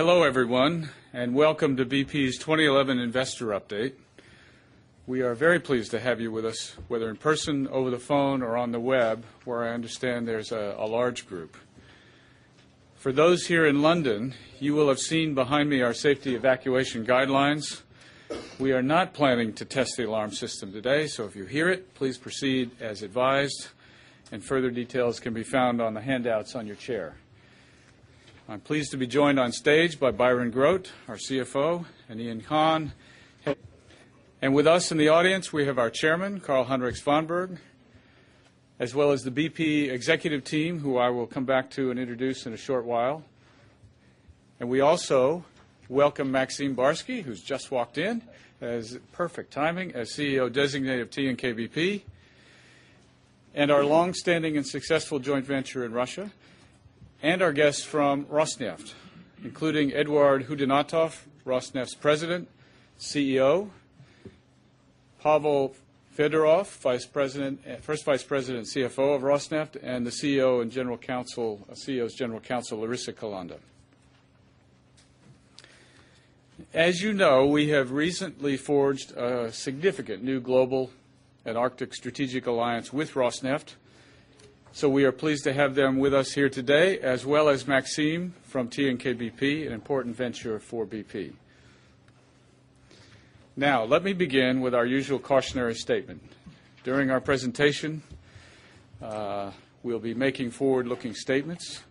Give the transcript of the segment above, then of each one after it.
Hello, everyone, and welcome to BP's 2011 Investor Update. We are very pleased to have you with us whether in person, over the phone or on the web where I understand there's a large group. For those here in London, you will have seen behind me our safety evacuation guidelines. We are not planning to test the alarm system today, so if you hear it, please proceed as advised and further details can be found on the handouts on your chair. I'm pleased to be joined on stage by Byron Groat, our CFO and Ian Khan. And with us in the audience we have our Chairman, Karl Hendrik Svanberg, as well as the BP executive team who I will come back to and introduce in a short while. And we also welcome Maxime Barsky who's just walked in, as perfect timing as CEO Designate of TNKBP. And our long standing and successful joint venture in Russia and our guests from Rosneft, including Edouard Houdinotov, Rosneft's President, CEO Pavel Fedorov, First Vice President and CFO of Rosneft and the CEO and General Counsel, CEO's General Counsel, Larissa Kalanda. As you know, we have recently forged a significant new global and Arctic strategic alliance with Rosneft. So we are pleased to have them with us here today as well as Maxime from TNKBP, an important venture for BP. Now let me begin with our usual cautionary statement. During our presentation, we'll be making forward looking statements.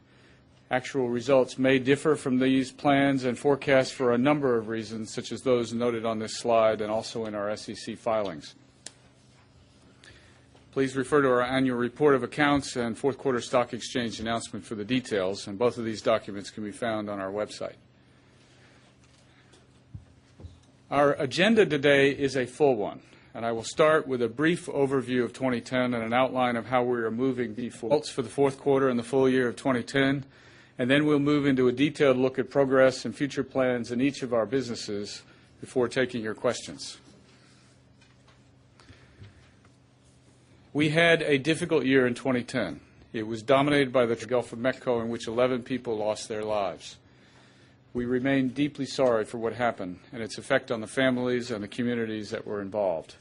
Actual results may differ from these plans and forecast for a number of reasons such as those noted on this slide and also in our SEC filings. Please refer to our Annual Report of Accounts and 4th Quarter Stock Exchange announcement for the details and both of these documents can be found on our website. Our agenda today is a full one, and I will start with a brief overview of 2010 and an outline of how we are moving the Q4 and the full year of 2010, and then we'll move into a detailed look at progress and future plans in each of our businesses before taking your questions. We had a difficult year in 2010. It was dominated by the Gulf of Mexico in which 11 people lost their lives. We remain deeply sorry for what happened and its effect on the families and the communities that were involved.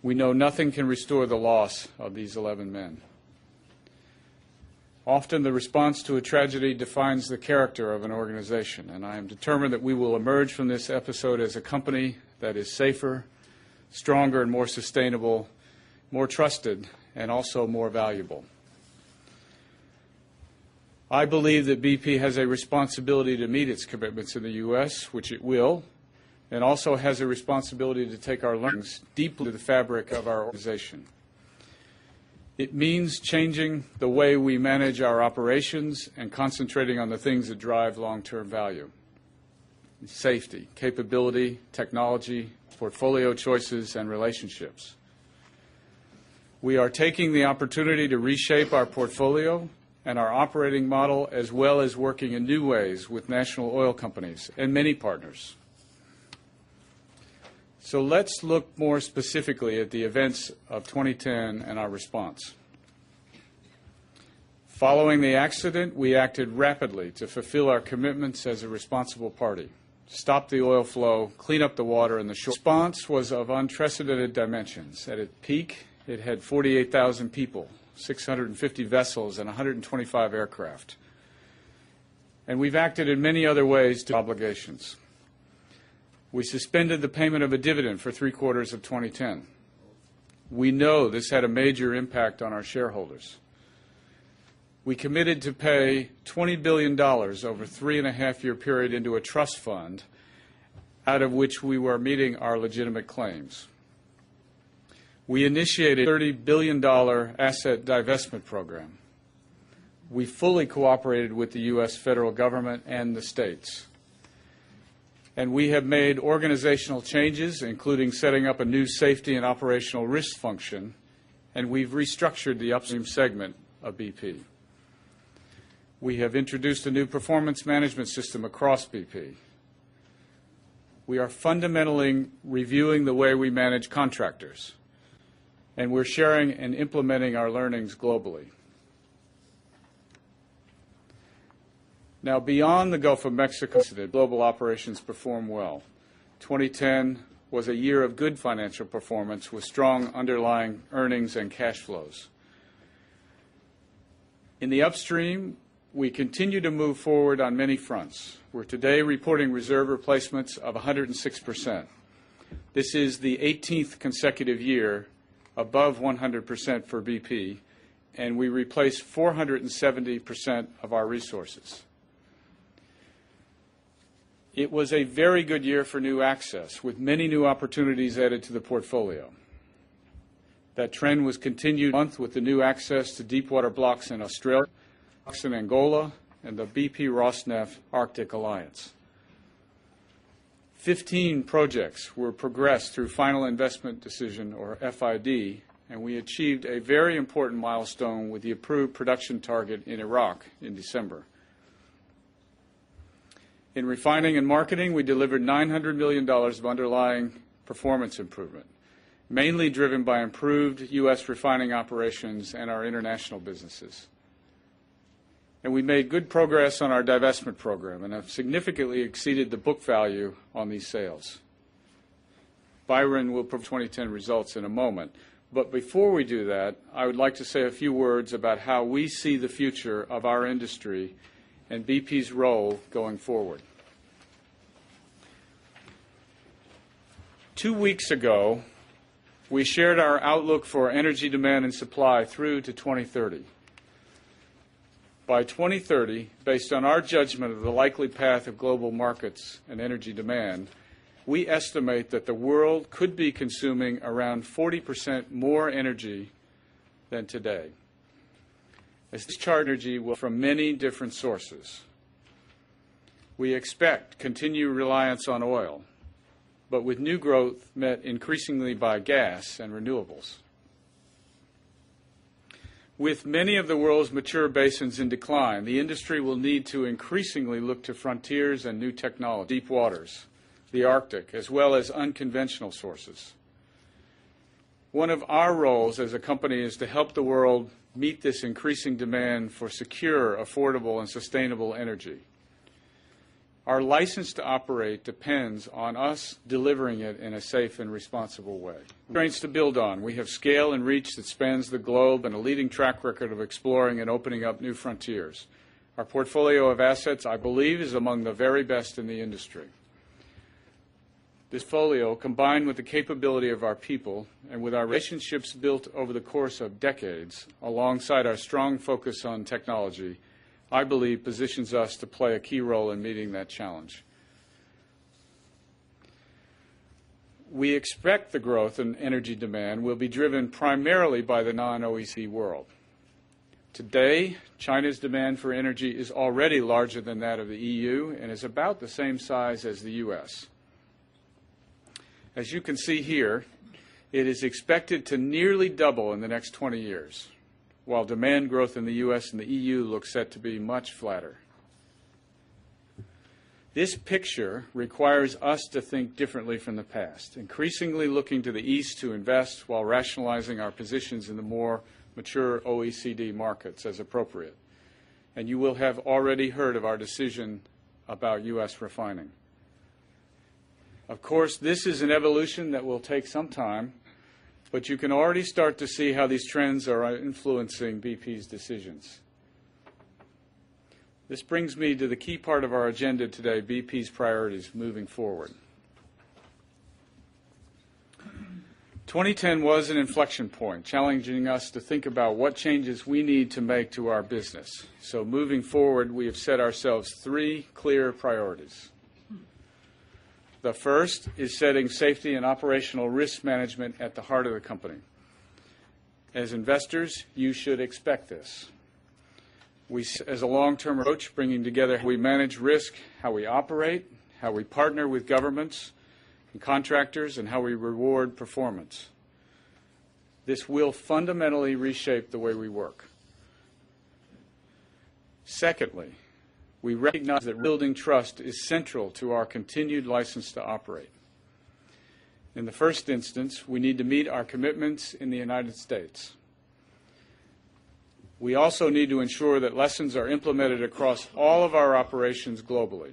We know nothing can restore the loss of these 11 men. Often the response to a tragedy defines the character of an organization and I am determined that we will emerge from this episode as a company that is safer, stronger and more sustainable, more trusted and also more valuable. I believe that BP has a responsibility to meet its commitments in the US, which it will, and also has a responsibility to take our learnings deeply to the fabric of our organization. It means changing the way we manage our operations and concentrating on the things that drive long term value. Safety, capability, technology, portfolio choices and relationships. We are taking the opportunity to reshape our portfolio and our operating model as well as working in new ways with National Oil Companies and many partners. So let's look more specifically at the events of 2010 and our response. Following the accident, we acted rapidly to fulfill our commitments as a responsible party, stop the oil flow, clean up the water and the short response was of unprecedented dimensions. At its peak, it had 48,000 people, 650 vessels and 125 aircraft. And we've acted in many other ways to do so. We suspended the payment of a dividend for 3 quarters of 2010. We know this had a major impact on our shareholders. We committed to pay $20,000,000,000 over 3.5 year period into a trust fund, out of which we were meeting our legitimate claims. We initiated $30,000,000,000 asset divestment program. We fully cooperated with the U. S. Federal Government and the States. And we have made organizational changes including setting up a new safety and operational risk function, and we've restructured the upstream segment of BP. We have introduced a new performance management system across BP. We are fundamentally reviewing the way we manage contractors, And we're sharing and implementing our learnings globally. Now beyond the Gulf of Mexico, global operations performed well. 2010 was a year of good financial performance with strong underlying earnings and cash flows. In the Upstream, we continue to move forward on many fronts. We're today reporting reserve replacements of 106%. This is the 18th consecutive year above 100% for BP and we replaced 4 70% of our resources. It was a very good year for new access with many new opportunities added to the portfolio. That trend was continued with the new access to deepwater blocks in Australia, in Angola and the BP Rosneft Arctic Alliance. 15 projects were progressed through Final Investment Decision or FID and we achieved a very important milestone approved production target in Iraq in December. In Refining and Marketing, we delivered $900,000,000 of underlying performance improvement, mainly driven by improved U. S. Refining operations and our international businesses. And we made good progress on our divestment program and have significantly exceeded the book value on these sales. Byron will prove 2010 results in a moment. But before we do that, I would like to say a few words about how we see the future of our industry and BP's role going forward. 2 weeks ago, we shared our outlook for energy demand and supply through to 2,030. By 2,030, based on our judgment of the likely path of global markets and energy demand, we estimate that the world could be consuming around 40% more energy than today. As this charteredy will be from many different sources. We expect continued reliance on oil, but with new growth met increasingly by gas and renewables. With many of the world's mature basins in decline, the industry will need to increasingly look to frontiers and new technology deep waters, the Arctic as well as unconventional sources. One of our roles as a company is to help the world meet this increasing demand for secure, affordable and sustainable energy. Our license to operate depends on us delivering it in a safe and responsible way. Trains to build on, we have scale and reach that spans the globe and a leading track record of exploring and opening up new frontiers. Our portfolio of assets, I believe, is among the very best in the industry. This portfolio combined with the capability of our people and with our relationships built over the course of decades, alongside our strong focus on technology, I believe positions us to play a key role in meeting that challenge. We expect the growth in energy demand will be driven primarily by the non OEC world. Today, China's demand for energy is already larger than that of the EU and is about the same size as the U. S. As you can see here, it is expected to nearly double in the next 20 years, while demand growth in the U. S. And the EU looks set to be much flatter. This picture requires us to think differently from the past, increasingly looking to the East to invest while rationalizing our positions in the more mature OECD markets as appropriate. And you will have already heard of our decision about U. S. Refining. Of course, this is an evolution that will take some time, but you can already start to see how these trends are influencing BP's decisions. This brings me to the key part of our agenda today, BP's priorities moving forward. 2010 was an inflection point challenging us to think about what changes we need to make to our business. So moving forward, we have set ourselves 3 clear priorities. The first is setting safety and operational risk management at the heart of and how we operate, how we partner with governments and contractors and how we reward performance. This will fundamentally reshape the way we work. Secondly, we recognize that building trust is central to our continued license to operate. In the first instance, we need to meet our commitments in the United States. We also need to ensure that lessons are implemented across all of our operations globally.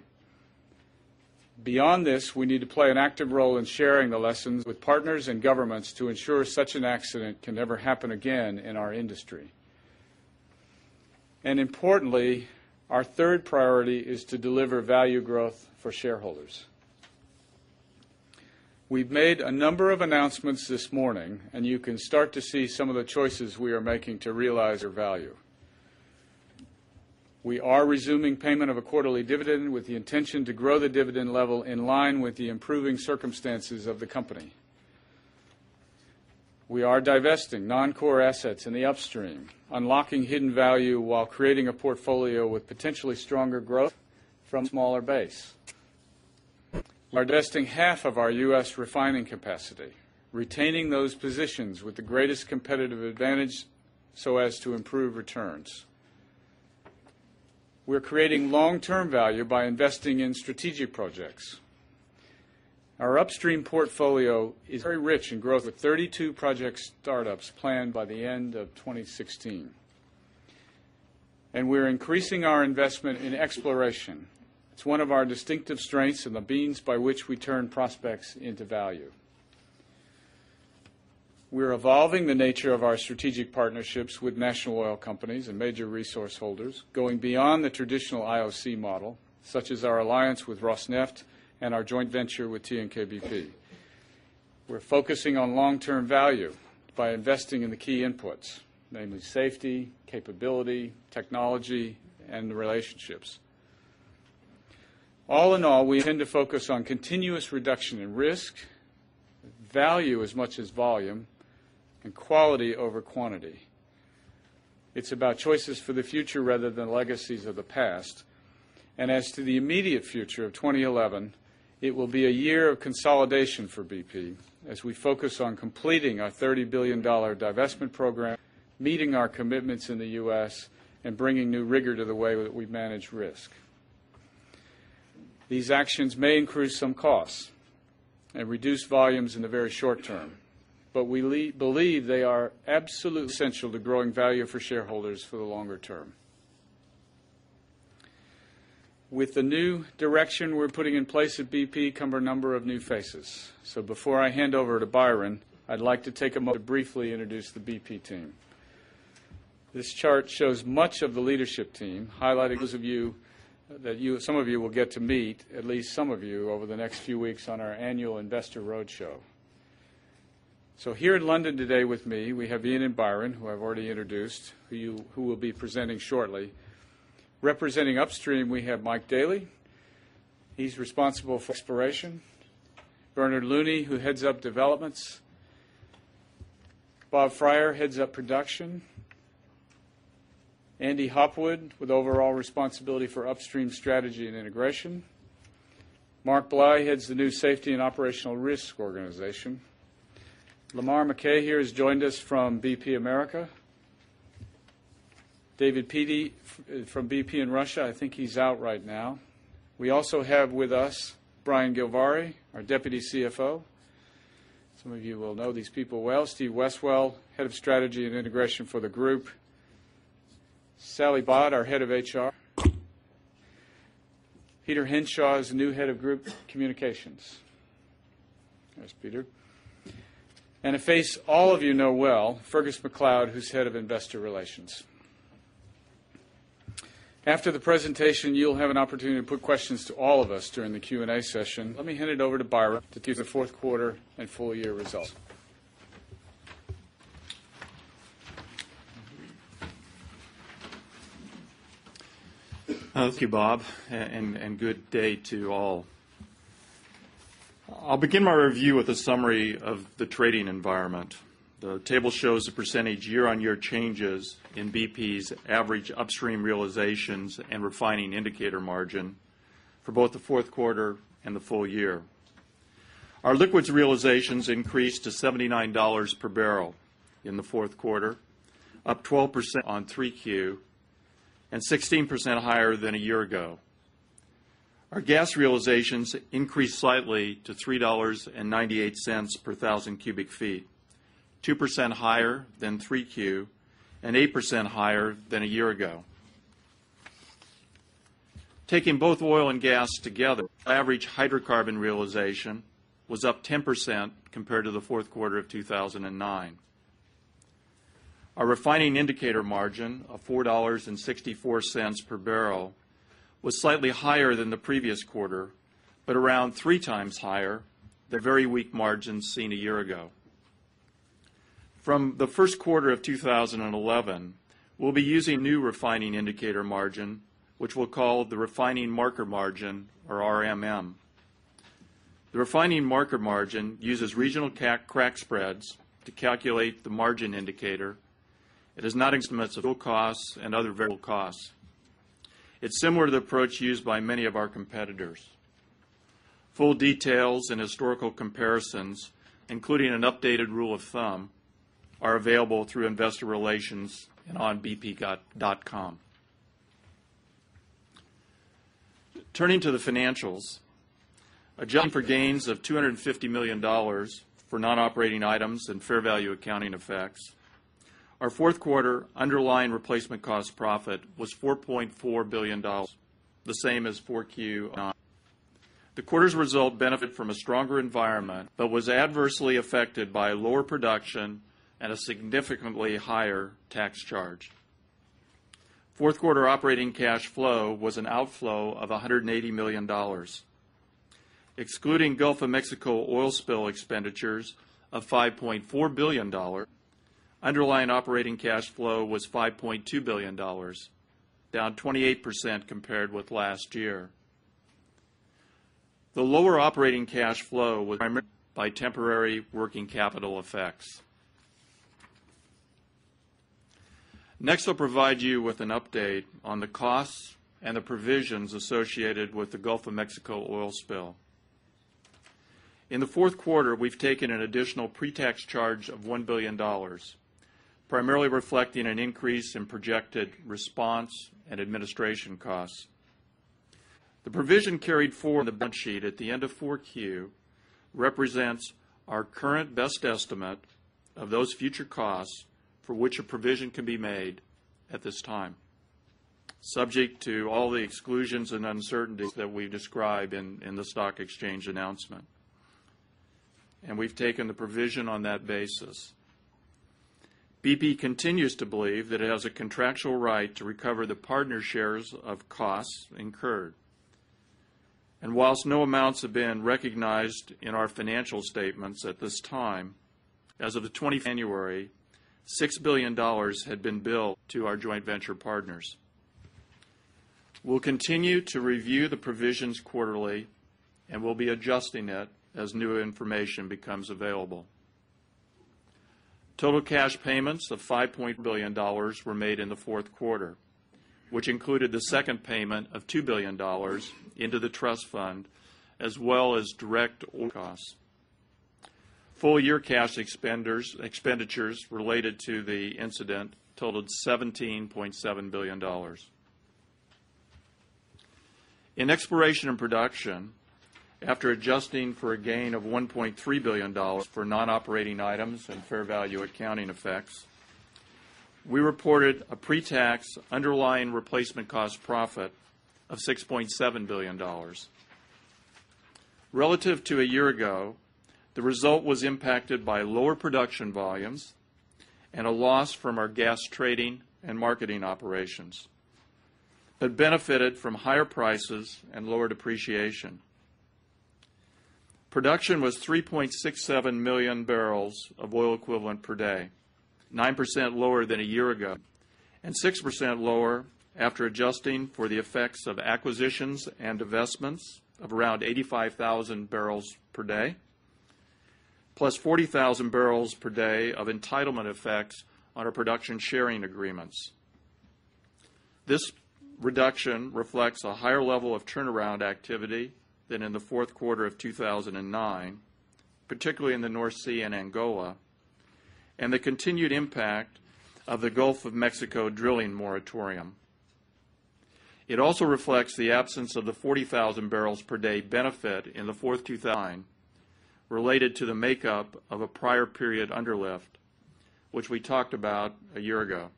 Beyond this, we need to play an active role in sharing the lessons with partners and governments to ensure such an accident can never happen again in our industry. And importantly, our 3rd priority is to deliver value growth for shareholders. We've made a number of announcements this morning and you can start to see some of the choices we are making to realize our value. We are resuming payment of a quarterly dividend with the intention to grow the dividend level in line with the improving circumstances of the company. We are divesting non core assets in the upstream, unlocking hidden value while creating a portfolio with potentially stronger growth from a smaller base. We are adjusting half of our U. S. Refining capacity, retaining those positions with the greatest competitive advantage so as to improve returns. We're creating long term value by investing in strategic projects. Our upstream portfolio is very rich in growth of 32 project startups planned by the end of 2016. And we're increasing our investment in exploration. It's one of our distinctive strengths and the beans by which we turn prospects into value. We're evolving the nature of our strategic partnerships with national oil companies and major resource holders going beyond the traditional IOC model, such as our alliance with Rosneft and our joint venture with TNKBP. We're focusing on long term value by investing in the key inputs, namely safety, capability, technology and relationships. All in all, we intend to focus on continuous reduction in risk, value as much as volume, and quality over quantity. It's about choices for the future rather than legacies of the past. And as to the immediate future of 2011, it will be a year of consolidation for BP as we focus on completing our $30,000,000,000 divestment program, meeting our commitments in the U. S. And bringing new rigor to the way that we manage risk. These actions may increase some costs and reduce volumes in the very short term, but we believe they are absolutely essential to growing value for shareholders for the longer term. With the new direction we're putting in place at BP come a number of new faces. So before I hand over to Byron, I'd like to take a moment to briefly introduce the BP team. This chart shows much of the leadership team, highlighting those of you that you some of you will get to meet, at least some of you over the next few weeks on our annual investor roadshow. So here in London today with me, we have Ian and Byron, who I've already introduced, who will be presenting shortly. Representing Upstream, we have Mike Daley. He's responsible for exploration Bernard Looney, who heads up developments Bob Fryer, heads up production Andy Hopwood with overall responsibility for upstream strategy and integration. Mark Bly heads the new Safety and Operational Risk Organization. Lamar McKay here has joined us from BP America. David Petey from BP in Russia. I think he's out right now. We also have with us Brian Gilvari, our Deputy CFO. Some of you will know these people well Steve Westwell, Head of Strategy and Integration for the group Sally Bodd, our Head of HR Peter Henshaw is the new Head of Group Communications. There's Peter. And a face all of you know well, Fergus MacLeod, who's Head of Investor Relations. After the presentation, you'll have an opportunity to questions to all of us during the Q and A session. Let me hand it over to Byron to take the Q4 and full year results. Thank you, Bob, and good day to all. I'll begin my review with a summary of the trading environment. The table shows the percentage year on year changes in BP's average upstream realizations and refining indicator margin for both the Q4 and the full year. Our liquids realizations increased to $79 per barrel in the 4th quarter, up 12% on 3Q and 16% higher than a year ago. Our gas realizations increased slightly to $3.98 per 1,000 cubic feet, 2% higher than 3Q and 8% higher than a year ago. Taking both oil and gas together, average hydrocarbon realization was up 10% compared to the Q4 of 2,009. Our refining indicator margin of $4.64 per barrel was slightly higher than the previous quarter, but around 3 times higher, the very weak margins seen a year ago. From the Q1 of 2011, we'll be using new refining indicator margin, which we'll call the refining marker margin or RMM. The refining marker margin uses regional crack spreads to calculate the margin indicator. It is not in submittal costs and other variable costs. It's similar to the approach used by many of our competitors. Full details and historical comparisons, including an updated rule of thumb are available through Investor Relations and onbp.com. Turning to the financials, adjusted for gains of $250,000,000 for non operating items and fair value accounting effects, Our 4th quarter underlying replacement cost profit was $4,400,000,000 the same as 4Q. The quarter's result benefited from a stronger environment, but was adversely affected by lower production and a significantly higher tax charge. 4th quarter operating cash flow was an outflow of $180,000,000 Excluding Gulf of Mexico oil spill expenditures of $5,400,000,000 underlying operating cash flow was $5,200,000,000 down 28% compared with last year. The lower operating cash flow was primarily driven by temporary working capital effects. Next, I'll provide you with an update on the costs and the provisions associated with the Gulf of Mexico oil spill. In the Q4, we've taken an additional pre tax charge of $1,000,000,000 primarily reflecting an increase in projected response and administration costs. The provision carried forward in the balance sheet at the end of 4Q represents our current best estimate of those future costs for which a provision can be made at this time, subject to all the exclusions and uncertainties that we've described in the stock exchange announcement. And we've taken the provision on that basis. BP continues to believe that it has a contractual right to recover the partner shares of costs incurred. And whilst no amounts have been recognized in our financial statements at this time, as of the 20 January, $6,000,000,000 had been billed to our joint venture partners. We'll continue to review the provisions quarterly and we'll be adjusting it as new information becomes available. Total cash payments of $5,800,000,000 were made in the 4th quarter, which included the second payment of $2,000,000,000 into the trust fund as well as direct oil costs. Full year cash expenditures related to the incident totaled $17,700,000,000 In exploration and production, after adjusting for a gain of $1,300,000,000 for non operating items and fair value accounting effects, we reported a pre tax underlying replacement cost profit of $6,700,000,000 Relative to a year ago, the result was impacted by lower production volumes and a loss from our gas trading and marketing operations that benefited from higher prices and lower depreciation. Production was 3,670,000 barrels of oil equivalent per day, 9% lower than a year ago and 6% lower after adjusting for the effects of acquisitions and divestments of around 85,000 barrels per day, plus 40,000 barrels per day of entitlement effects on our production sharing agreements. This reduction reflects a higher level of turnaround activity than in the Q4 of 2,009, particularly in the North Sea and Angola and the continued impact of the Gulf of Mexico drilling moratorium. It also reflects the absence of the 40,000 barrels per day benefit in the 4th 2019 related to the makeup of a prior period under lift, which we talked about a year ago.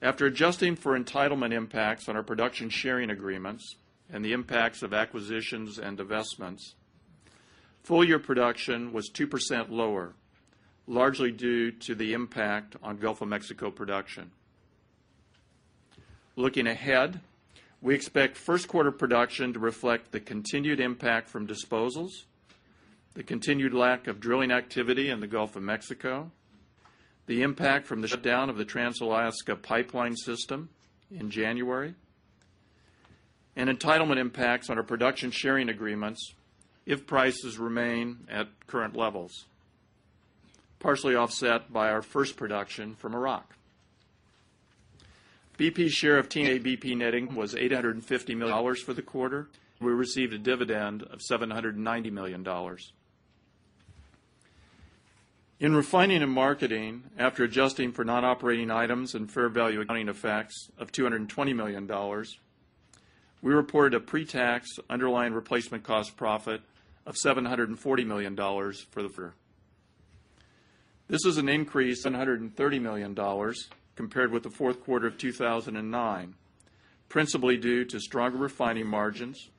After adjusting for entitlement impacts on our production sharing agreements and the impacts of acquisitions and divestments, full year production was 2% lower, largely due to the impact on Gulf of Mexico production. Looking ahead, we expect 1st quarter production to reflect the continued impact from disposals, the continued lack of drilling activity in the Gulf of Mexico, the impact from the shutdown of the Trans Alaska pipeline system in January and entitlement impacts on our production sharing agreements if prices remain at current levels, partially offset by our first production from Iraq. BP's share of TNA BP Knitting was $850,000,000 for the quarter. We received a dividend of $790,000,000 In Refining and Marketing, after adjusting for non operating items and fair value accounting effects of $220,000,000 we reported a pre tax underlying replacement cost profit of $740,000,000 for the this is an increase of $130,000,000 compared with the Q4 of 2009, principally due to stronger refining margins,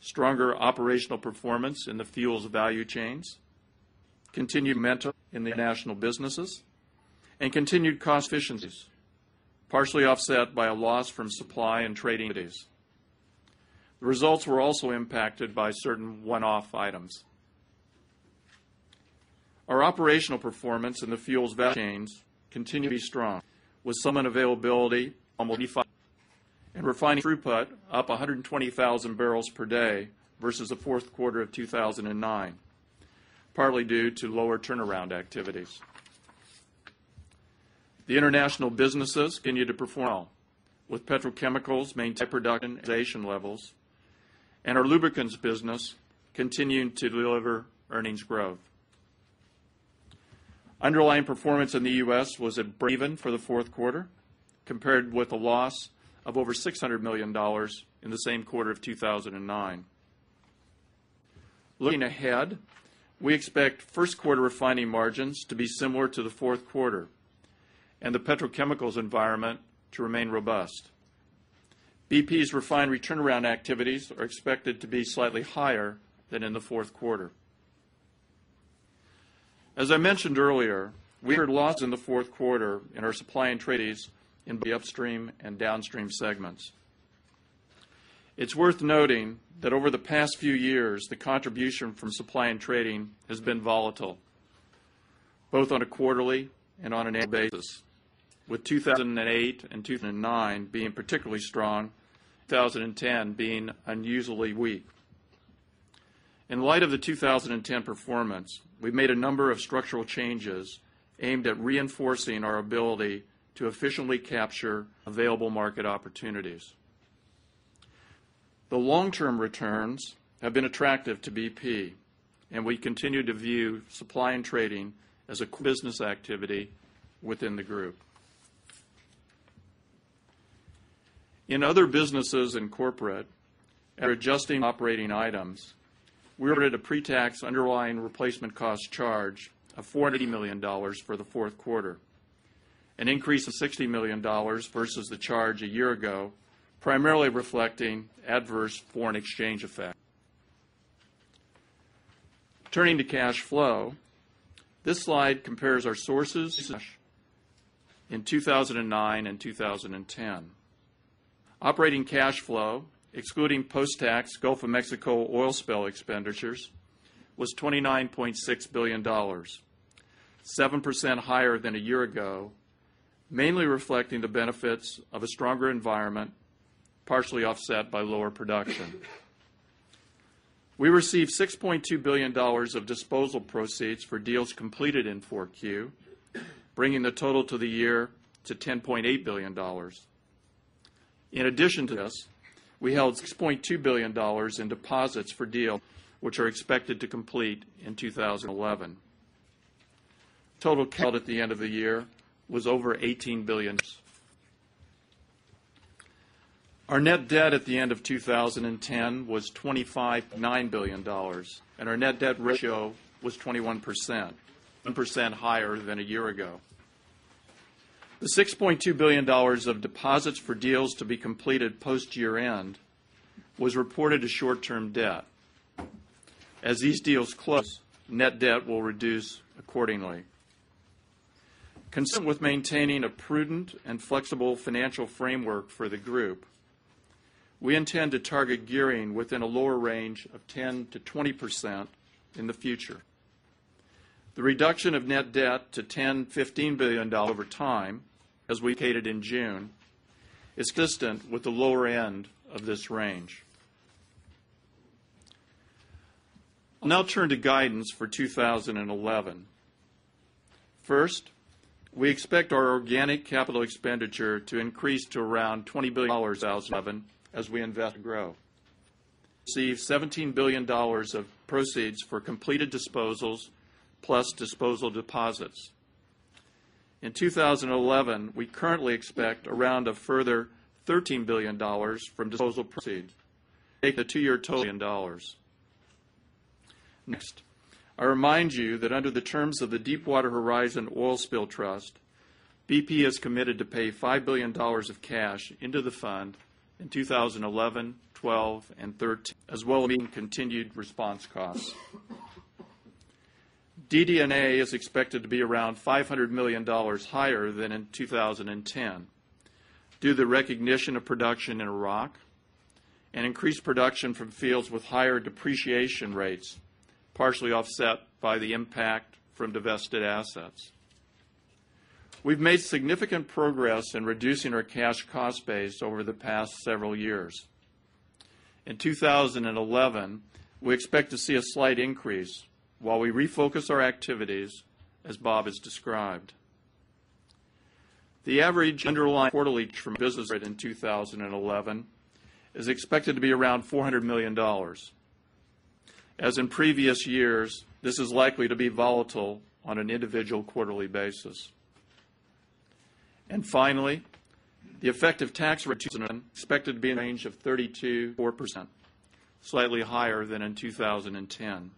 stronger operational performance in the fuels value chains, continued momentum in the international businesses and continued cost efficiencies, partially offset by a loss from supply and trading activities. The results were also impacted by certain one off items. Our operational performance in the fuels value chains continue to be strong with some availability and refining throughput up 120,000 barrels per day versus the Q4 of 2,009, partly due to lower turnaround activities. The international businesses continued to perform well with petrochemicals maintaining high production levels and our lubricants business continuing to deliver earnings growth. Underlying performance in the U. S. Was a breakeven for the Q4 compared with a loss of over $600,000,000 in the same quarter of 2,009. Looking ahead, we expect Q1 refining margins to be similar to the 4th quarter and the petrochemicals environment to remain robust. BP's refinery turnaround activities are expected to be slightly higher than in the 4th quarter. As I mentioned earlier, we incurred loss in the 4th quarter in our supply and treaties in the Upstream and Downstream segments. It's worth noting that over the past few years, the contribution from supply and trading has been volatile, both on a quarterly and on an annual basis with 2,008 and 2,009 being particularly strong, 2010 being unusually weak. In light of the 2010 performance, we've made a number of structural changes aimed at reinforcing our ability to efficiently capture available market opportunities. The long term returns have been attractive to BP and we continue to view supply and trading as a business activity within the Group. In other businesses and corporate, after adjusting operating items, we ordered a pre tax underlying replacement cost charge of $480,000,000 for the 4th quarter, an increase of $60,000,000 versus the charge a year ago, primarily reflecting adverse foreign exchange effect. Turning to cash flow, this slide compares our sources in 2,0092010. Operating cash flow excluding post tax Gulf of Mexico oil spill expenditures was $29,600,000,000 7% higher than a year ago, mainly reflecting the benefits of a stronger environment, partially offset by lower production. We received $6,200,000,000 of disposal proceeds for deals completed in 4Q, bringing the total to the year to $10,800,000,000 In addition to this, we held $6,200,000,000 in deposits for deal which are expected to complete in 2011. Total capital at the end of the year was over $18,000,000,000 Our net debt at the end of 2010 was $25,900,000,000 and our net debt ratio was 21%, 1% higher than a year ago. The $6,200,000,000 of deposits for deals to be completed post year end was reported to short term debt. As these deals close, net debt will reduce accordingly. Consistent with maintaining a prudent and flexible financial framework for the group, we intend to target gearing within a lower range of 10% to 20% in the future. The reduction of net debt to $10,000,000,000 $15,000,000,000 over time as we stated in June is distant with the lower end of this range. I'll now turn to guidance for 2011. First, we expect our organic capital expenditure to increase to around $20,000,000,000 as we invest to grow. We received $17,000,000,000 of proceeds for completed disposals plus disposal deposits. In 2011, we currently expect around a further $13,000,000,000 from disposal proceeds the 2 year total $1,000,000,000 Next, I remind you that under the terms of the Deepwater Horizon Oil Spill Trust, BP is committed to pay $5,000,000,000 of cash into the fund in 2011, 2012 and 2013 as well as continued response costs. DD and A is expected to be around $500,000,000 higher than in 2010, due to the recognition of production in Iraq and increased production from fields with higher depreciation rates, partially offset by the impact from divested assets. We've made significant progress in reducing our cash cost base over the past several years. In 2011, we expect to see a slight increase while we refocus our activities as Bob has described. The average underlying quarterly term business rate in 2011 is expected to be around $400,000,000 As in previous years, this is likely to be volatile on an individual quarterly basis. And finally, the effective tax rate is expected to be in the range of 32.4%, slightly higher than in 2010.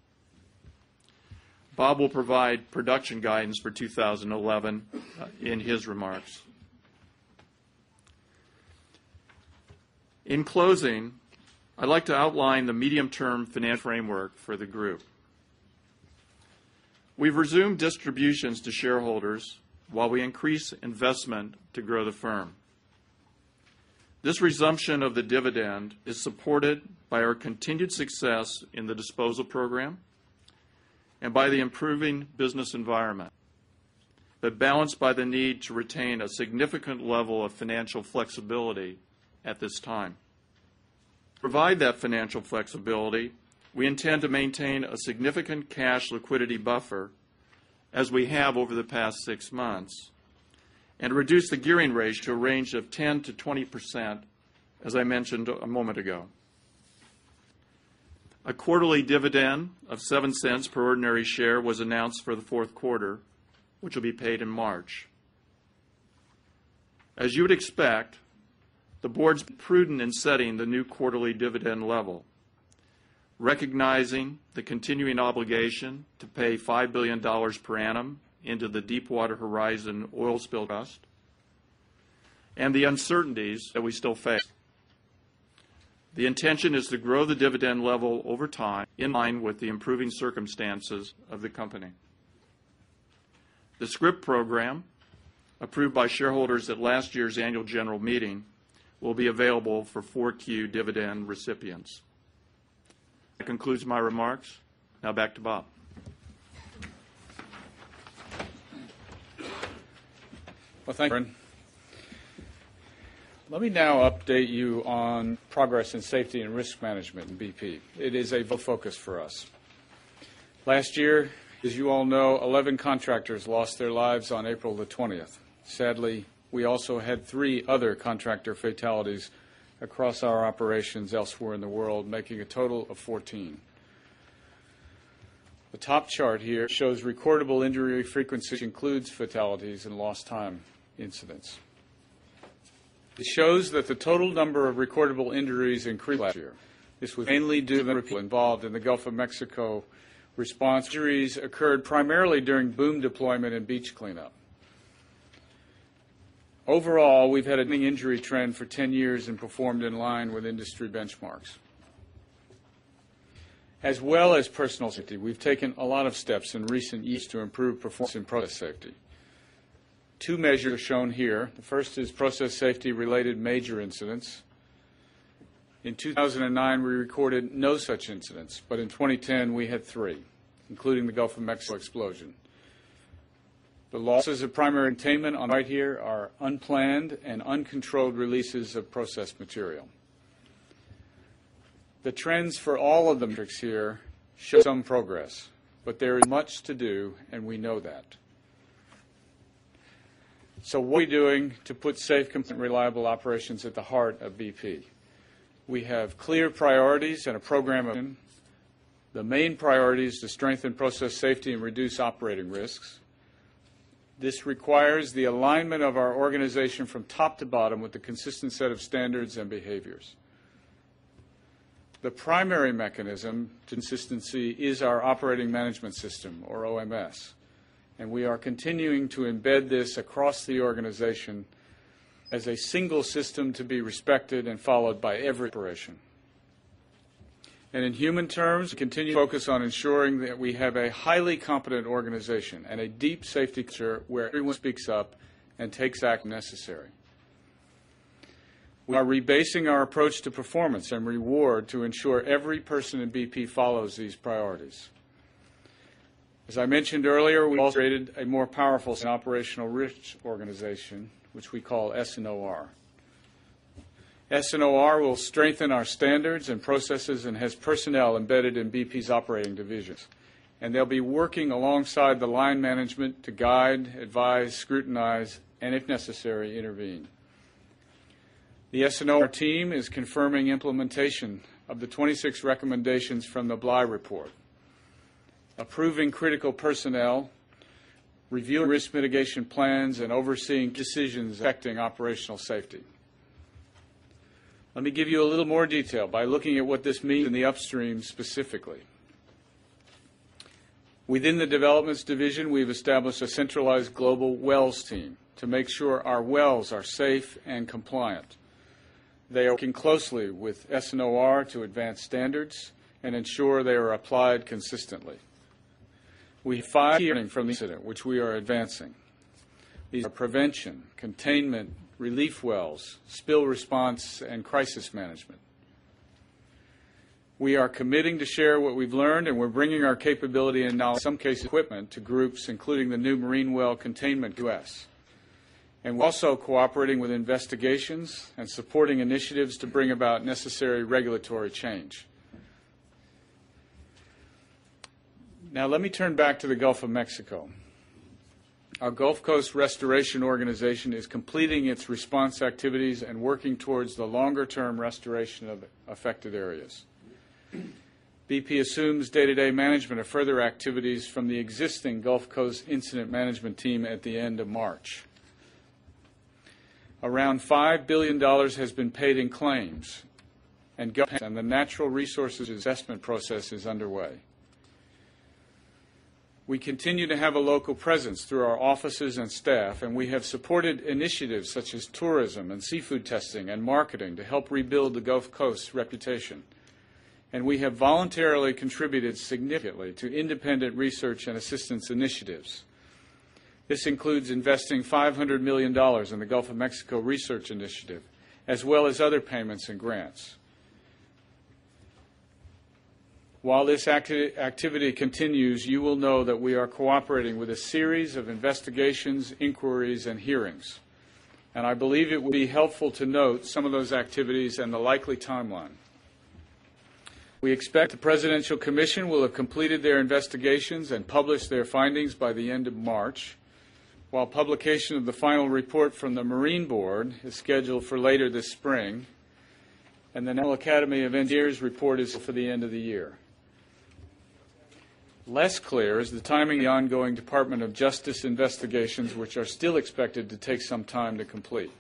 Bob will provide production guidance for 2011 in his remarks. In closing, I'd like to outline the medium term financial framework for the Group. We've resumed distributions to shareholders while we increase investment to grow the firm. This resumption of the dividend is supported by our continued success in the disposal program and by the improving business environment, but balanced by the need to retain a significant level of financial flexibility at this time. To provide that financial flexibility, we intend to maintain a significant cash liquidity buffer as we have over the past 6 months and reduce the gearing ratio range of 10% to 20%, as I mentioned a moment ago. A quarterly dividend of $0.07 per ordinary share was announced for the Q4, which will be paid in March. As you would expect, the Board's prudent in setting the new quarterly dividend level, recognizing the continuing obligation to pay $5,000,000,000 per annum into the Deepwater Horizon oil spill cost and the uncertainties that we still face. The intention is to grow the dividend level over time in line with the improving circumstances of the company. The scrip program approved by shareholders at last year's Annual General Meeting will be available for 4Q dividend recipients. That concludes my remarks. Now back to Bob. Well, thank you, Brent. Let me now update you on progress in safety and risk management in BP. It is a focus for us. Last year, as you all know, 11 contractors lost their lives on April 20th. Sadly, we also had 3 other contractor fatalities across our operations elsewhere in the world, making a total of 14. The top chart here shows recordable injury frequency, which includes fatalities and lost time incidents. This shows that the total number of recordable injuries increased last year. This was mainly due to the impact of the people involved in the Gulf of Mexico response. The increase occurred primarily during boom deployment and beach cleanup. Overall, we've had a knee injury trend for 10 years and performed in line with industry benchmarks. As well as personal safety, we've taken a lot of steps in recent years to improve performance in process safety. Two measures shown here. The first is process safety related major incidents. In 2,009, we recorded no such incidents, but in 2010, we had 3, including the Gulf of Mexico explosion. The losses of primary containment on the right here are unplanned and uncontrolled releases of process material. The trends for all of the metrics here show some progress, but there is much to do and we know that. So what are we doing to put safe, reliable operations at the heart of BP? We have clear priorities and a program of the main priorities to strengthen process safety and reduce operating risks. This requires the alignment of our organization from top to bottom with a consistent set of standards and behaviors. The primary mechanism consistency is our operating management system or OMS, We are continuing to embed this across the organization as a single system to be respected and followed by every operation. And in human terms, we continue to focus on ensuring that we have a highly competent organization and a deep safety culture where everyone speaks up and takes act necessary. We are rebasing our approach to performance and reward to ensure every person in BP follows these priorities. As I mentioned earlier, we also created a more powerful operational rich organization, which we call S and OR. S and OR will strengthen our standards and processes and has personnel embedded in BP's operating divisions. And they'll be working alongside the line management to guide, advise, scrutinize and if necessary intervene. The S and O team is confirming implementation of the 26 recommendations from the Bligh Report, approving critical personnel, reviewing risk mitigation plans and overseeing decisions acting operational safety. Let me give you a little more detail by looking at what this means in the upstream specifically. Within the developments division, we've established a centralized global wells team to make sure our wells are safe and compliant. They are working closely with S and OR to advance standards and ensure they are applied consistently. We fired from the incident which we are advancing. These are prevention, containment, relief wells, spill response and crisis management. We are committing to share what we've learned and we're bringing our capability and knowledge in some cases equipment to groups including the new marine well containment U. S. And we're also cooperating with investigations and supporting initiatives to bring about necessary regulatory change. Now let me turn back to the Gulf of Mexico. Our Gulf Coast restoration organization is completing its response activities and working towards the longer term restoration of affected areas. BP assumes day to day management of further activities from the and the natural resources investment process is underway. We continue to have a local presence through our offices and staff, and we have supported initiatives such as tourism and seafood testing and marketing to help rebuild the Gulf Coast reputation. And we have voluntarily contributed significantly to independent research and assistance initiatives. This includes investing $500,000,000 in the Gulf of Mexico Research Initiative, as well as other payments and grants. While this activity continues, you will know that we are cooperating with a series of investigations, inquiries and hearings. And I believe it would be helpful to note some of those activities and the likely timeline. We expect the Presidential Commission will have completed their investigations and published their findings by the end of March, while publication of the final report from the Marine Board is scheduled for later this spring and the Naval Academy of India's report is for the end of the year. Less clear is the timing of the ongoing Department of Justice Investigations which are still expected to take some time to complete.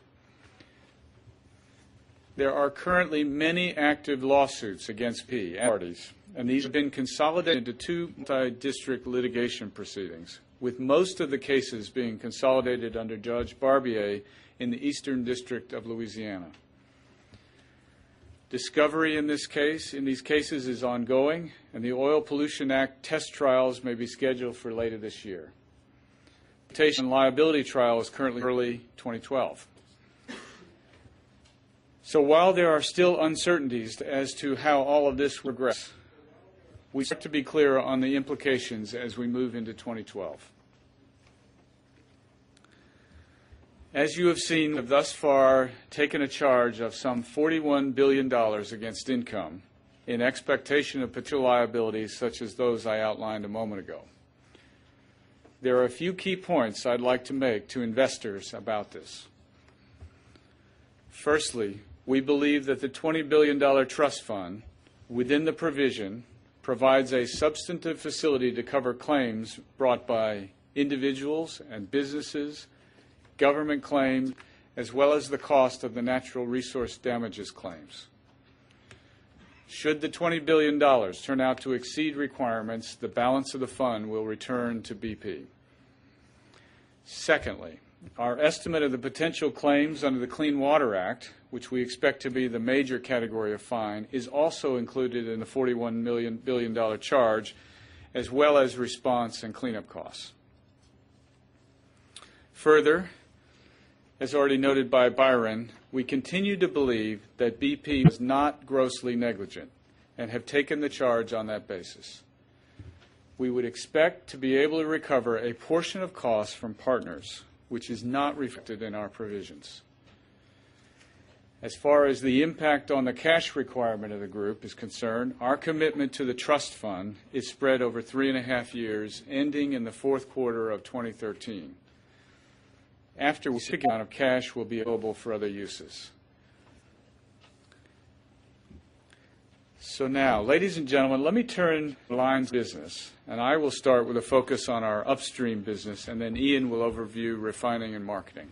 There are currently many active lawsuits against PEA parties and these have been consolidated into 2 litigation proceedings, with most of the cases being consolidated under Judge Barbier in the Eastern District of Louisiana. Discovery in this case in these cases is ongoing and the Oil Pollution Act test trials may be scheduled for later this year. The limitation and liability trial is currently early 2012. So while there are still uncertainties as to how all of this regressed, we have to be clear on the implications as we move into 2012. As you have seen thus far taken a charge of some $41,000,000,000 against income in expectation of potential liabilities such as those I outlined a moment ago. There are a few key points I'd like to make to investors about this. Firstly, we believe that the $20,000,000,000 trust fund within the provision provides a substantive facility to cover claims brought by individuals and businesses, government claims, as well as the cost of the natural resource damages claims. Should the $20,000,000,000 turn out to exceed requirements, the balance of the fund will return to BP. Secondly, our estimate of the potential claims under the Clean Water Act, which we expect to be the major category of fine, is also included in the $41,000,000,000 charge as well as response and cleanup costs. Further, as already noted by Byron, we continue to believe that BP is not grossly negligent and have taken the charge on that basis. We would expect to be able to recover a portion of costs from partners, which is not reflected in our provisions. As far as the impact on the cash requirement of the group is concerned, our commitment to the trust fund is spread over 3.5 years ending in the Q4 of 2013. After we take the amount of cash, we'll be able to provide a balance sheet for other uses. So now, ladies and gentlemen, let me turn the lines of business and I will start with a focus on our up stream business and then Ian will overview refining and marketing.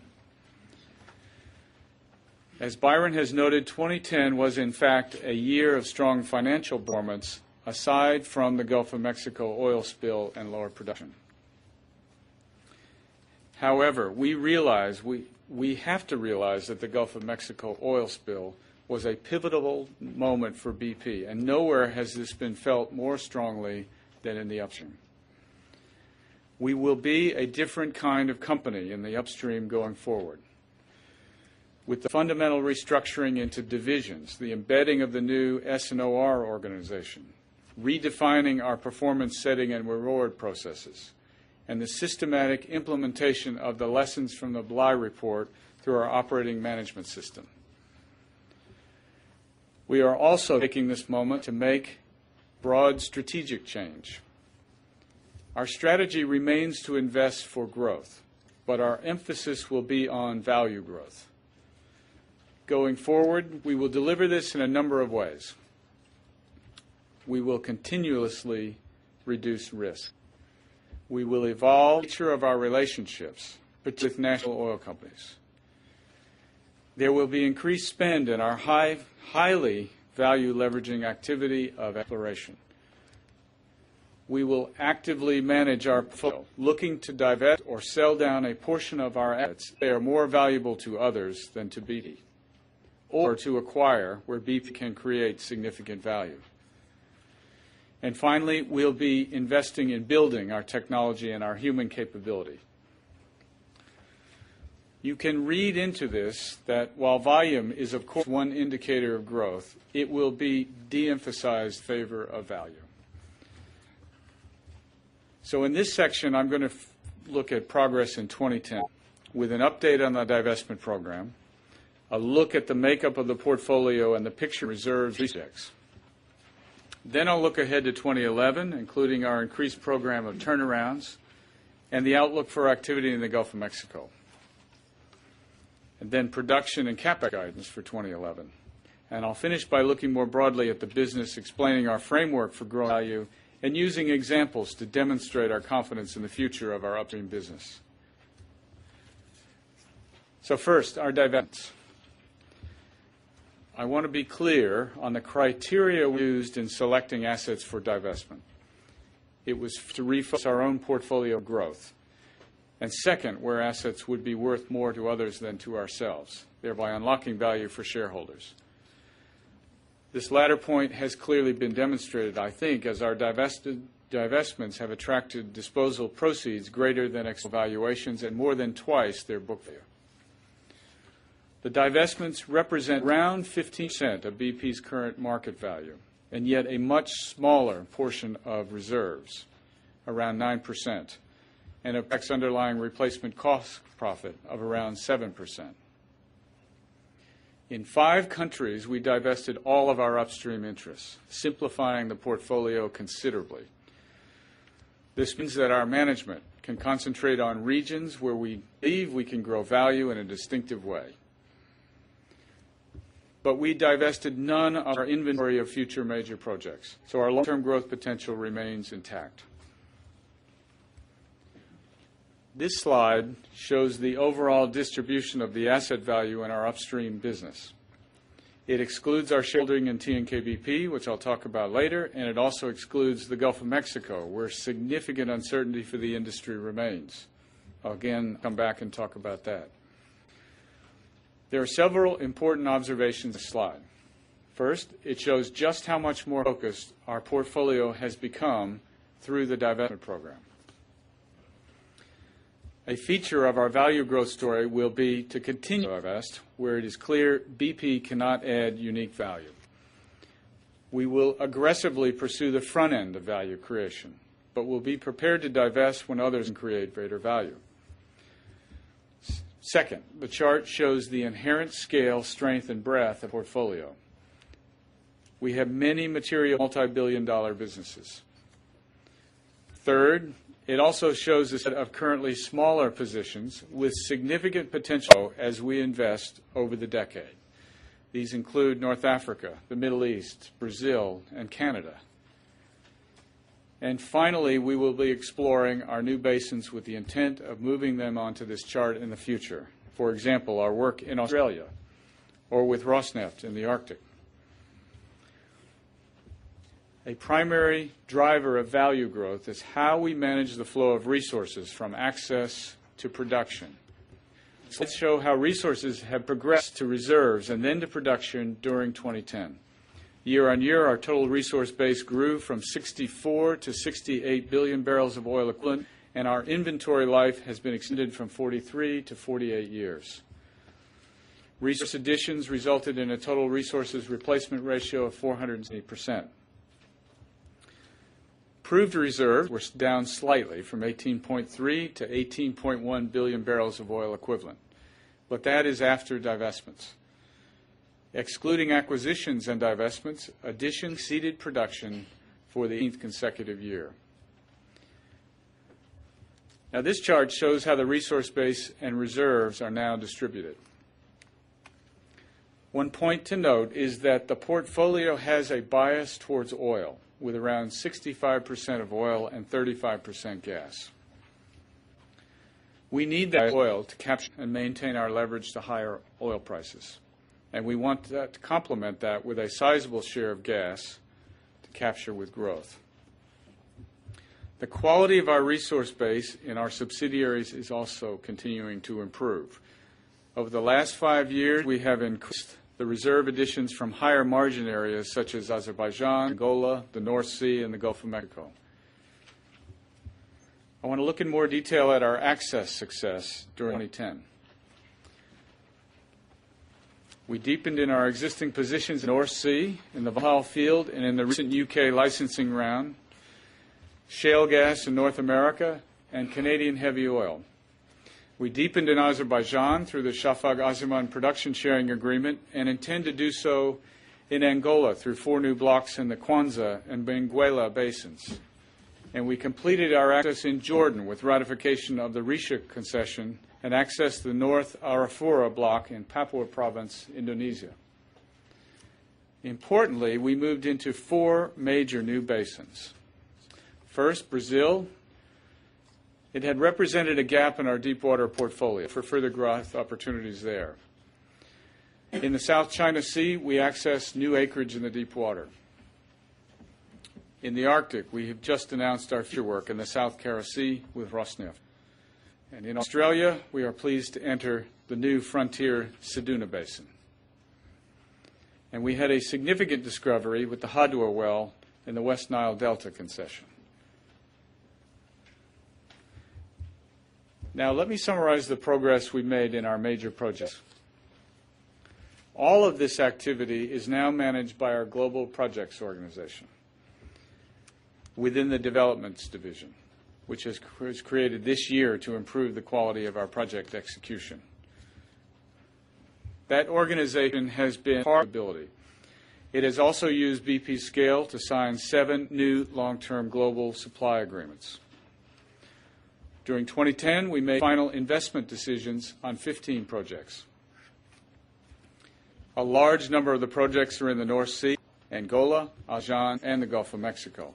As Byron has noted, 2010 was in fact a year of strong financial performance aside from the Gulf of Mexico oil spill and lower production. However, we realize we have to realize that the Gulf of Mexico oil spill was a pivotal moment for BP and nowhere has this been felt more strongly than in the upstream. We will be a different kind of company in the stream going forward. With the fundamental restructuring into divisions, the embedding of the new S and OR organization, redefining our performance setting and reward processes, and the systematic implementation of the lessons from the BLY report through our operating management system. We are also taking this moment to make broad strategic change. Our strategy remains to invest for growth, but our emphasis will be on value growth. Going forward, we will deliver this in a number of ways. We will continuously reduce risk. We will evolve the nature of our relationships with National Oil Companies. There will be increased spend in our high highly value leveraging activity of exploration. We will actively manage our portfolio looking to divest or sell down a portion of our assets. They are more valuable to others than to BD or to acquire where Beattie can create significant value. And finally, we'll be investing in building our technology and our human growth, it will be deemphasized favor of value. So in this section, I'm going to look at progress in 2010 with an update on the divestment program, a look at the makeup of the portfolio and the picture reserves. Then I'll look ahead to 2011 including our increased program of turnarounds and the outlook for activity in the Gulf of Mexico. And then production and CapEx guidance for 2011. And I'll finish by looking more broadly at the business explaining our framework for growing value and using examples to demonstrate our confidence in the future of our upstream business. So first, our divestments. I want to be clear on the criteria used in selecting assets for divestment. It was to refocus our own portfolio growth. And second, where assets would be worth more to others than to ourselves, thereby unlocking value for shareholders. This latter point has clearly been demonstrated, I think, as our divestments have attracted disposal proceeds greater than ex valuations and more than twice their book value. The divestments represent around 15% of BP's current market value and yet a much smaller portion of reserves, around 9%, and ex underlying replacement cost profit of around 7%. In 5 countries, we divested all of our upstream interests, simplifying the portfolio considerably. This means that our management can concentrate on regions where we believe we can grow value in a distinctive way. But we divested none of our inventory of future major projects. So our long term growth potential remains intact. This slide shows the overall distribution of the asset value in our upstream business. It excludes our shareholding in TNKBP, which I'll talk about later, and it also excludes the Gulf of Mexico, where significant uncertainty for the industry remains. Again, I'll come back and talk about that. There are several important observations on this slide. First, it shows just how much more focused our portfolio has become through the divestment program. A feature of our value growth story will be to continue to divest where it is clear BP cannot add unique value. We will aggressively pursue the front end of value creation, but we'll be prepared to divest when others can create greater value. 2nd, the chart shows the inherent scale, strength and breadth of portfolio. We have many material multi $1,000,000,000 businesses. 3rd, it also shows us that we have currently smaller positions with significant potential as we invest over the decade. These include North Africa, the Middle East, Brazil and Canada. And finally, we will be exploring our new basins with the intent of moving them onto this chart in the future. For example, our work in Australia or with Rosneft in the Arctic. A primary driver of value growth is how we manage the flow of resources from access to production. So let's show how resources have progressed to reserves and then to production during 2010. Year on year, our total resource base grew from 64,000,000,000 to 68,000,000,000 barrels of oil equivalent and our inventory life has been extended from 43 to 48 years. Resource additions resulted in a total resources replacement ratio of 4.8 percent. Proved reserves were down slightly from 18.3000000000 to 18.1000000000 barrels of oil equivalent, but that is after divestments. Excluding acquisitions and divestments, additions ceded production for the 8th consecutive year. Now this chart shows how the resource base and reserves are now distributed. One point to note is that the portfolio has a bias towards oil with around 65% of oil and 35% gas. We need that oil to capture and maintain our leverage to higher oil prices. And we want to complement that with a sizable share of gas to capture with growth. The quality of our resource base in our subsidiaries is also continuing to improve. Over the last 5 years, we have increased the reserve additions from higher margin areas such as Azerbaijan, Angola, the North Sea and the Gulf of Mexico. I want to look in more detail at our access success during 2010. We deepened in our existing positions in North Sea, in the Baha field and in the recent U. K. Licensing round, shale gas in North America and Canadian heavy oil. We deepened in Azerbaijan through the Shafaq Azimane production sharing agreement and intend to do so in Angola through 4 new blocks in the Kwanzaa and Benguela Basins. And we completed our access in Jordan with ratification of the Rishuk concession and access the North Arafura block in Papua province, Indonesia. Importantly, we moved into 4 major new basins. First, Brazil. It had represented a gap in our deepwater portfolio for further growth opportunities there. In the South China Sea, we access new acreage in the deepwater. In the Arctic, we have just announced our future work in the South Cara Sea with Rosneft. And in Australia, we are pleased to enter the new frontier Sedona Basin. And we had a significant discovery with the Hadua well in the West Nile Delta Concession. Now let me summarize the progress we made in our major projects. All of this activity is now managed by our global projects organization within the developments division, which has created this year to improve the quality of our project execution. That organization has been our ability. It has also used BP scale to sign 7 new long term global supply agreements. During 2010, we made final investment decisions on 15 projects. A large number of the projects are in the North Sea, Angola, Azan and the Gulf of Mexico.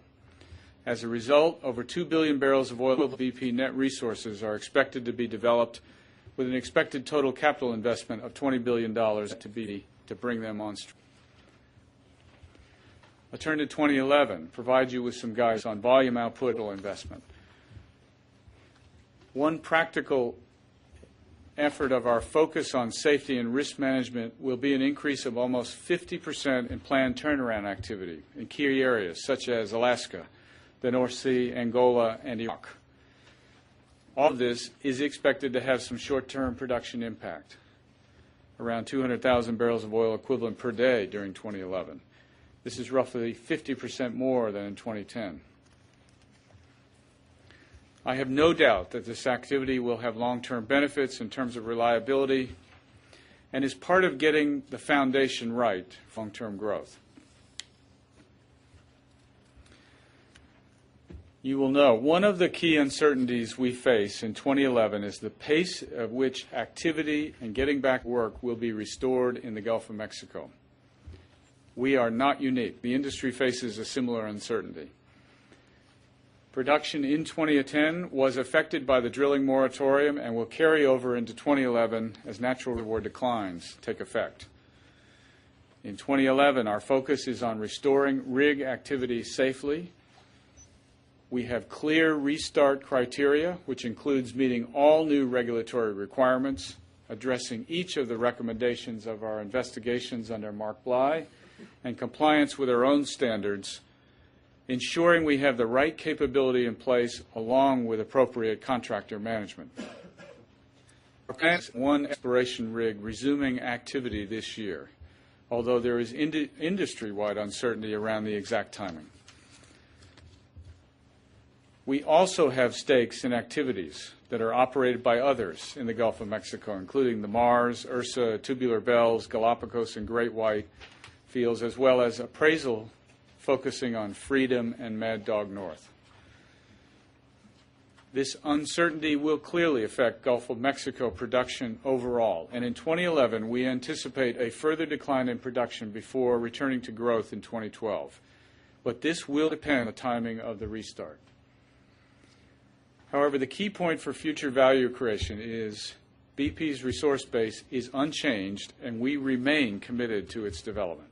As a result, over 2,000,000,000 barrels of oil equivalent BP net resources are expected to be developed with an expected total capital investment of $20,000,000,000 to bring them on stream. I'll turn to 2011, provide you with some guidance on volume output or investment. One practical effort of our focus on safety and risk management will be an increase of almost 50% in key areas such as Alaska, the North Sea, Angola and Iraq. All of this is expected to have some short term production impact, around 200,000 barrels of oil equivalent per day during 2011. This is roughly 50% more than in 2010. I have no doubt that this activity will have long term benefits in terms of reliability and is part of getting the foundation right, long term growth. You will know one of the key uncertainties we face in 2011 is the pace of which activity and getting back work will be restored in the Gulf of Mexico. We are not unique. The industry faces a similar uncertainty. Production in 2010 was affected by the drilling moratorium and will carry over into 2011 as natural reward declines take effect. In 2011, our focus is on restoring rig activity safely. We have clear restart criteria, which includes meeting all new regulatory requirements, addressing each of the recommendations of our investigations under Mark Bly and compliance with our own standards, ensuring we have the right capability in place along with appropriate contractor management. Exploration rig resuming activity this year, although there is industry wide uncertainty around the exact timing. We also have stakes in activities that are operated by others in the Gulf including the Mars, Ursa, Tubular Bells, Galapagos and Great White fields as well as appraisal focusing on Freedom and Mad Dog North. This uncertainty will clearly affect Gulf of Mexico production overall. And in 2011 we anticipate a further decline before returning to growth in 2012. But this will depend on the timing of the restart. However, the key point for future value creation is BP's resource base is unchanged and we remain committed to its development.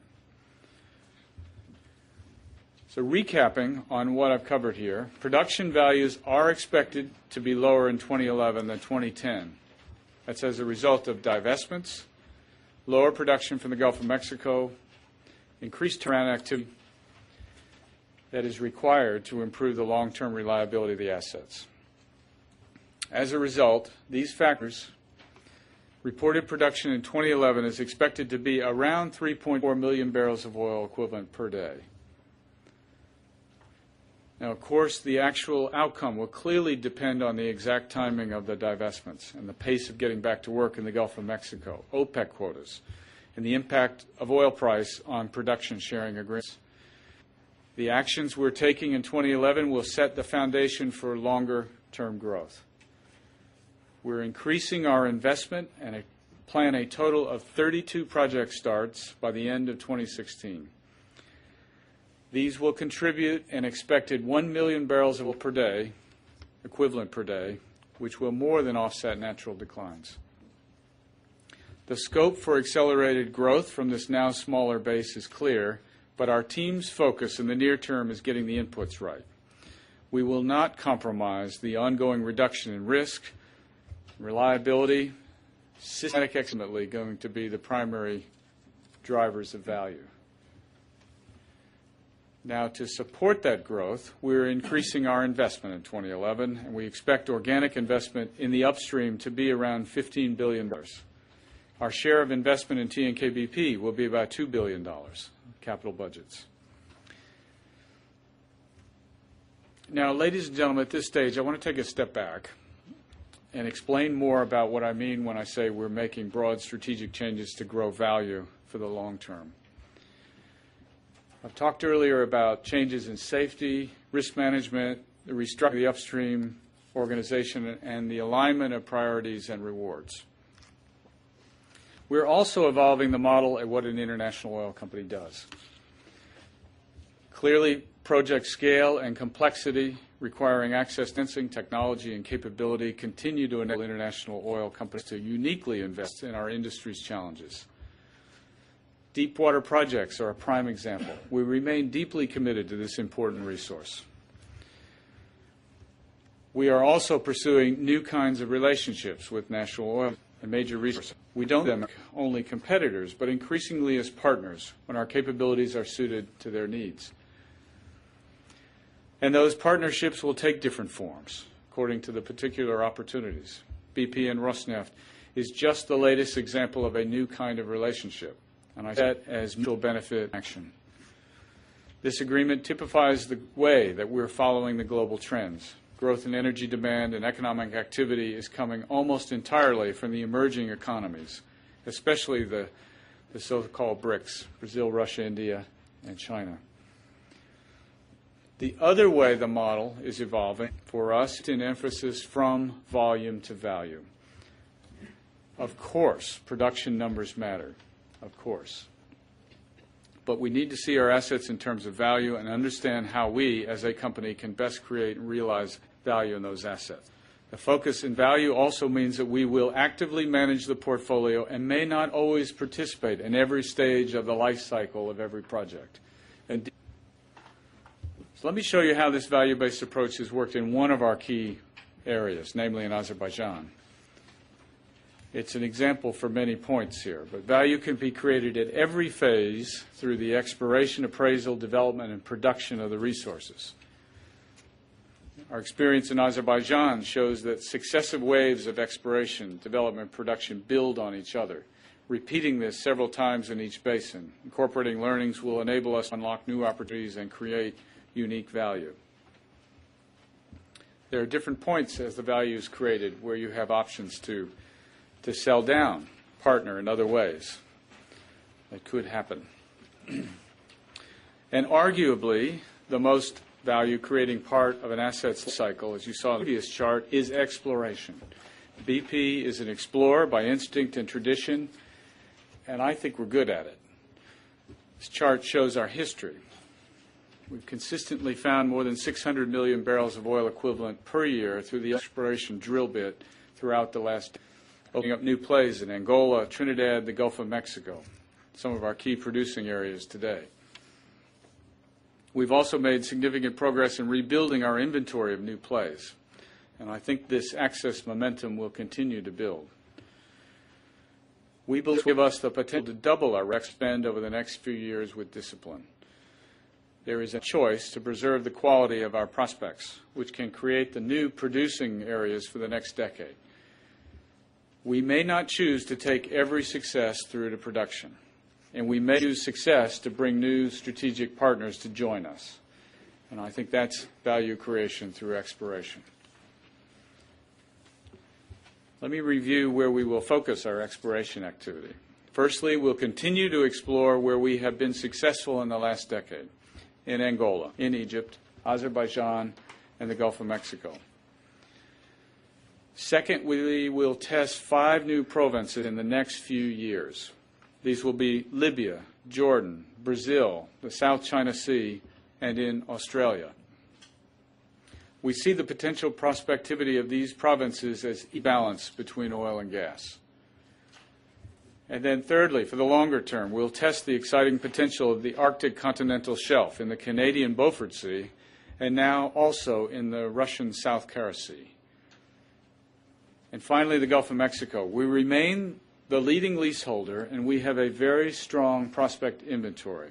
So recapping on what I've covered here. Production values are expected to be lower in 2011 than 2010. That's as a result of divestments, lower production from the Gulf of Mexico, increased Taranak to that is required to improve the long term reliability of the assets. As a result, these factors reported production in 2011 is expected to be around 3,400,000 barrels of oil equivalent per day. Now of course, the actual outcome will clearly depend on the exact timing of the divestments and the pace of getting back to work in the Gulf of Mexico, OPEC quotas and the impact of oil price on production sharing agreements. The actions we're taking in 2011 will set the foundation for longer term growth. We're increasing our investment and plan a total of 32 project starts by the end of 2016. These will contribute an expected 1,000,000 barrels of oil per day equivalent per day, which will more than offset natural declines. The scope for accelerated growth from this now smaller base is clear, but our team's focus in the near term is getting the inputs right. We will not compromise the ongoing reduction in risk, reliability, systemic excellently going to be the primary drivers of value. Now to support that growth, we're increasing our investment in 2011 and we expect organic investment in the upstream to be around $15,000,000,000 Our share of investment in TNKBP will be about $2,000,000,000 capital budgets. Now ladies and gentlemen, at this stage, I want to take a step back and explain more about what I mean when I say we're making broad strategic changes to grow value for the long term. I've talked earlier about changes in safety, risk management, the restructuring of the upstream organization and the alignment of priorities and rewards. We're also evolving the model at what an international oil oil company does. Clearly project scale and complexity requiring access to sensing technology and capability continue to enable our industry's challenges. Deepwater projects are a prime example. We remain deeply committed to this important resource. We are also pursuing new kinds of relationships with National Oil, a major resource. We don't only competitors, but increasingly as partners when our capabilities are suited to their needs. And those partnerships will take different forms, according to the particular opportunities. BP and Rosneft is just the latest example of a new kind of relationship and I see that as mutual benefit action. This agreement typifies the way that we're following the global trends. Growth in energy demand and economic activity is coming almost entirely from the emerging economies, especially the so called BRICS, Brazil, Russia, India and China. The other way the model is evolving for us in emphasis from volume to value. Of course, production numbers matter, of course. But we need to see our assets in terms of value and understand how we as a company can best create and realize value in those assets. The focus in value also means that we will actively manage the portfolio and may not always participate in every stage of the life cycle of every project. And so let me show you how this value based approach has worked in one of our key areas, namely in Azerbaijan. It's an example for many points here, but value can be created at every phase through the exploration, appraisal, development and production of the resources. Our experience in Azerbaijan shows that successive waves of exploration, development, production build on each other, repeating this several times in each basin. Incorporating learnings will enable us to unlock new opportunities and create unique value. There are different points as the value is created where you have options to sell down, partner in other ways that could happen. And arguably the most value creating part of an asset cycle as you saw in previous chart is exploration. BP is an explorer by instinct and tradition and I think we're good at it. This chart shows our history. We've consistently found more than 600,000,000 barrels of oil equivalent per year through the exploration drill bit throughout the last opening up new plays in Angola, Trinidad, the Gulf of Mexico, some of our key producing areas today. We've also made significant progress in rebuilding our inventory of new plays. And I think this access momentum will continue to build. We believe it will give us the potential to double our REX spend over the next few years with discipline. There is a choice to preserve the quality of our prospects, which can create the new producing areas for the next decade. We may not choose to take every success through to production and we may use success to bring new strategic partners to join us. And I think that's value creation through exploration. Let me review where we will focus our exploration activity. Firstly, we'll continue to explore where we have been successful in the last decade in Angola, in Egypt, Azerbaijan and the Gulf of Mexico. 2nd, we will test 5 new provinces in the next few years. These will be Libya, Jordan, Brazil, the South China Sea and in Australia. We see the potential prospectivity of these provinces as a balance between oil and gas. And then thirdly, for the longer term, we'll test the exciting potential of the Arctic continental shelf in the Canadian Beaufort Sea and now also in the Russian South Carouse Sea. And finally, the Gulf of Mexico. We remain the leading leaseholder and we have a very strong prospect inventory.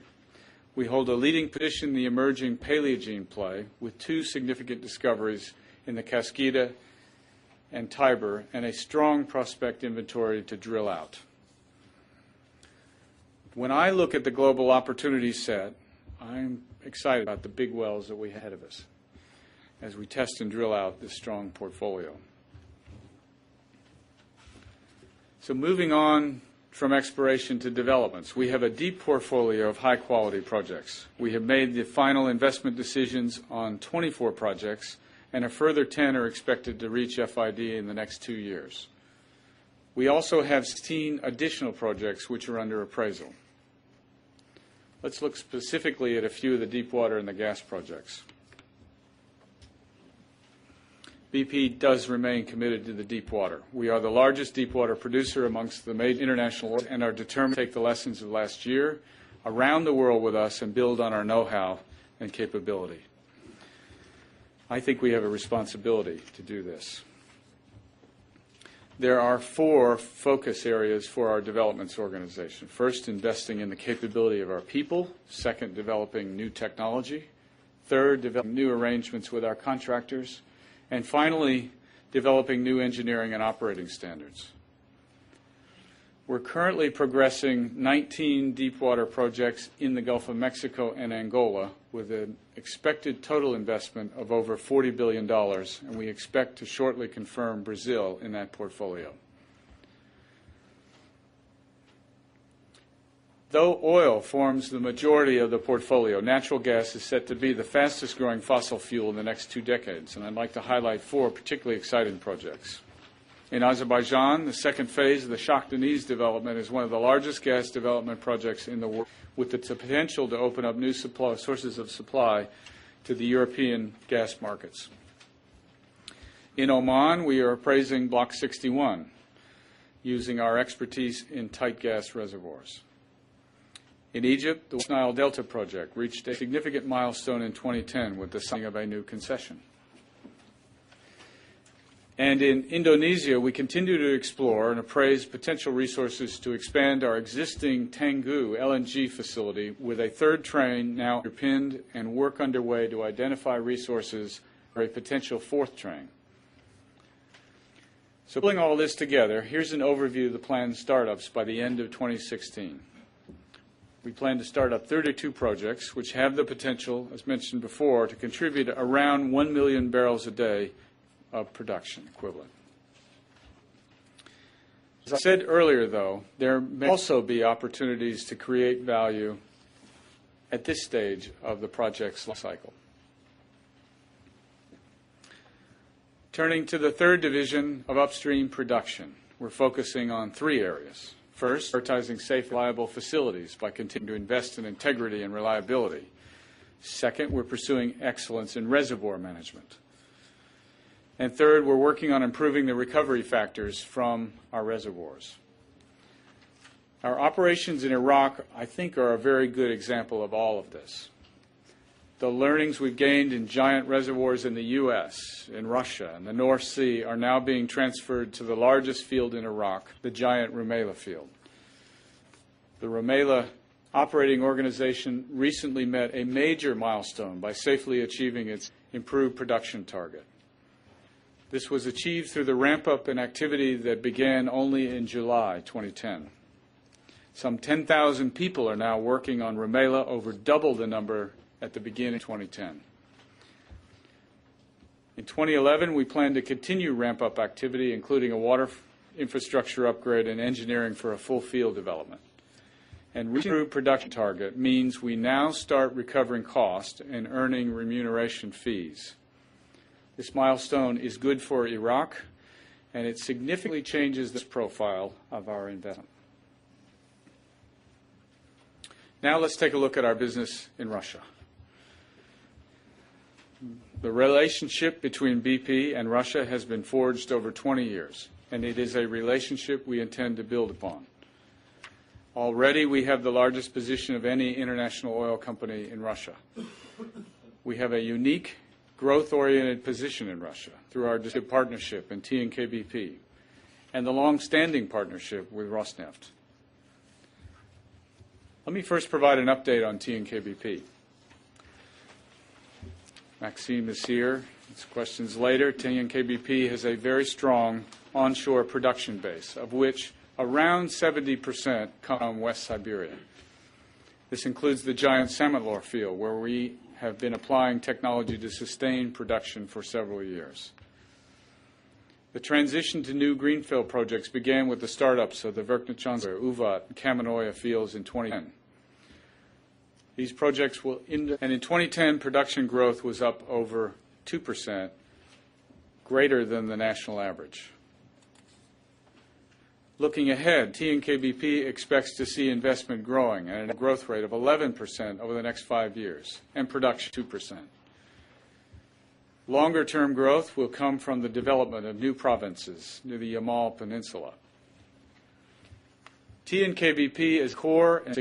We hold a leading position in the emerging Paleogene play with 2 significant discoveries in the Cascada and Tiber and a strong prospect inventory to drill out. When I look at the global opportunity set, I'm excited about the big wells that we're ahead of us as we test and drill out this strong portfolio. So moving on from exploration to developments. We have a deep portfolio of high quality projects. We have made the final investment decisions on 24 projects and a further 10 are expected to reach FID in the next 2 years. We also have seen additional projects which are under appraisal. Let's look specifically at a few of the deepwater and the gas projects. BP does remain committed to the deepwater. We are the largest deepwater producer amongst the major international and are determined to take the lessons of last year around the world with us and build on our know how and capability. I think we have a responsibility to do this. There are 4 focus areas for our developments organization. 1st, investing in the capability of our people. 2nd, developing new technology. 3rd, developing new arrangements with our contractors. And finally, developing new engineering and operating standards. We're currently progressing 19 deepwater projects in the Gulf of Mexico and Angola with an expected total investment of over $40,000,000,000 and we expect to shortly confirm Brazil in that portfolio. Though oil forms the majority of the portfolio, natural gas is set to be the fastest growing fossil fuel in the next 2 decades and I'd like to highlight 4 particularly exciting projects. In Azerbaijan, the second phase of the gas development projects in the world with the potential to open up new sources of supply to the European gas markets. In Oman, we are appraising Block 61 using our expertise in tight gas reservoirs. In Egypt, the West Nile Delta project reached a significant milestone in 2010 with the signing of a new concession. And in Indonesia, we continue to explore and appraise potential resources to expand our existing Tengu LNG facility with a 3rd train now underpinned and work underway to identify resources for a potential 4th train. So pulling all this together, here's an overview of the planned start ups by the end of 2016. We plan to start up 32 projects which have the potential as mentioned before to contribute around 1,000,000 barrels a day of production equivalent. As I said earlier though, there may also be opportunities to create value at this stage of the project's cycle. Turning to the 3rd division of upstream production. We're focusing on 3 areas. 1st, advertising safe, reliable facilities by continuing to invest in integrity and reliability. 2nd, we're pursuing excellence in reservoir management. And 3rd, we're working on improving the recovery factors from our reservoirs. Our operations in Iraq, I think are a very good example of all of this. The learnings we've gained in giant reservoirs in the U. S, in Russia and the North Sea are now being transferred to the largest field in Iraq, the giant Rameela field. The Rameela operating organization recently met a major milestone by safely achieving its improved production target. This was achieved through the ramp up in activity that began only in July 2010. Some 10,000 people are now working on Rameela over double the number at the beginning of 2010. In 2011, we plan to continue ramp up activity including a water infrastructure upgrade and engineering for a full field development. And we grew production target means we now start recovering cost and earning remuneration fees. This milestone is good for Iraq and it significantly changes this profile of our Invena. Now let's take a look at our business in Russia. The relationship between BP and Russia has been forged over 20 years and it is a relationship we intend to build upon. Already we have the largest position of any international oil company in Russia. We have a unique growth oriented position in Russia through our distinctive partnership in TNKBP and the long standing partnership with Rosneft. Let me first provide an update on TNKBP. Maxime is here, questions later, TNKBP has a very strong onshore production base of which around 70% come West Siberia. This includes the giant Semilore field where we have been applying technology to sustain production for several years. The transition to new greenfield projects began with the start ups of the Verknechand, Uva and Kamenoya fields in 2010. These projects will and in 2010 production growth was up over 2%, greater than the national average. Looking ahead, TNKBP expects to see investment growing at a growth rate of 11% over the next 5 years and production 2%. Longer term growth will come from the development of new provinces near the Yamal Peninsula. TNKBP is core and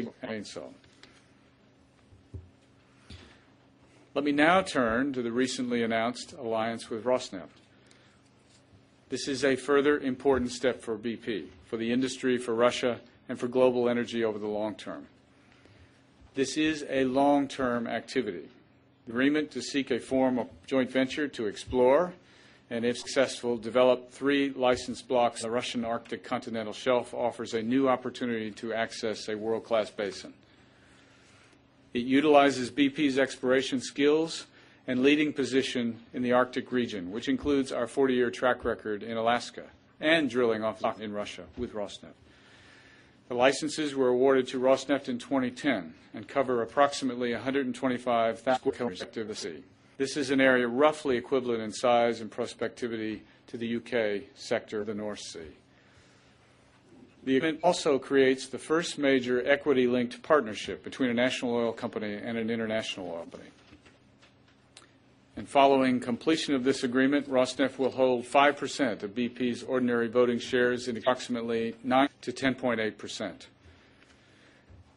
Let me now turn to the recently announced alliance with Rosneft. This is a further important step for BP, for the industry, for Russia and for global energy over the long term. This is a long term activity. The agreement to seek a form of joint venture to explore and if successful develop 3 license blocks of Russian Arctic Continental Shelf offers a new opportunity to access a world class basin. It utilizes BP's exploration skills and leading position in the Arctic region, which includes our 40 year track record in Alaska and drilling off in Russia with Rosneft. The licenses were awarded to Rosneft in 2010 and cover approximately 125,000,000 cubic feet of the sea. This is an area roughly equivalent in size and between a national oil company and an international oil company. And following completion of this agreement, Rosneft will hold 5% of BP's ordinary voting shares in approximately 9% to 10.8%.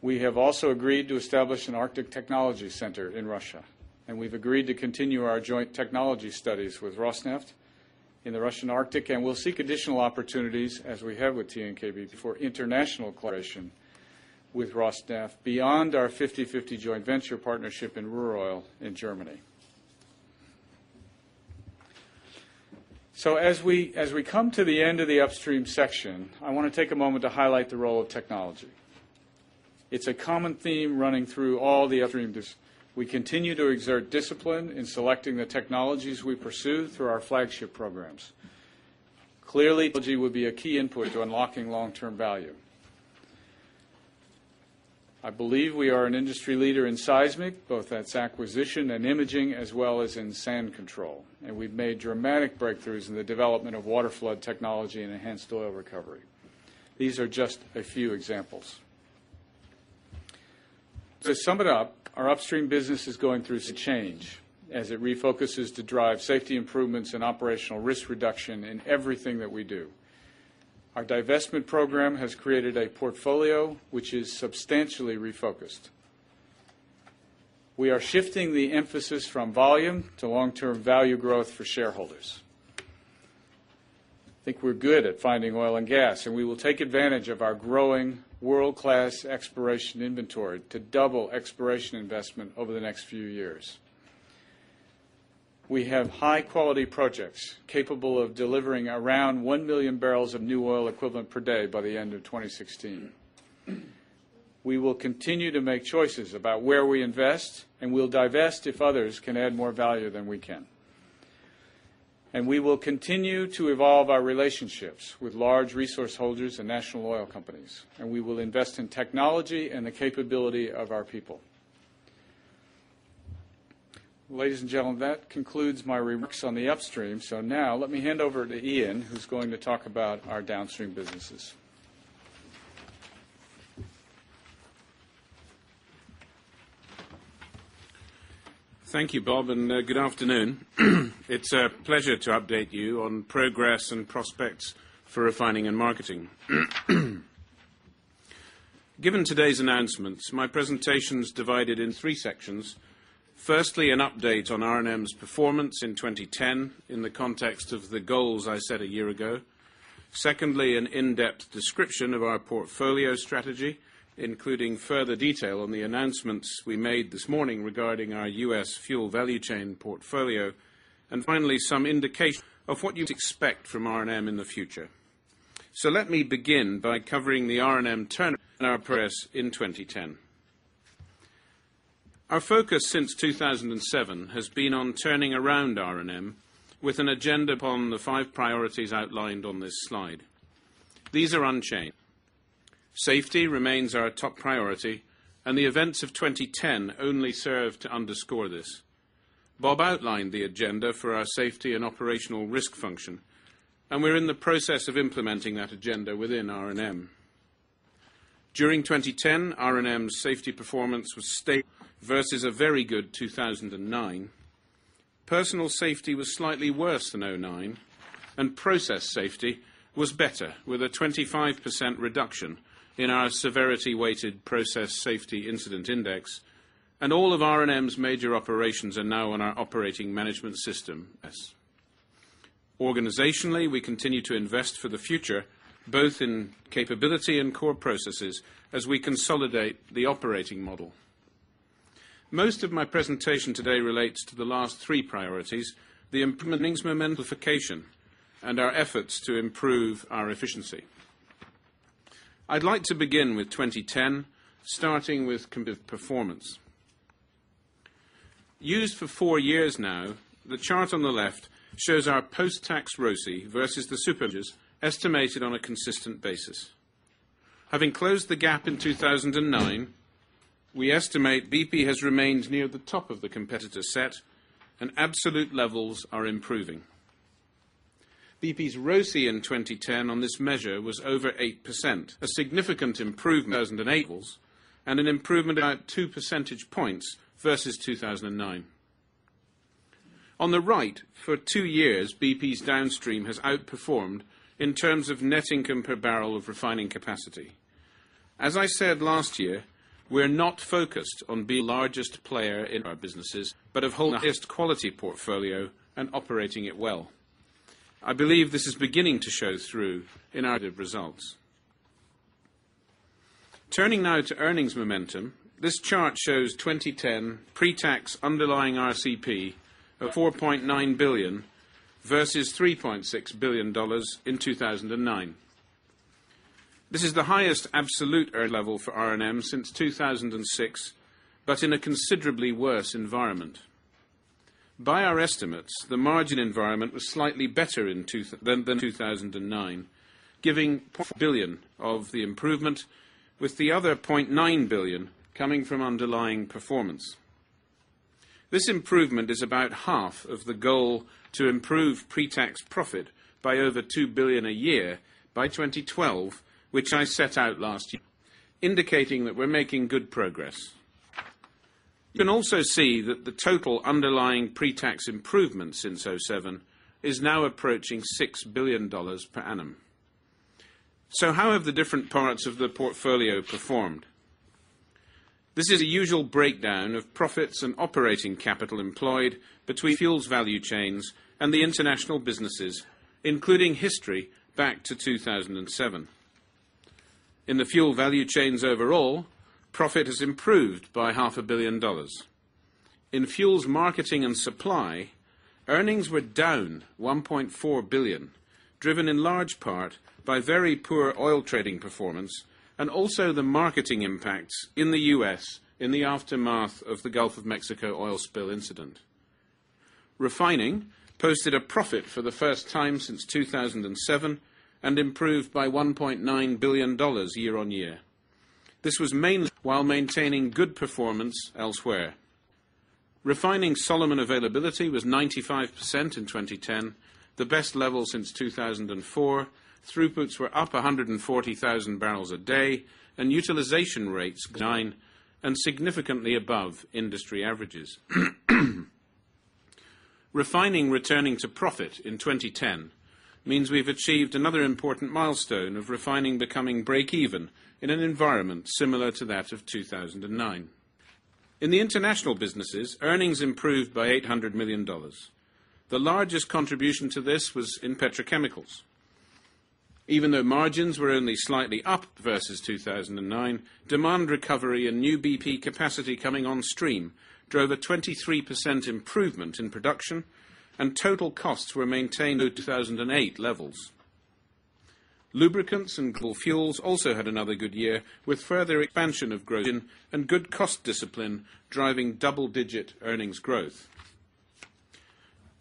We have also agreed to establish an Arctic Technology Center in Russia and we've agreed to continue our joint technology studies with Rosneft in the Russian Arctic and we'll seek additional opportunities as we have with TNKB for international collaboration with Rosneft beyond our fifty-fifty joint venture partnership in rural in Germany. So as we come to the end of the Upstream section, I want to take a moment to highlight the role of technology. It's a common theme running through all the upstream. We continue to exert discipline in selecting the technologies we pursue through our flagship programs. Clearly, technology would be a key input to unlocking long term value. I believe we are an I believe we are an industry leader in seismic both as acquisition and imaging as well as in sand control. And we've made dramatic breakthroughs in the development of waterflood technology and enhanced oil recovery. These are just a few examples. To sum it up, our upstream business is going through some change as it refocuses to drive safety improvements and operational risk reduction in everything that we do. Our divestment program has created a portfolio which is substantially refocused. We are shifting the emphasis from volume to long term value growth for shareholders. I think we're good at finding oil and gas and we will take advantage of our growing world class exploration inventory to double exploration investment over the next few years. We have high quality projects capable of delivering around 1,000,000 barrels of new oil equivalent per day by the end of 2016. We will continue to make choices about where we invest and we'll divest if others can add more value than we can. And we will continue to evolve our relationships with large resource holders and national oil companies and we will invest in technology and the capability of our people. Ladies and gentlemen, that concludes my remarks on the Upstream. So now let me hand over to Ian who's going to talk about our Downstream businesses. Thank you, Bob, and good afternoon. It's a pleasure to update you on progress and prospects for Refining and Marketing. Given today's announcements, my presentation is divided in 3 sections: firstly, an update on R and M's performance in 2010 in the context of the goals I set a year ago. Secondly, an in-depth description of our portfolio strategy, including further detail on the announcements we made this morning regarding our U. S. Fuel value chain portfolio and finally, some indication of what you should expect from R and M in the future. So let me begin by covering the R and M turnaround in our press in 2010. Our focus since 2007 has been on turning around R and M with an agenda upon the 5 priorities outlined on this slide. These are unchanged. Safety remains our top priority, and the events of 2010 only serve to underscore this. Bob outlined the agenda for our safety and operational risk function, and we're in the process of implementing that agenda within R and M. During 2010, R&M's safety performance was stable versus a very good 2,009. Personal safety was slightly worse than 'nine, and Process Safety was better with a 25% reduction in our severity weighted Process Safety incident index, and all of R&M's major operations are now on our operating management system. Organizationally, we continue to invest for the future, both in capability and core processes as we consolidate the operating model. Most of my presentation today relates to the last three priorities, the implementing's momentification and our efforts to improve our efficiency. I'd like to begin with 2010, starting with performance. Used for 4 years now, the chart on the left shows our post tax ROCE versus the superannuation of the year estimated on a consistent basis. Having closed the gap in 2,009, we estimate BP has remained near the top of the competitor set and absolute levels are improving. BP's ROCE in 2010 on this measure was over 8%, a significant improvement in 2018 and an improvement of 2 percentage points versus 2,009. On the right, for 2 years, BP's Downstream has outperformed in terms of net income per barrel of refining capacity. As I said last year, we are not focused on being the largest player in our businesses but have hold the highest quality portfolio and operating it well. I believe this is beginning to show through in our results. Turning now to earnings momentum. This chart shows 2010 pretax underlying RCP of €4,900,000,000 versus €3,600,000,000 in 2,009. M since 2006, but in a considerably worse environment. By our estimates, the margin environment was slightly better than 2,009, giving €500,000,000 of the improvement, with the other €900,000,000 coming from underlying performance. This improvement is about half of the goal to improve pretax profit by over €2,000,000,000 a year by 2012, which I set out last year, indicating that we're making good progress. You can also see that the total underlying pretax improvement since 'seven is now approaching $6,000,000,000 per annum. So how have the different parts of the portfolio performed? This is a usual breakdown of profits and operating capital employed between fuels value chains and the international businesses, including history back to 2,007. In the fuel value chains overall, profit has improved by $500,000,000 In fuels marketing and supply, earnings were down 1,400,000,000 driven in large part by very poor oil trading performance and also the marketing impacts in the U. S. In the aftermath of the Gulf of Mexico oil spill incident. Refining posted a profit for the first time since 2007 and improved by $1,900,000,000 year on year. This was mainly due to the timing of the refining solomon availability was 95% in 2010, the best level since 2004. Throughputs were up 140,000 barrels a day and utilization rates declined and significantly above industry averages. Refining returning to profit in 2010 means we've achieved another important milestone of refining becoming breakeven in an environment similar to that of 2,009. In the international businesses, earnings improved by $800,000,000 The largest contribution to this was in petrochemicals. Even though margins were only slightly up versus 2,009, demand recovery and new BP capacity coming on stream drove a 23% improvement in production, and total costs were maintained at 2,008 levels. Lubricants and Cool Fuels also had another good year with further expansion of growth in and good cost discipline driving double digit earnings growth.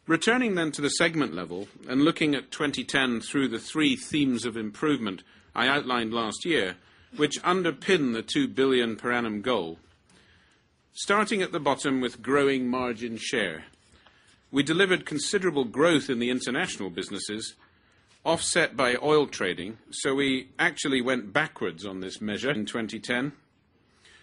Returning then to the segment level and looking at 2010 through the three themes of improvement I outlined last year, which underpin the €2,000,000,000 per annum goal. Starting at the bottom with growing margin share. We delivered considerable growth in the international businesses, offset by oil trading, so we actually went backwards on this measure in 2010.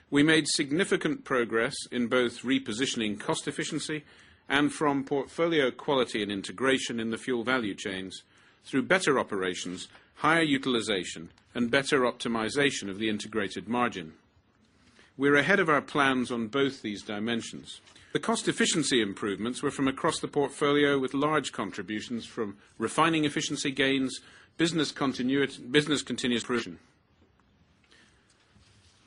We made significant progress in both repositioning cost efficiency and from portfolio quality and integration in the fuel value chains through better operations, higher utilization and better optimization of the integrated margin. We're ahead of our plans on both these dimensions. The cost efficiency improvements were from across the portfolio with large contributions from refining efficiency gains, business continuous provision.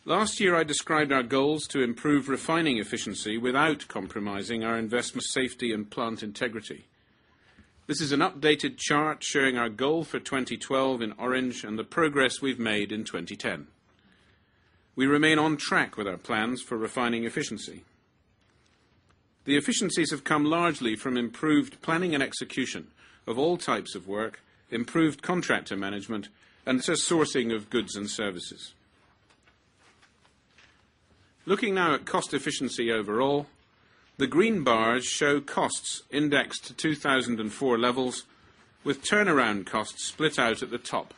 Last year, I described our goals to improve refining efficiency without compromising our investment safety and plant integrity. This is an updated chart showing our goal for 2012 in Orange and the progress we've made in 2010. We remain on track with our plans for refining efficiency. The efficiencies have come largely from improved planning and execution of all types of work, improved contractor management and sourcing of goods and services. Looking now at cost efficiency overall, the green bars show costs indexed to 2,004 levels with turnaround costs split out at the top.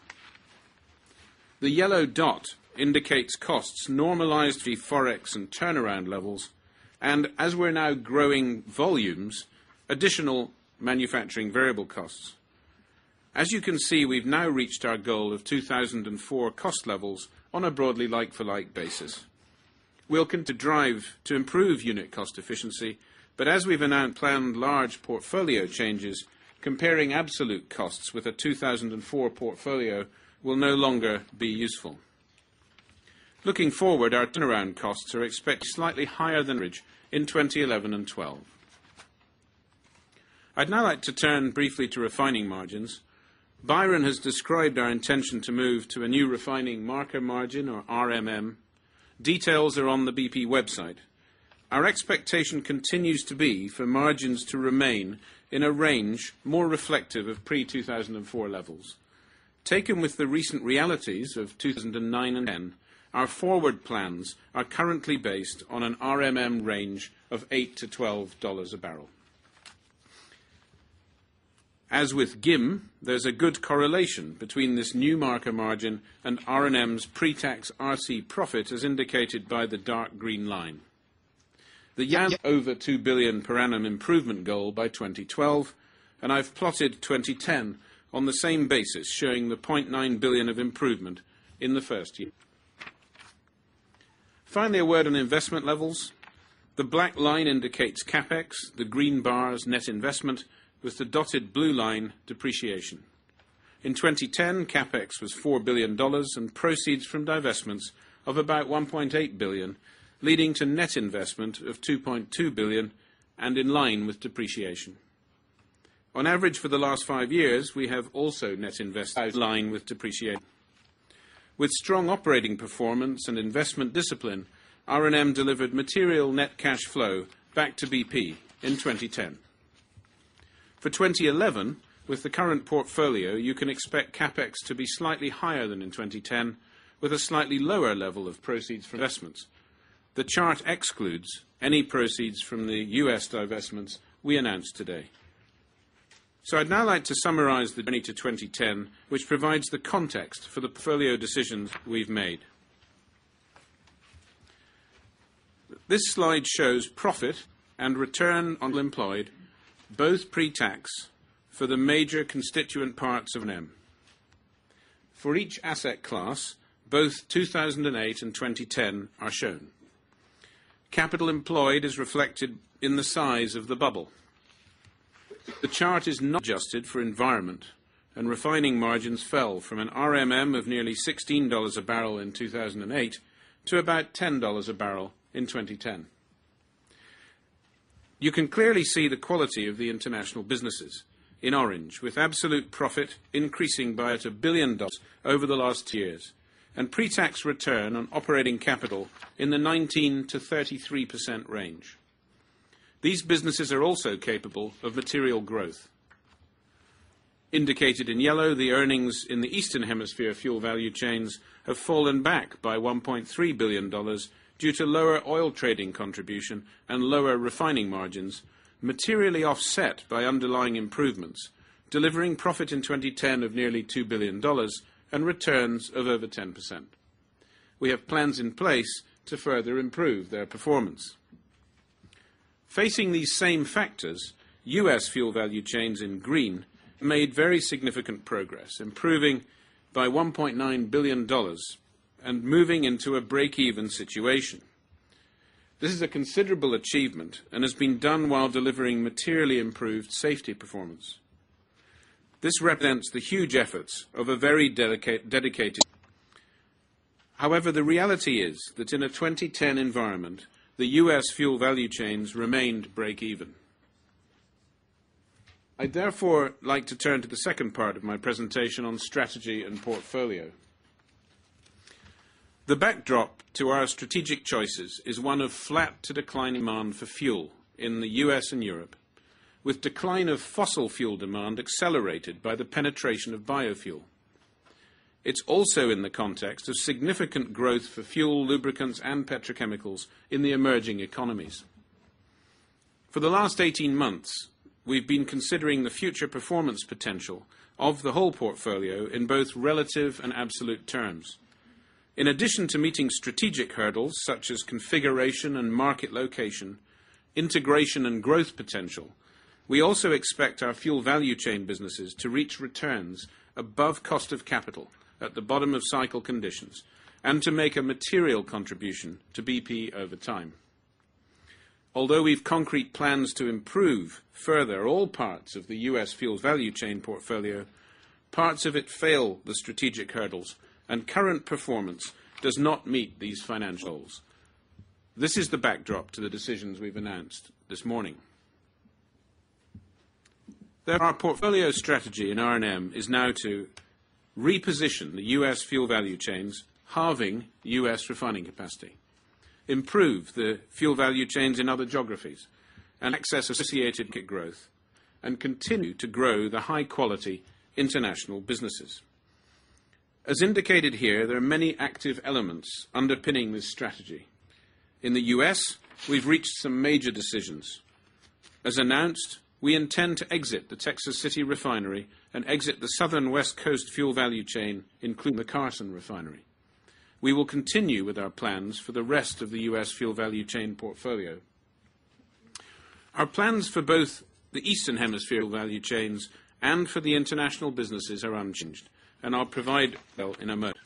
The yellow dot indicates costs normalized via ForEx and turnaround levels, and as we're now growing volumes, additional manufacturing variable costs. As you can see, we've now reached our goal of 2,004 cost levels on a broadly like for like basis. We're looking to drive to improve unit cost efficiency, but as we've now planned large portfolio changes, comparing absolute costs with a 2,004 portfolio will no longer be useful. Looking forward, our turnaround costs are expected slightly higher than Ridge in 2011 and 'twelve. I'd now like to turn briefly to refining margins. Byron has described our intention to move to a new refining marker margin or RMM. Details are on the BP website. Our expectation continues to be for margins to remain in a range more reflective of pre-two thousand and four levels. Taken with the recent realities of 2,009 and then, our forward plans are currently based on an RMM range of $8 to $12 a barrel. As with GIM, there's a good correlation between this new marker margin and R and M's pretax RC profit as indicated by the dark green line. The Jan over €2,000,000,000 per annum improvement goal by 2012, and I've plotted 2010 on the same basis, showing the €900,000,000 of improvement in the 1st year. Finally, a word on investment levels. The black line indicates CapEx. The green bar is net investment with the dotted blue line depreciation. In 2010, CapEx was $4,000,000,000 and proceeds from divestments of about 1,800,000,000 leading to net investment of 2,200,000,000 and in line with depreciation. On average, for the last 5 years, we have also net invested in line with depreciation. With strong operating performance and investment discipline, R and M delivered material net cash flow back to BP in 2010. For 2011, with the current portfolio, you can expect CapEx to be slightly higher than in 2010 with a slightly lower level of proceeds for investments. The chart excludes any proceeds from the U. S. Divestments we announced today. So I'd now like to summarize the financial results of the portfolio to 20 10, which provides the context for the portfolio decisions we've made. This slide shows profit and return on employed, both pretax for the major constituent parts of NEM. For each asset class, both 2,008 2010 are shown. Capital employed is reflected in the size of the bubble. The chart is not adjusted for environment, and refining margins fell from an RMM of nearly $16 a barrel in 2,008 to about $10 a barrel in 2010. You can clearly see the quality of the international businesses in Orange, with absolute profit increasing by $2,000,000,000 over the last years and pretax return on operating capital in the 19% to 33% range. These businesses are also capable of material growth. Indicated in yellow, the earnings in the Eastern Hemisphere fuel value chains have fallen back by $1,300,000,000 due to lower oil trading contribution and lower refining margins, materially offset by underlying improvements, delivering profit in 2010 of nearly $2,000,000,000 and returns of over 10%. We have plans in place to further improve their performance. Facing these same factors, U. S. Fuel value chains in green made very significant progress, improving by $1,900,000,000 and moving into a breakeven situation. This is a considerable achievement and has been done while delivering materially improved safety performance. This represents the huge efforts of a very dedicated however, the reality is that in a 2010 environment, the U. S. Fuel value chains remained breakeven. I therefore like to turn to the second part of my presentation on strategy and portfolio. The backdrop to our strategic choices is one of flat to decline demand for fuel in the U. S. And Europe, with decline of fossil fuel demand accelerated by the penetration of biofuel. It's also in the context of significant growth for fuel, lubricants and petrochemicals in the emerging economies. For the last 18 months, we've been considering the future performance potential of the whole portfolio in both relative and absolute terms. In addition to meeting strategic hurdles such as configuration and market location, integration and growth potential, we also expect our fuel value chain businesses to reach returns above cost of capital at the bottom of cycle conditions and to make a material contribution to BP over time. Although we've concrete plans to improve further all parts of the U. S. Fuel value chain portfolio, parts of it fail the strategic hurdles and current performance does not meet these financial goals. This is the backdrop to the decisions we've announced this morning. Our portfolio strategy in R and M is now to reposition the U. S. Fuel value chains, halving U. S. Refining capacity improve the fuel value chains in other geographies and access associated growth and continue to grow the high quality international businesses. As indicated here, there are many active elements underpinning this strategy. In the U. S, we've reached some major decisions. As announced, we intend to exit the Texas City Refinery and exit the Southern West Coast fuel value chain, including the Carson Refinery. We will continue with our plans for the rest of the U. S. Fuel value chain portfolio. Our plans for both the Eastern Hemisphere value chains and for the international businesses are unchanged, and I'll provide that in a moment.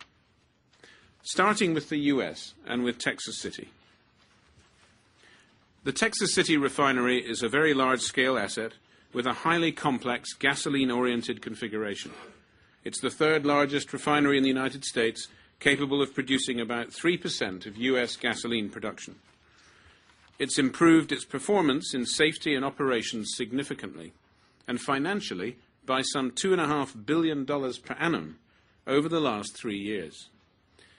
Starting with the U. S. And with Texas City. The Texas City Refinery is a very large scale asset with a highly complex gasoline oriented configuration. It's the 3rd largest refinery in the United States capable of producing about 3% of U. S. Gasoline production. It's improved its performance in safety and operations significantly and financially by some $2,500,000,000 per annum over the last 3 years.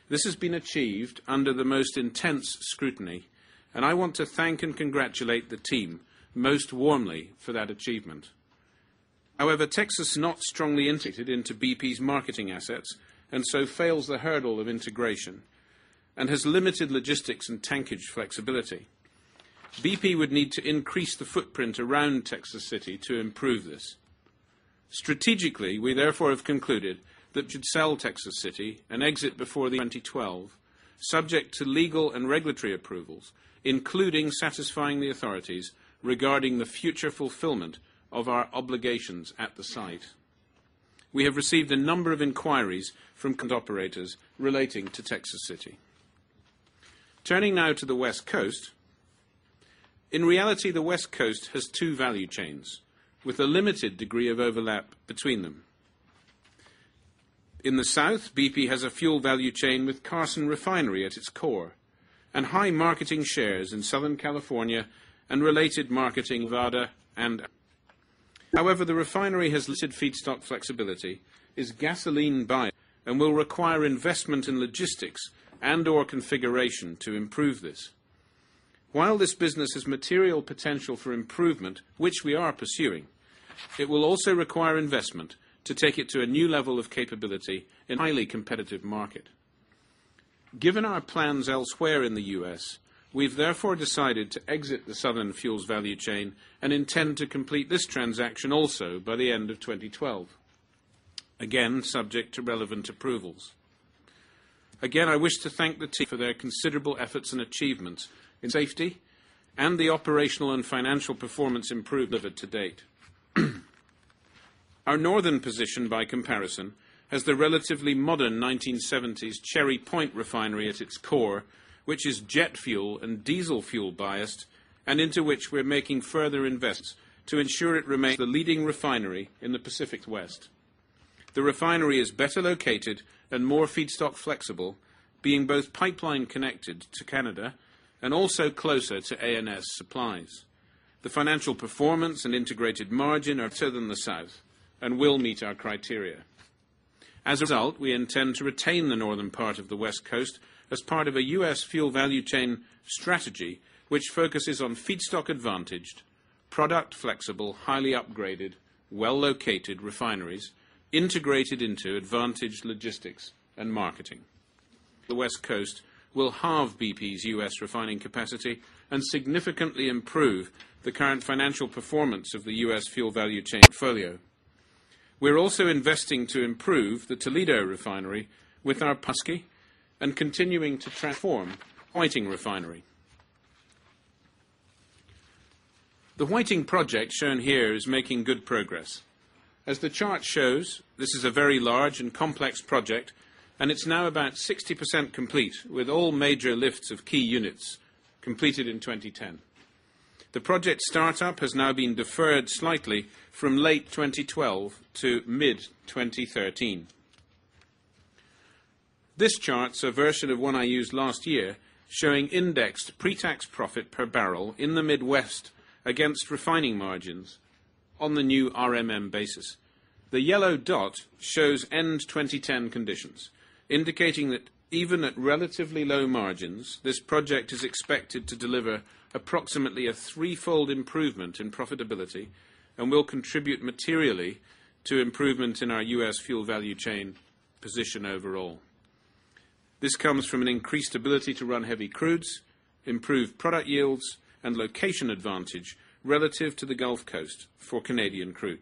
This has been achieved under the most intense scrutiny, and I want to thank and congratulate the team most warmly for that achievement. However, Texas is not strongly integrated into BP's marketing assets and so fails the hurdle of integration and has limited logistics and tankage flexibility. BP would need to increase the footprint around Texas City to improve this. Strategically, we therefore have concluded that it should sell Texas City and exit before 2012, subject to legal and regulatory approvals, including satisfying the authorities regarding the future fulfillment of our obligations at the site. We have received a number of inquiries from CANT operators relating to Texas City. Turning now to the West Coast. In reality, the West Coast has 2 value chains with a limited degree of overlap between them. In the South, BP has a fuel value chain with Carson Refinery at its core and high marketing shares in Southern California and related marketing VADA and A. However, the refinery has littered feedstock flexibility, is gasoline buying and will require investment in logistics and or configuration to improve this. While this business has material potential for improvement, which we are pursuing, it will also require investment to take it to a new level of capability in a highly competitive market. Given our plans elsewhere in the U. S, we've therefore decided to exit the Southern Fuels value chain and intend to complete this transaction also by the end of 2012, again subject to relevant approvals. Again, I wish to thank the team for their considerable efforts and achievements in safety and the operational and financial performance improvement to date. Our Northern position, by comparison, has the relatively modern 1970s Cherry Point refinery at its core, which is jet fuel and diesel fuel biased and into which we're making further investments to ensure it remains the leading refinery in the Pacific West. The refinery is better located and more feedstock flexible, being both pipeline connected to Canada and also closer to A and S Supplies. The financial performance and integrated margin are further than the south and will meet our criteria. As a result, we intend to retain the northern part of the West Coast as part of a U. S. Fuel value chain strategy, which focuses on feedstock advantaged, product flexible, highly upgraded, well located refineries integrated into advantaged logistics and marketing. The West Coast will halve BP's U. S. Refining capacity and significantly improve the current financial performance of the U. S. Fuel value chain portfolio. We're also investing to improve the Toledo refinery with our Pusqui and continuing to transform Whiting Refinery. The Whiting project shown here is making good progress. As the chart shows, this is a very large and complex project, and it's now about 60% complete with all major lifts of key units completed in 2010. The project start up has now been deferred slightly from late 2012 to mid-twenty 13. This chart is a version of 1 I used last year, showing indexed pretax profit per barrel in the Midwest against refining margins on the new RMM basis. The yellow dot shows end 2010 conditions, indicating that even at relatively low margins, this project is expected to deliver approximately a threefold improvement in profitability and will contribute materially to improvement in our U. S. Fuel value chain position overall. This comes from an increased ability to run heavy crudes, improved product yields and location advantage relative to the Gulf Coast for Canadian crude.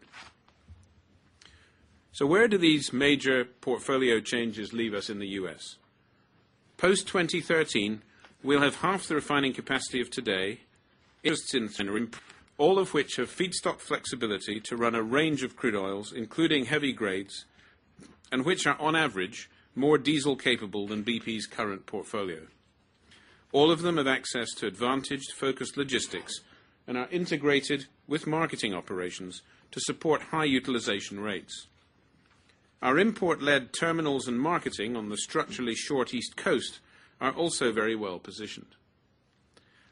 So where do these major portfolio changes leave us in the U. S? Post-twenty 13, we'll have half the refining capacity of today, more diesel capable than BP's current portfolio. All of them have access to advantaged focused logistics and are integrated with marketing operations to support high utilization rates. Our import led terminals and marketing on the structurally Short East Coast are also very well positioned.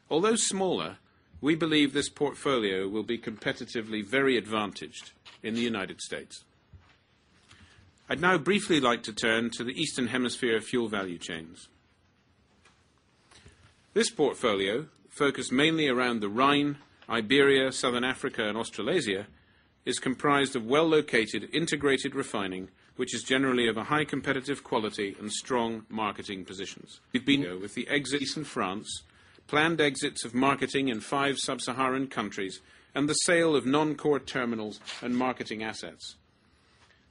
Although smaller, we believe this portfolio will be competitively very advantaged in the United States. I'd now briefly like to turn to the Eastern Hemisphere fuel value chains. This portfolio focused mainly around the Rhine, Iberia, Southern Africa and Australasia is comprised of well located integrated refining, which is generally of a high competitive quality and strong marketing positions. We've been with the exits in France, planned exits of marketing in 5 Sub Saharan countries and the sale of non core terminals and marketing assets.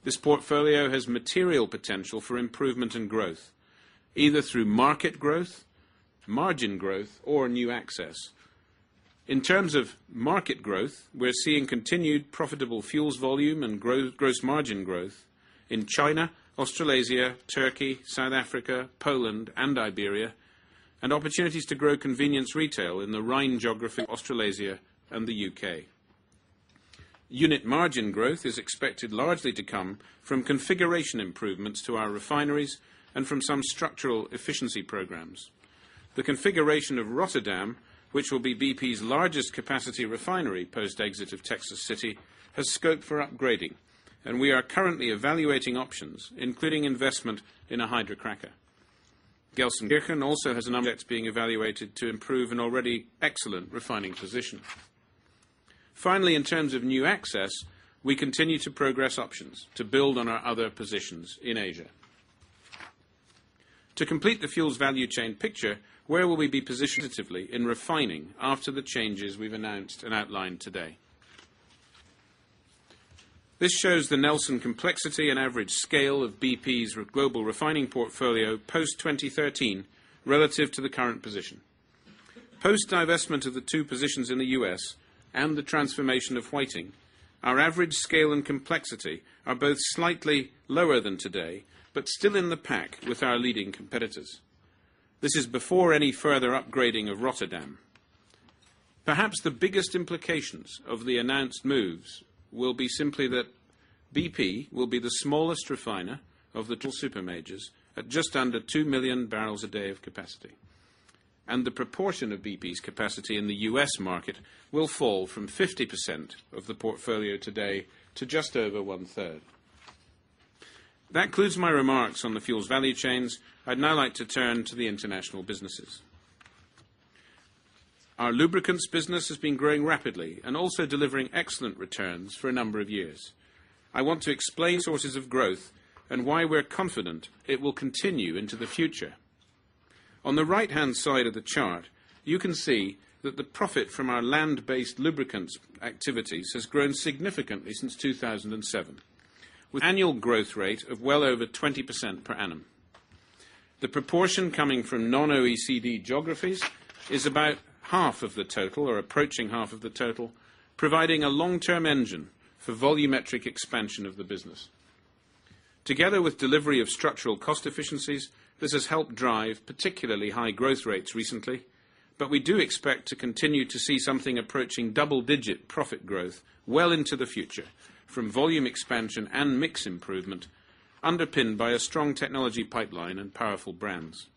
This portfolio has material potential for improvement and growth, either through market growth, margin growth or new access. In terms of market growth, we're seeing continued profitable fuels volume and gross margin growth in China, Australasia, Turkey, South Africa, Poland and Iberia and opportunities to grow convenience retail in the Rhine geography, Australasia and the U. K. Unit margin growth is expected largely to come from configuration improvements to our refineries and from some structural efficiency programs. The configuration of Rotterdam, which will be BP's largest capacity refinery post exit of Texas City, has scope for upgrading, and we are currently evaluating options, including investment in a hydrocracker. Gelsenkirchen also has an projects being evaluated to improve an already excellent refining position. Finally, in terms of new access, we continue to progress options to build on our other positions in Asia. To complete the fuels value chain picture, where will we be positionatively in refining after the changes we've announced and outlined today? This shows the Nelson complexity and average scale of BP's global refining portfolio post-twenty 13 relative to the current position. Post divestment of the two positions in the U. S. And the transformation of Whiting, our average scale and complexity are both slightly lower than today, but still in the pack with our leading competitors. This is before any further upgrading of Rotterdam. Perhaps the biggest implications of the announced moves will be simply that BP will be the smallest refiner of the 2 supermajors at just under 2,000,000 barrels a day of capacity. And the proportion of BP's capacity in the U. S. Market will fall from 50% of the portfolio today to just over onethree. That concludes my remarks on the fuels value chains. I'd now like to turn to the international businesses. Our Lubricants business has been growing rapidly and also delivering excellent returns for a number of years. I want to explain sources of growth and why we're confident it will continue into the future. On the right hand side of the chart, you can see that the profit from our land based lubricants activities has grown significantly since 2,007, with an annual growth rate of well over 20% per annum. The proportion coming from non OECD geographies is about half of the total or approaching half of the total, providing a long term engine for volumetric expansion of the business. Together with delivery of structural cost efficiencies, this has helped drive particularly high growth rates recently, but we do expect to continue to see something approaching double digit profit growth well into the future from volume expansion and mix improvement underpinned by a strong technology pipeline and powerful brands.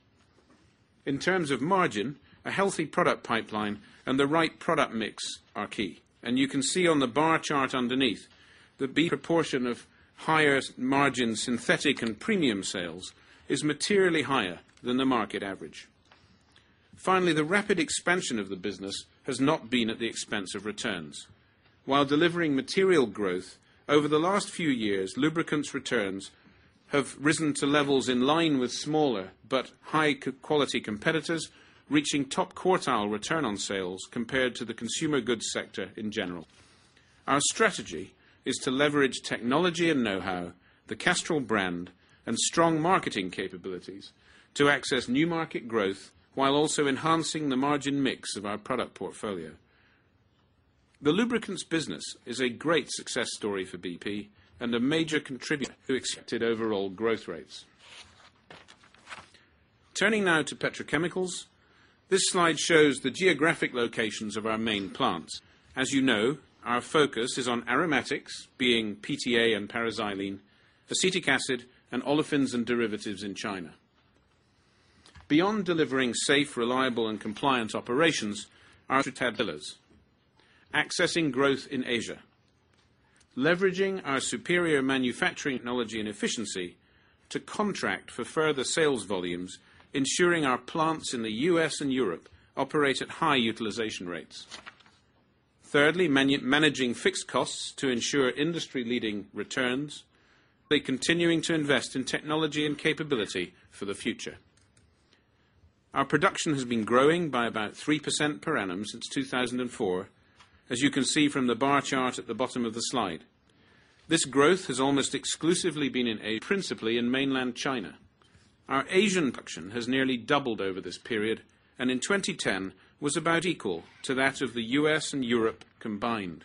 In terms of margin, a healthy product pipeline and the right product mix are key. And you can see on the bar chart underneath that the proportion of higher margin synthetic and premium sales is materially higher than the market average. Finally, the rapid expansion of the business has not been at the expense of returns. While delivering material growth, over the last few years, lubricants returns have risen to levels in line with smaller but high quality competitors, reaching top quartile return on sales compared to the consumer goods sector in general. Our strategy is to leverage technology and know how, the Castrol brand and strong marketing capabilities to access new market growth while also enhancing the margin mix of our product portfolio. The lubricants business is a great success story for BP and a major contributor to expected overall growth rates. Turning now to Petrochemicals. This slide shows the geographic locations of our main plants. As you know, our focus is on aromatics, being PTA and paraxylene, acetic acid and olefins and derivatives in China. Beyond delivering safe, reliable and compliant operations are our pillars: accessing growth in Asia leveraging our superior manufacturing technology and efficiency to contract for further sales volumes, ensuring our plants in the U. S. And Europe operate at high utilization rates thirdly, managing fixed costs to ensure industry leading returns by continuing to invest in technology and capability for the future. Our production has been growing by about 3% per annum since 2004, as you can see from the bar chart at the bottom of the slide. This growth has almost exclusively been principally in Mainland China. Our Asian production has nearly doubled over this period and in 2010 was about equal to that of the U. S. And Europe combined.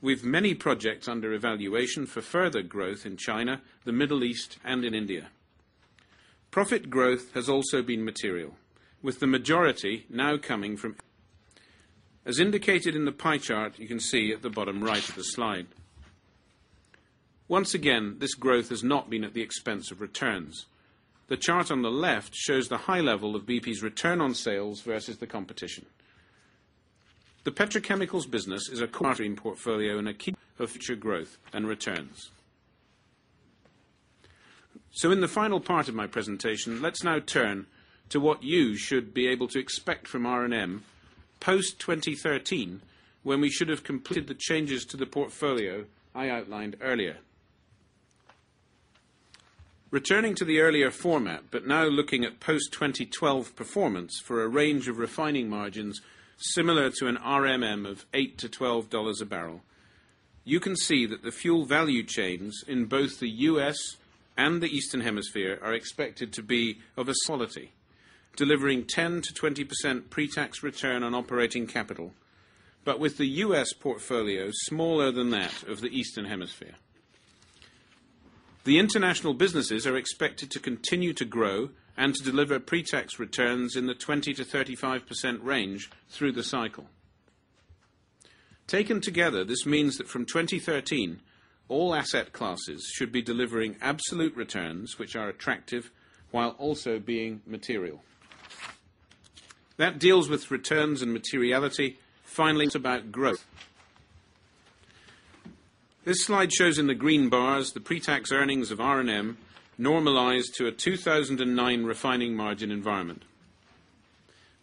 We've many projects under evaluation for further growth in China, the Middle East and in India. Profit growth has also been material, with the majority now coming from As indicated in the pie chart, you can see at the bottom right of the slide. Once again, this growth has not been at the expense of returns. The chart on the left shows the high level of BP's return on sales versus the competition. The petrochemicals business is a core operating portfolio and a key component of future growth and returns. So in the final part of my presentation, let's now turn to what you should be able to expect from R and M post 2013 when we should have completed the changes to the portfolio I outlined earlier. Returning to the earlier format, but now looking at post-twenty 12 performance for a range of refining margins similar to an RMM of $8 to $12 a barrel. You can see that the fuel value chains in both the U. S. And the Eastern Hemisphere are expected to be of a solidity, delivering 10% to 20% pretax return on operating capital, but with the U. S. Portfolio smaller than that of the Eastern Hemisphere. The international businesses are expected to continue to grow and to deliver pretax returns in the 20% to 35% range through the cycle. Taken together, this means that from 2013, all asset classes should be delivering absolute returns, which are attractive, while also being material. That deals with returns and materiality. Finally, it's about growth. This slide shows in the green bars the pretax earnings of R and M normalized to a 2,009 refining margin environment.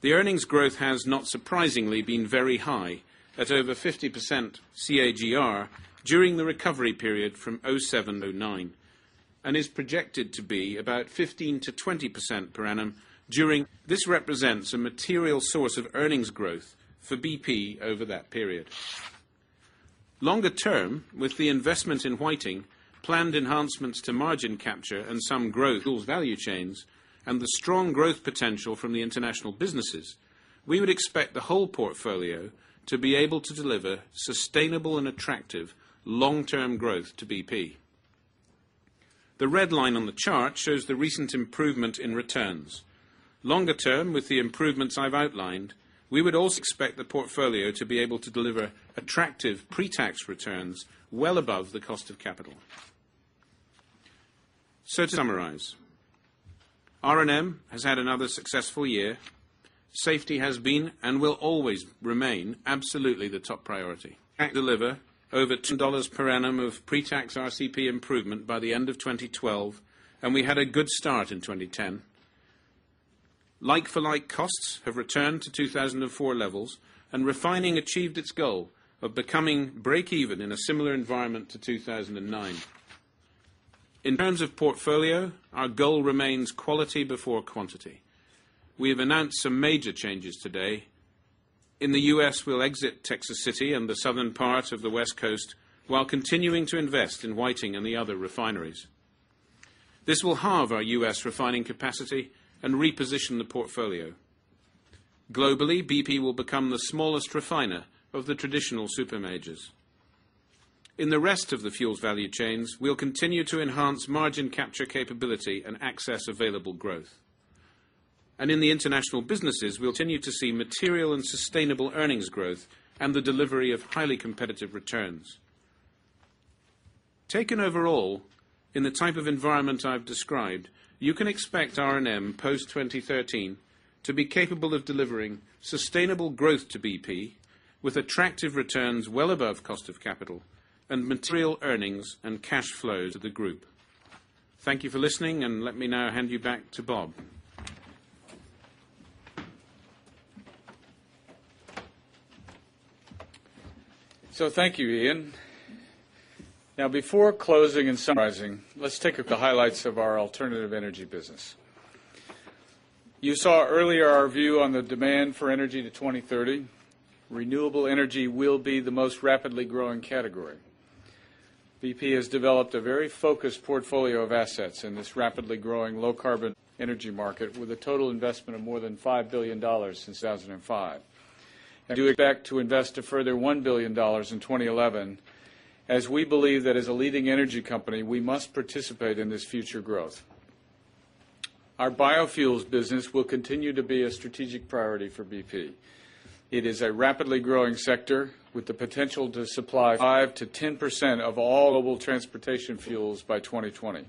The earnings growth has not surprisingly been very high at over 50% CAGR during the recovery period from 'seven-'nine and is projected to be about 15% to 20% per annum during the quarter. This represents a material source of earnings growth for BP over that period. Longer term, with the investments in Whiting, planned enhancements to margin capture and some growth in fuels value chains and the strong growth potential from the international businesses, we would expect the whole portfolio to be able to deliver sustainable and attractive long term growth to BP. The red line on the chart shows the recent improvement in returns. Longer term, with the improvements I've outlined, we would also expect the portfolio to be able to deliver attractive pretax returns well above the cost of capital. So to summarize, R and M has had another successful year. Safety has been and will always remain absolutely the top priority. We can deliver over $2 per annum of pretax RCP improvement by the end of 2012, and we had a good start in 2010. Like for like costs have returned to 2,004 levels, and refining achieved its goal of becoming breakeven in a similar environment to 2,009. In terms of portfolio, our goal remains quality before quantity. We have announced some major changes today. In the U. S, we'll exit Texas City and the southern part of the West Coast while continuing to invest in Whiting and the other refineries. This will halve our U. S. Refining capacity and reposition the portfolio. Globally, BP will become the smallest refiner of the traditional supermajors. In the rest of the fuels value chains, we'll continue to enhance margin capture capability and access available growth. And in the international businesses, we'll continue to see material and sustainable earnings growth and the delivery of highly competitive returns. Taken overall, in the type of environment I've described, you can expect R and M post-twenty 13 to be capable of delivering sustainable growth to BP with attractive returns well above cost of capital and material earnings and cash flow to the group. Thank you for listening, and let me now hand you back to Bob. So thank you, Ian. Now before closing and summarizing, let's take a look at the highlights of our alternative energy business. You saw earlier our view on the demand for energy to 2,030. Renewable energy will be the most rapidly growing category. BP has developed a very focused portfolio of assets in this rapidly growing low carbon energy market with a total investment of more than $5,000,000,000 since 1,005. And due respect to invest a further $1,000,000,000 in 20.11, as we believe that as a leading energy company, we must participate in this future growth. Our biofuels business will continue to be a strategic priority for BP. It is a rapidly growing sector with the potential to supply 5% to 10% of all oil transportation fuels by 2020.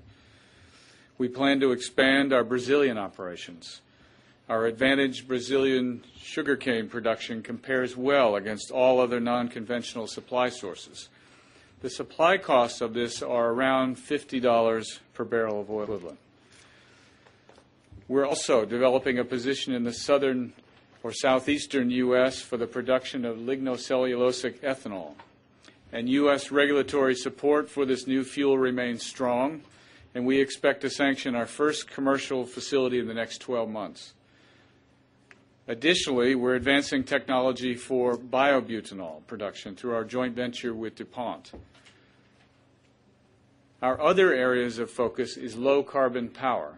We plan to expand our Brazilian operations. Our advantaged Brazilian sugarcane production compares well against all other non conventional supply sources. The supply costs of this are around $50 per barrel of oil equivalent. We're also developing a position in the Southern or southeastern U. S. For the production of lignocellulosic ethanol. And U. S. Regulatory support for this new fuel remains strong and we expect to sanction our 1st commercial facility in the next 12 months. Additionally, we're advancing technology for biobutanol production through our joint venture with DuPont. Our other areas of focus is low carbon power.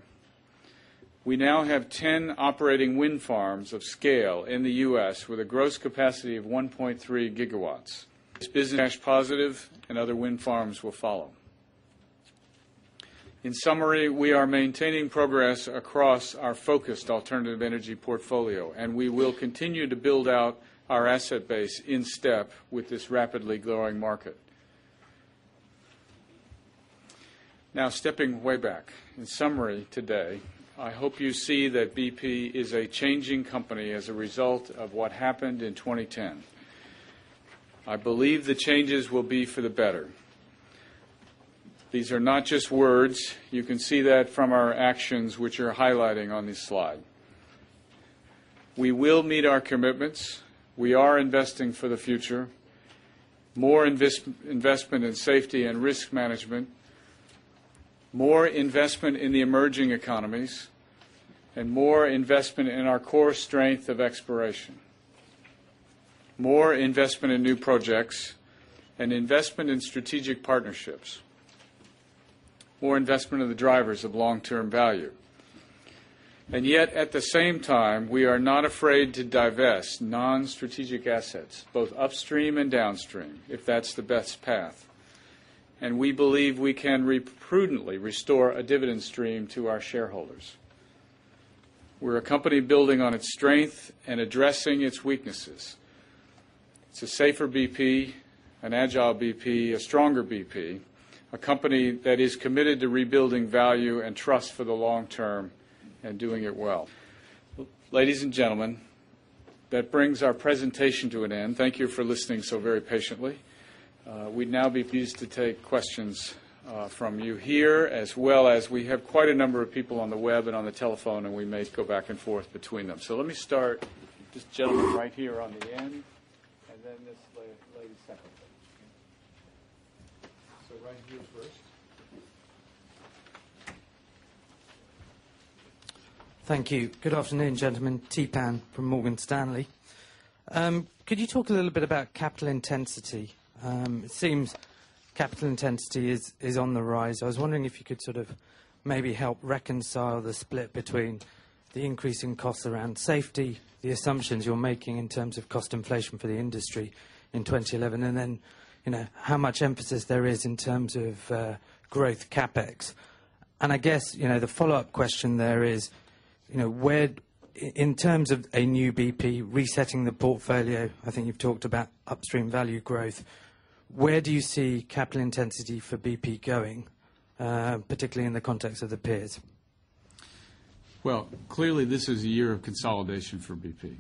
We now have 10 operating wind farms of scale in the U. S. With a gross capacity of 1.3 gigawatts. It's business cash positive and other wind farms will follow. In summary, we are maintaining progress across our focused alternative energy portfolio and we will continue to build out our asset base in step with this rapidly growing market. Now stepping way back. In summary today, I hope you see that BP is a changing company as a result of what happened in 2010. I believe the changes will be for the better. These are not just words. You can see that from our actions which are highlighting on this slide. We will meet our commitments. We are investing for the future. More investment in safety and risk management, more investment in the emerging economies and more investment in our core strength of exploration, more investment in new projects and investment in strategic partnerships, more investment of the drivers of long term value. And yet at the same time, we are not afraid to divest non strategic assets, both upstream and downstream, if that's the best path. And we believe we can prudently restore a dividend stream to our shareholders. We're a company building on its strength and addressing its weaknesses. It's a safer BP, an agile BP, a stronger BP, a company that is committed to rebuilding value and trust for the long term and doing it well. Ladies and gentlemen, that brings our presentation to an end. Thank you for listening so very patiently. We'd now be pleased to take questions from you here as well as we have quite a number of people on the web and on the telephone and we may go back and forth between them. So let me start, this gentleman right here on the end and then this lady's second. Thank you. Good afternoon, gentlemen. Tapan from Morgan Stanley. Could you talk a little bit about capital intensity? It seems capital intensity is on the rise. I was wondering if you could sort of maybe help reconcile the split between the increasing costs around safety, the assumptions you're making in terms of cost inflation for the industry in 2011. And then you know how much emphasis there is in terms of growth CapEx? And I guess you know the follow-up question there is where in terms of a new BP resetting the portfolio, I think you've talked about upstream value growth. Where do you see capital intensity for BP going, particularly in the context of the peers? Well, clearly this is a year of consolidation for BP.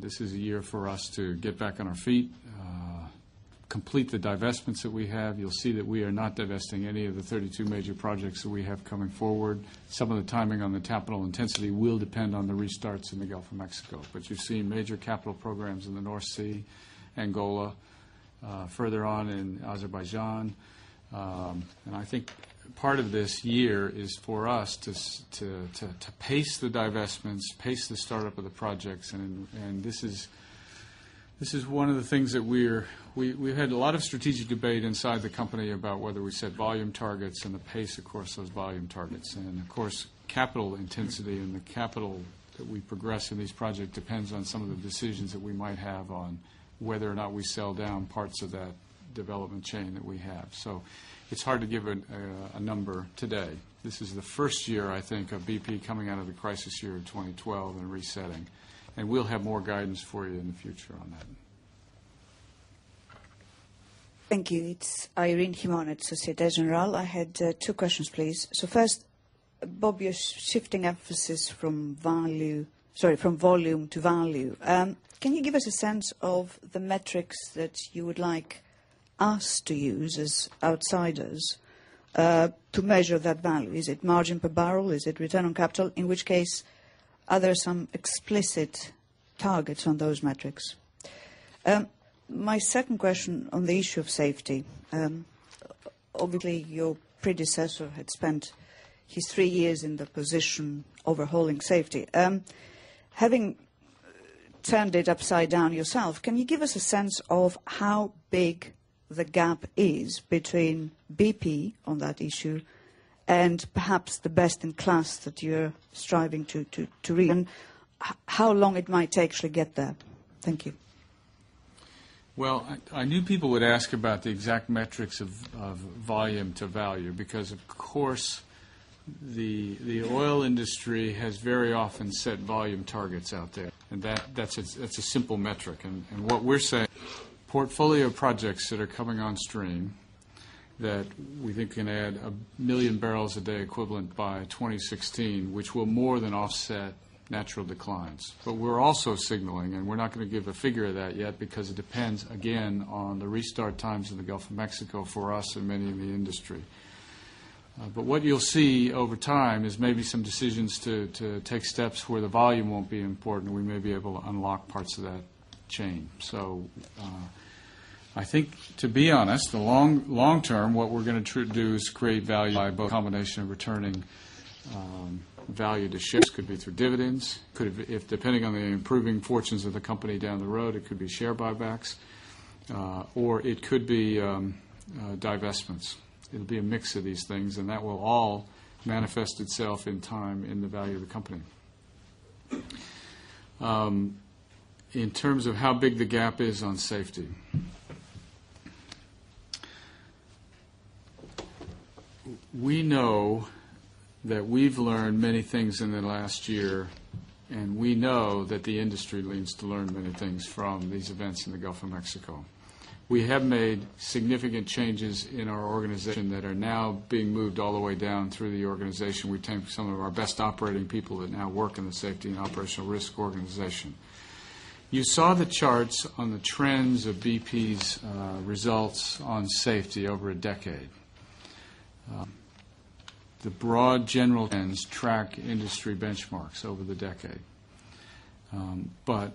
This is a year for us to get back on our feet, complete the divestments that we have. You'll see that we are not divesting any of the 32 major projects that we have coming forward. Some of the timing on the capital intensity will depend on the restarts in the Gulf of Mexico. But you've seen major capital programs in the North Sea, Angola, further on in Azerbaijan. And I think part of this year is for us to pace the divestments, pace the startup of the projects. And this is one of the things that we're we've had a lot of strategic debate inside the company about whether we set volume targets and the pace of course those volume targets. And of course, capital intensity and the capital that we progress in these projects depends on some of the decisions that we might have on whether or not we sell down parts of that development chain that we have. So it's hard to give a number today. This is the 1st year I think of BP coming out of the crisis year in 2012 and resetting. And we'll have more guidance for you in the future on that. Thank you. It's Irene Himon at Societe Generale. I had two questions, please. So first, Bob, you're shifting emphasis from volume to value. Can you give us a sense of the metrics that you would like us to use as outsiders to measure that value? Is it margin per barrel? Is it return on capital? In which case, are there some explicit targets on those metrics? My second question on the issue of safety. Obviously, your predecessor had spent his 3 years in the position overhauling safety. Having turned it upside down yourself, can you give us a sense of how big the gap is between BP on that issue and perhaps the best in class that you're striving to reach? And how long it might take to get there? Thank you. Well, I knew people would ask about the exact metrics of volume to value because of course, the oil industry has very often set volume targets out there and that's a simple metric. And what we're saying portfolio projects that are coming on stream that we think can add 1,000,000 barrels a day equivalent by 2016, which will more than offset natural declines. But we're also signaling and we're not going to give a figure of that yet because it depends again on the restart times in the Gulf of Mexico for us and many in the industry. But what you'll see over time is maybe some decisions to take steps where the volume won't be important. We may be able to unlock parts of that chain. So I think to be honest, the long term what we're going to do is create value by both combination of returning value to ships could be through dividends, could have if depending on the improving fortunes of the company down the road, it could be share buybacks or it could be divestments. It will be a mix of these things and that will all manifest itself in time in the value of the company. In terms of how big the gap is on safety, we know that we've learned many things in the last year and we know that the industry needs to learn many things from these events in the Gulf of Mexico. We have made significant changes in our organization that are now being moved all the way down through the organization. We take some of our best operating people that now work in the safety and Operational Risk Organization. You saw the charts on the trends of BP's results on safety over a decade. The broad general trends track industry benchmarks over the decade. But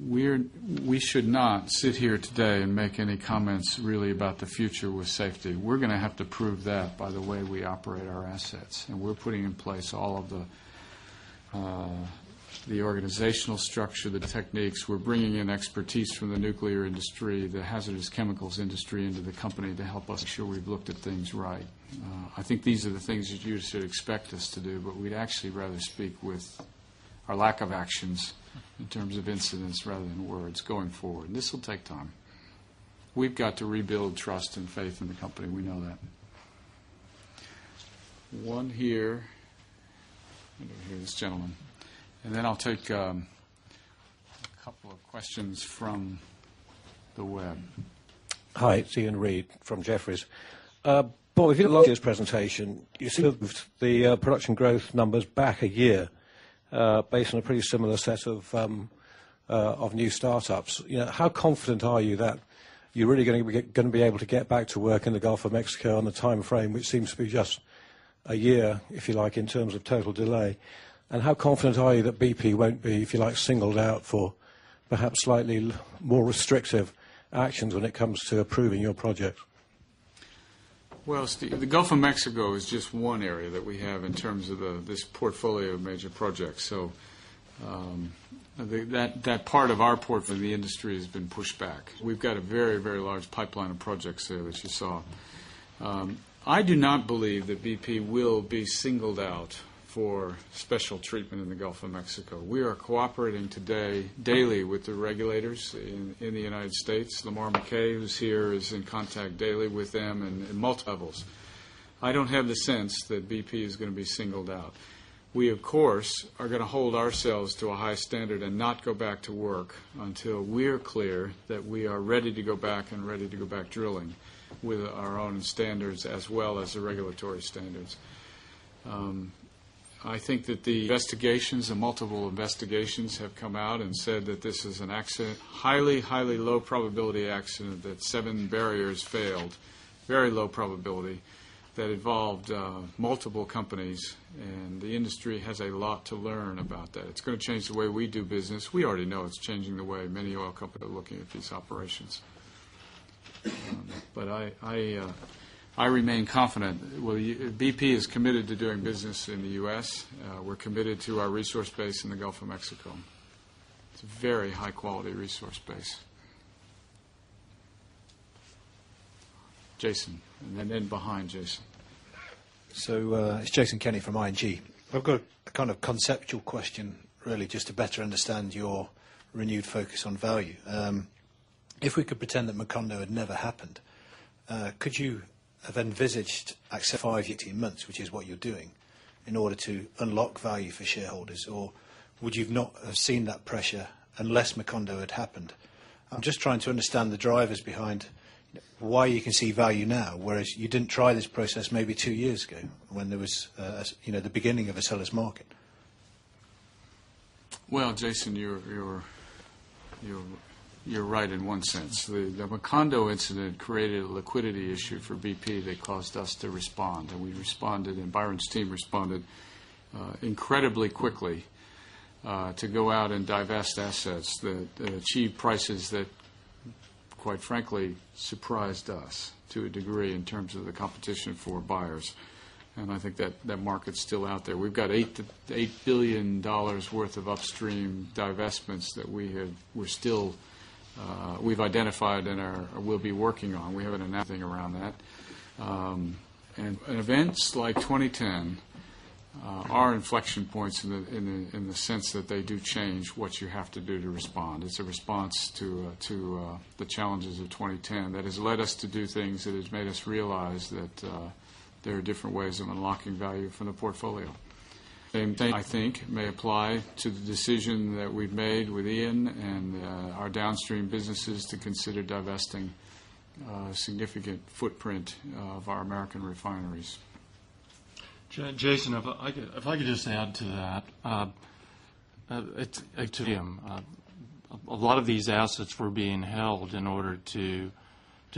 we're we should not sit here today and make any comments really about the future with safety. We're going to have to prove that by the way we operate our assets And we're putting in place all of the organizational structure, the techniques, we're bringing in expertise from the nuclear industry, the hazardous chemicals industry into the company to help us make sure we've looked at things right. I think these are the things that you should expect us to do, but we'd actually rather speak with our lack of actions in terms of incidents rather than words going forward. And this will take time. We've got to rebuild trust and faith in the company, we know that. One here, this gentleman. And then I'll take a couple of questions from the web. Hi, it's Ian Reid from Jefferies. Bob, if you look at this presentation, you've moved the production growth numbers back a year based on a pretty similar set of new start ups. How confident are you that you're really going to be able to get back to work in the Gulf of Mexico on the time frame, which seems to be just a year, if you like, in terms of total delay? And how confident are you that BP won't be, if you like, singled out for perhaps slightly more restrictive actions when it comes to approving your project? Well, Steve, the Gulf of Mexico is just one area that we have in terms of this portfolio of major projects. So that part of our portfolio in the industry has been pushed back. We've got a very, very large pipeline of projects there as you saw. I do not believe that BP will be singled out for special treatment in the Gulf of Mexico. We are cooperating today daily with the regulators in the United States. Lamar McKay who is here is in contact daily with them in multiples. I don't have the sense that BP is going to be singled out. We of course are going to hold ourselves to a high standard and not go back to work until we are clear that we are ready to go back and ready to go back drilling with our own standards as well as the regulatory standards. I think that the investigations and multiple investigations have come out and said that this is an accident, highly, highly low probability accident that 7 barriers failed, very low probability that involved multiple companies. And the industry has a lot to learn about that. It's going to change the way we do business. We already know it's changing the way many oil companies are looking at these operations. But I remain confident. BP is committed to doing business in the U. S. We're committed to our resource base in the Gulf of Mexico. It's a very high quality resource base. Jason, and then in behind, Jason. So it's Jason Kenney from ING. I've got a kind of conceptual question really just to better understand your renewed focus on value. If we could pretend that Macondo had never happened, could you have envisaged AXA 5 18 months, which is what you're doing, in order to unlock value for shareholders? Or would you have not seen that pressure unless Macondo had happened? I'm just trying to understand the drivers behind why you can see value now, whereas you didn't try this process maybe 2 years ago when there was the beginning of a seller's market? Well, Jason, you're right in one sense. The Macondo incident created a liquidity issue for BP that caused us to respond. And we responded and Byron's team responded incredibly quickly to go out and divest assets that achieve prices that quite frankly surprised us to a degree in terms of the competition for buyers. And I think that market is still out there. We've got $8,000,000,000 worth of upstream divestments that we have we're still we've identified and we'll be working on. We haven't had nothing around that. And events like 2010 are inflection points in the sense that they do change what you have to respond. It's a response to the challenges of 2010 that has led us to do things that has made us realize that there are different ways of unlocking value for the portfolio. Same thing I think may apply to the decision that we've made with Ian and our downstream businesses to consider divesting significant footprint of our American refineries. Jason, if I could just add to that. A lot of these assets were being held in order to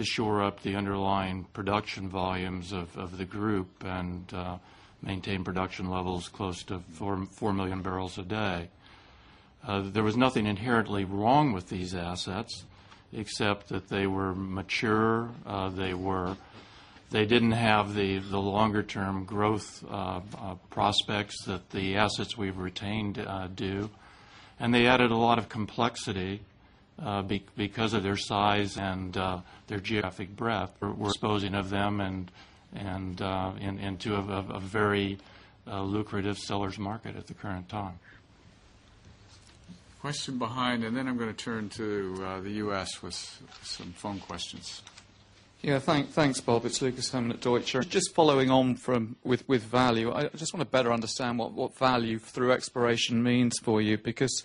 shore up the underlying production volumes of the group and maintain production levels close to 4,000,000 barrels a day. There was nothing inherently wrong with these assets except that they were mature. They were they didn't have the longer term growth prospects that the assets we've retained do. And they added a lot of complexity because of their size and their geographic breadth. We're exposing of them and into a very lucrative sellers market at the current time. Question behind and then I'm going to turn to the U. S. With some phone questions. Yes. Thanks, Bob. It's Lucas Hermann at Deutsche. Just following on from with value, I just want to better understand what value through exploration means for you because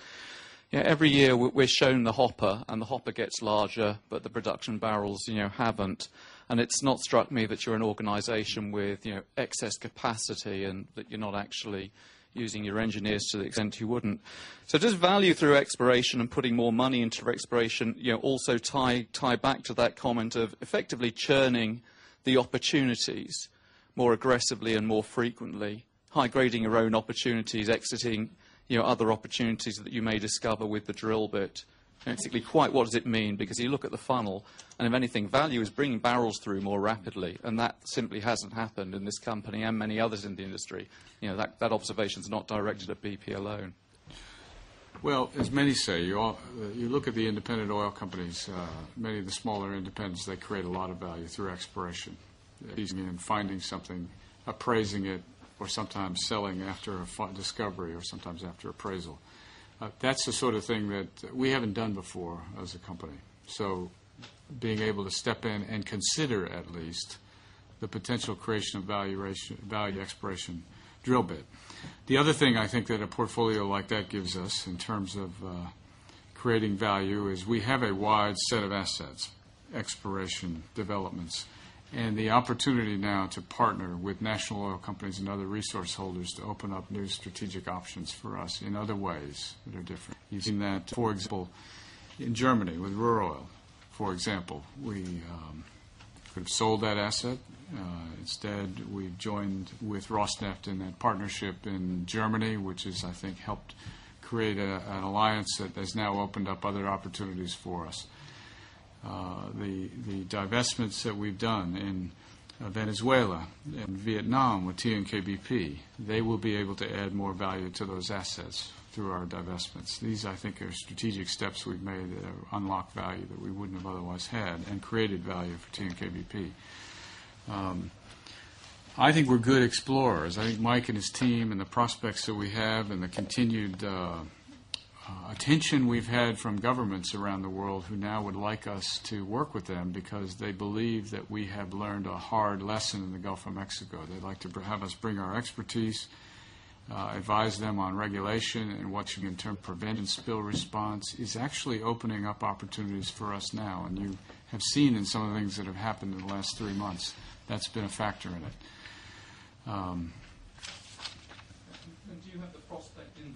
every year we're shown the hopper and the hopper gets larger, but the production barrels haven't. And it's not struck me that you're an organization with excess capacity and that you're not actually using your engineers to the extent you wouldn't. So does value through exploration and putting more money into exploration also tie back to that comment of effectively churning the opportunities more aggressively and more frequently, high grading your own opportunities, exiting other opportunities that you may discover with the drill bit. Basically, quite what does it mean because you look at the funnel and if anything, value is bringing barrels through more rapidly and that simply hasn't happened in this company and many others in the industry. That observation is not directed at BP alone. Well, as many say, you look at the independent oil companies, many of the smaller independents, they create a lot of value through exploration, easing and finding something, appraising it or sometimes selling after a discovery or sometimes after appraisal. That's the sort of thing that we haven't done before as a company. So being able to step in and consider at least the potential creation of valuation value exploration drill bit. The other thing I think that a portfolio like that gives us in terms of creating value is we have a wide set of assets exploration developments and the opportunity now to partner with national oil companies and other resource holders to open up new strategic options for us in other ways that are different. Using that, for example, in Germany with rural, for example, we could have sold that asset. Instead, we joined with Rosneft in partnership in Germany, which is I think helped create an alliance that has now opened up other opportunities for us. The divestments that we've done in Venezuela and Vietnam with TNKBP, they will be able to add more value to those assets through our divestments. These I think are strategic steps we've made to unlock value that we wouldn't have otherwise had and created value for TNKBP. I think we're good explorers. I think Mike and his team and the prospects that we have and the continued attention we've had from governments around the world who now would like us to work with them because they believe that we have learned a hard lesson in the Gulf of Mexico. They'd like to have us bring our expertise, advise them on regulation and what you can term prevent and spill response is actually opening up opportunities for us now. And you have seen in some of the things that have happened in the last 3 months, that's been a factor in it. Do you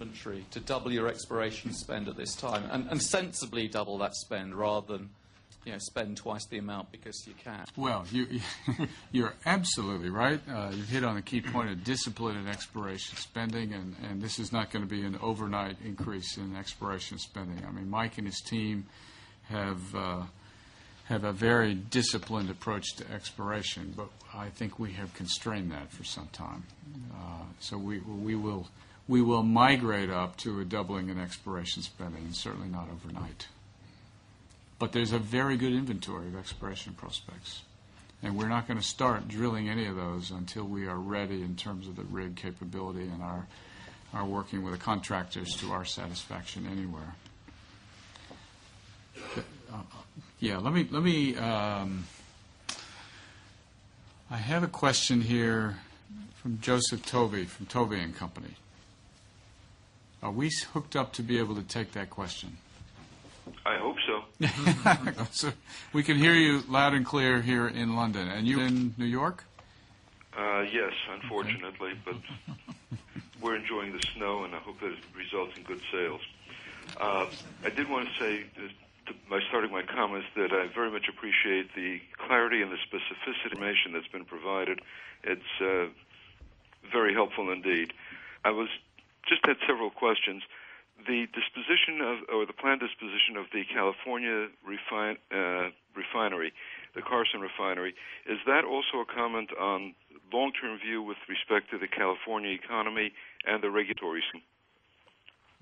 have the prospect inventory to double your exploration spend at this time and sensibly double that spend rather than spend twice the amount because you can't. Well, you're absolutely right. You hit on a key point of discipline in exploration spending, and this is not going to be an overnight increase in exploration spending. I mean, Mike and his team have a very disciplined approach to exploration. But I think we have constrained that for some time. So we will migrate up to a doubling in exploration spending and certainly not overnight. But there's a very good inventory of exploration prospects. And we're not going to start drilling any of those until we are ready in terms of the rig capability and are working with the contractors to our satisfaction anywhere. Yes, let me I have a question here from Joseph Tovey from Tovey and Company. Are we hooked up to be able to take that question? I hope so. We can hear you loud and unfortunately. But we're enjoying the snow and I hope that results in good sales. I did want to say that by starting my comments that I very much appreciate the clarity and the specificity that's been provided. It's very helpful indeed. I was just had several questions. The disposition of or the planned disposition of the California refinery, the Carson refinery, is that also a comment on long term view with respect to the California economy and the regulatory? Scene?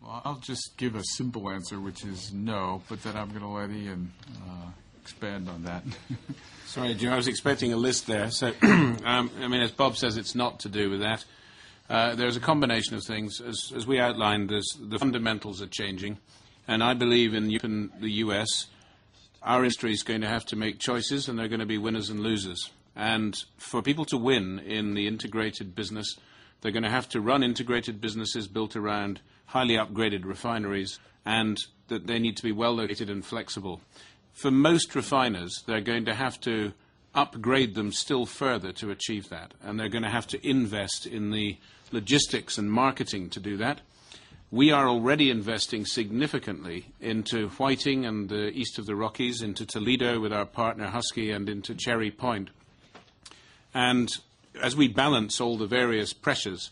Well, I'll just give a simple answer, which is no, but then I'm going to let Ian expand on that. Sorry, Jim. I was expecting a list there. So I mean, as Bob says, it's not to do with that. There's a combination of things. As we outlined, the fundamentals are changing. And I believe in the U. S, our industry is going to have to make choices, and there are going to be winners and losers. And for people to win in the integrated business, they're going to have to run integrated businesses built around highly upgraded refineries and that they need to be well located and flexible. For most refiners, they're going to have to upgrade them still further to achieve that, and they're going to have to invest in the logistics and marketing to do that. We are already investing significantly into Whiting and the East of the Rockies, into Toledo with our partner Husky and into Cherry Point. And as we balance all the various pressures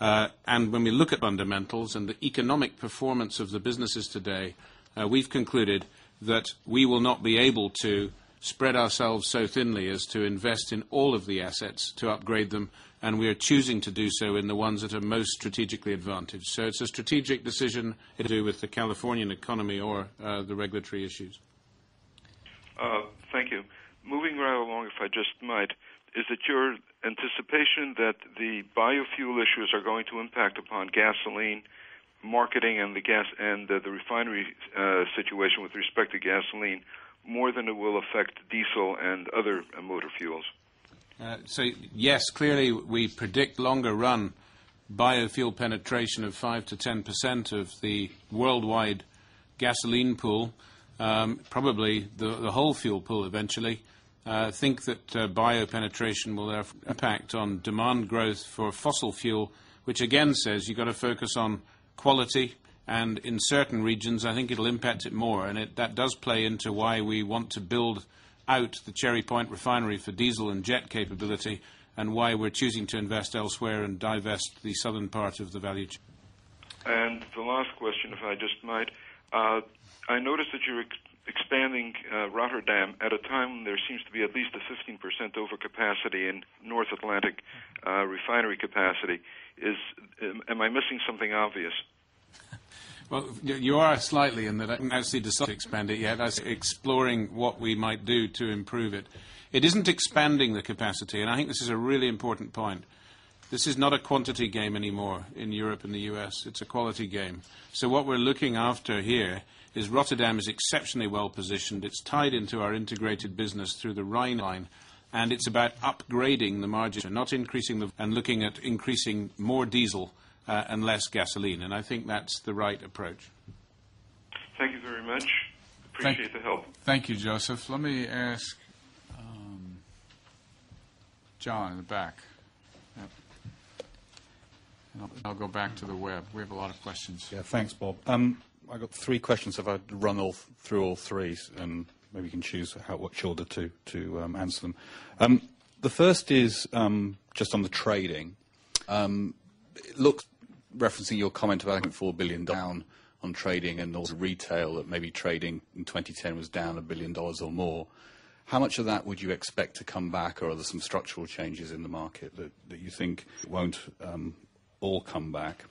and when we look at fundamentals and the economic performance of the businesses today, we've concluded that we will not be able to spread ourselves so thinly as to invest in all of the assets to upgrade them, and we are choosing to do so in the ones that are most strategically advantaged. So it's a strategic decision to do with the Californian economy or the regulatory issues. Moving right along, if I just might, is it your anticipation that the biofuel issues are going to impact upon gasoline marketing and the gas and the refinery situation with respect to gasoline more than it will affect diesel and other motor fuels? So yes, clearly, we predict longer run biofuel penetration of 5% to 10% of the worldwide gasoline pool, probably the whole fuel pool eventually, think that bio penetration will have a pact on demand growth for fossil fuel, which again says you got to focus on quality. And in certain regions, I think it will impact it more. And that does play into why we want to build out the Cherry Point refinery for diesel and jet capability and why we're choosing to invest elsewhere and divest the southern part of the value chain. And the last question, if I just might. I noticed that you're expanding Rotterdam at a time when there seems to be at least a 15% overcapacity in North Atlantic refinery capacity. Is am I missing something obvious? Well, you are slightly in that I can't actually decide to expand it yet. That's exploring what we might do to improve it. It isn't expanding the capacity, and I think this is a really important point. This is not a quantity game anymore in Europe and the U. S. It's a quality game. So what we're looking after here is Rotterdam is exceptionally well positioned. It's tied into our integrated business through the Rhine line, And it's about upgrading the margins and not increasing the and looking at increasing more diesel and less gasoline. And I think that's the right approach. Thank you very much. Appreciate the help. Thank you, Joseph. Let me ask John in the back. I'll go back to the web. We have a lot of questions. Yes, thanks Bob. I've got 3 questions if I run through all 3 and maybe you can choose how much order to answer them. The first is just on the trading. Look, referencing your comment about $4,000,000,000 down on trading and also retail that maybe trading in 2010 was down $1,000,000,000 or more. How much of that would you expect to come back or are there some structural changes in the market that you think won't all come back?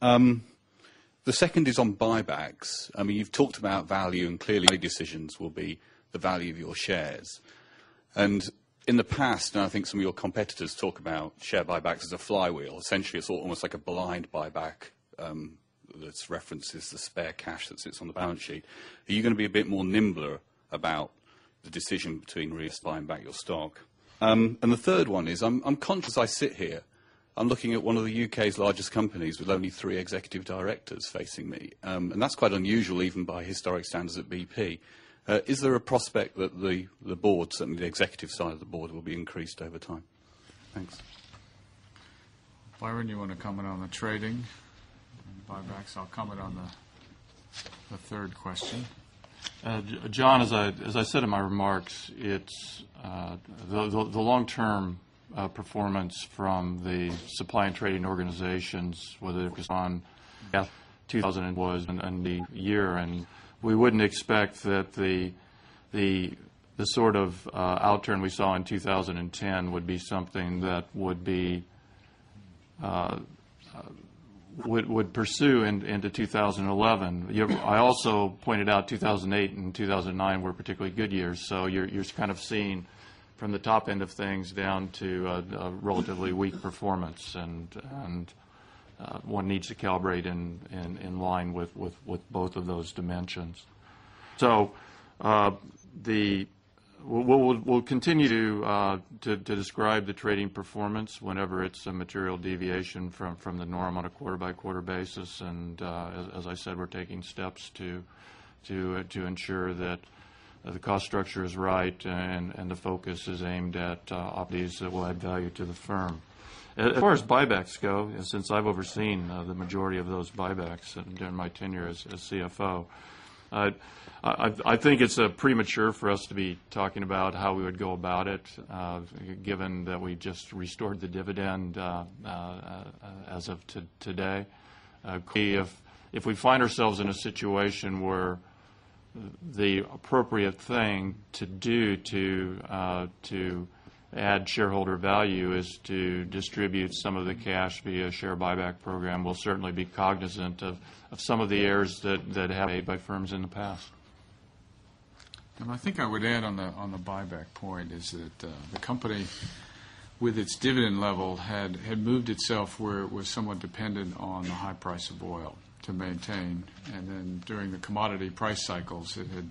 The second is on buybacks. I mean, you've talked about value and clearly decisions will be the value of your shares. And in the past, and I think some of your competitors talk about share buybacks as a flywheel, essentially it's almost like a blind buyback that references the spare cash that sits on the balance sheet. Are you going to be a bit more nimbler about the decision between reaspying back your stock? And the third one is, I'm conscious I sit here. I'm looking at one of the UK's largest companies with only 3 executive directors facing me. And that's quite unusual even by historic standards at BP. Is there a prospect that the Board, certainly the executive side of the Board will be increased over time? Thanks. Byron, you want to comment on the trading and buybacks? I'll comment on the third question. John, as I said in my remarks, it's the long term performance from the supply and trading organizations whether it was on in the year. And we wouldn't expect that the sort of outturn we saw in 2010 would be something that would be would pursue into 2011. I also pointed out 2,008 and 2,009 were particularly good years. So you're kind of seeing from the top end of things down to relatively weak performance and one needs to calibrate in line with both of those dimensions. So, the we'll continue to describe the trading performance whenever it's a material deviation from the norm on a quarter by quarter basis. And as I said, we're taking steps to ensure that the cost structure is right and the focus is aimed at, these will add value to the firm. As far as buybacks go, since I've overseen the majority of those buybacks during my tenure as CFO, I think it's premature for us to be talking about how we would go about it given that we just restored the dividend as of today. If we find ourselves in a situation where the appropriate thing to do to add shareholder value is to distribute some of the cash via share buyback program. We'll certainly be cognizant of some of the errors that have made by firms in the past. And I think I would add on the buyback point is that the company with its dividend level had moved itself where it was somewhat dependent on the high price of oil to maintain. And then during the commodity price cycles, it had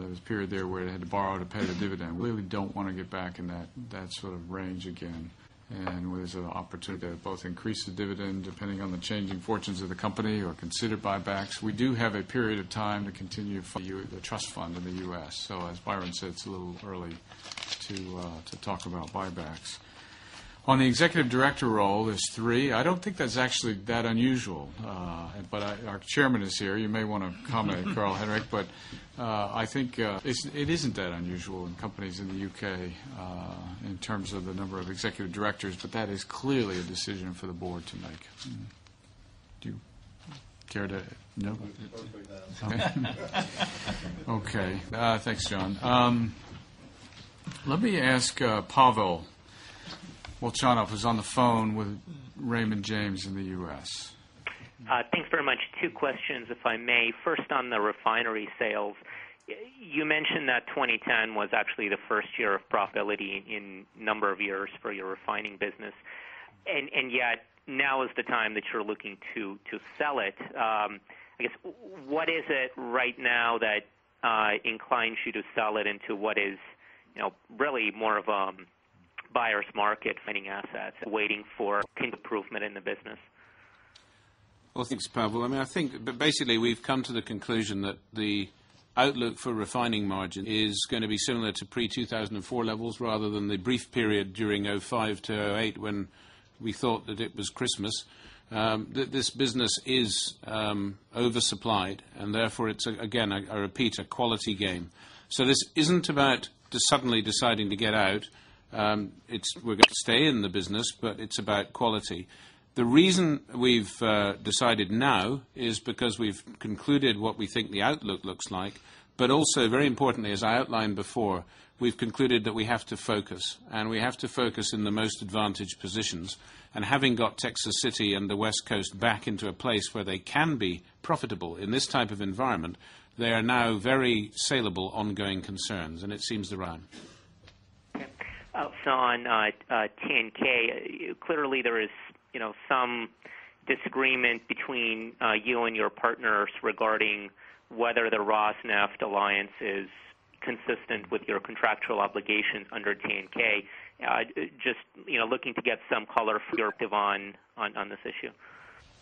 there was a period there where they had to borrow to pay the dividend. We really don't want to get back in that sort of range again. And there's an opportunity to both increase the dividend depending on the changing fortunes of the company or consider buybacks. We do have a period of time to continue for the trust fund in the U. S. So as Byron said, it's a little early to talk about buybacks. On the Executive Director role, there's 3. I don't think that's actually that unusual. But our Chairman is here. You may want to comment Karl Henrik, but I think it isn't that unusual in companies in the UK in terms of the number of Executive Directors, but that is clearly a decision for the Board to make. Do you care to no? Okay. Thanks, John. Let me ask Pavel, well, Johnoff is on the phone with Raymond James in the U. S. Thanks very much. Two questions if I may. First on the refinery sales, you mentioned that 2010 was actually the 1st year of profitability in number of years for your refining business. And yet now is the time that you're looking to sell it. I guess, what is it right now that inclines you to sell it into what is really more of buyer's market, finding assets, waiting for improvement in the business? Well, thanks Pavel. I mean, I think but basically, we've come to the conclusion that the outlook for refining margin is going to be similar to pre-two thousand and four levels rather than the brief period during 'five to 'eight when we thought that it was Christmas, this business is oversupplied. And therefore, it's, again, I repeat, a quality game. So this isn't about just suddenly deciding to get out. It's we're going to stay in the business, but it's about quality. The reason we've decided now is because we've concluded what we think the outlook looks like. But also, very importantly, as I outlined before, we've concluded that we have to focus, and we have to focus in the most advantaged positions. And having got Texas City and the West Coast back into a place where they can be profitable in this type of environment, they are now very saleable ongoing concerns, and it seems they're right. Sean, 10 ks, clearly, there is some disagreement between you and your partners regarding whether the Ross Neft alliance is consistent with your contractual obligation under 10 ks. Just looking to get some color for you, on this issue.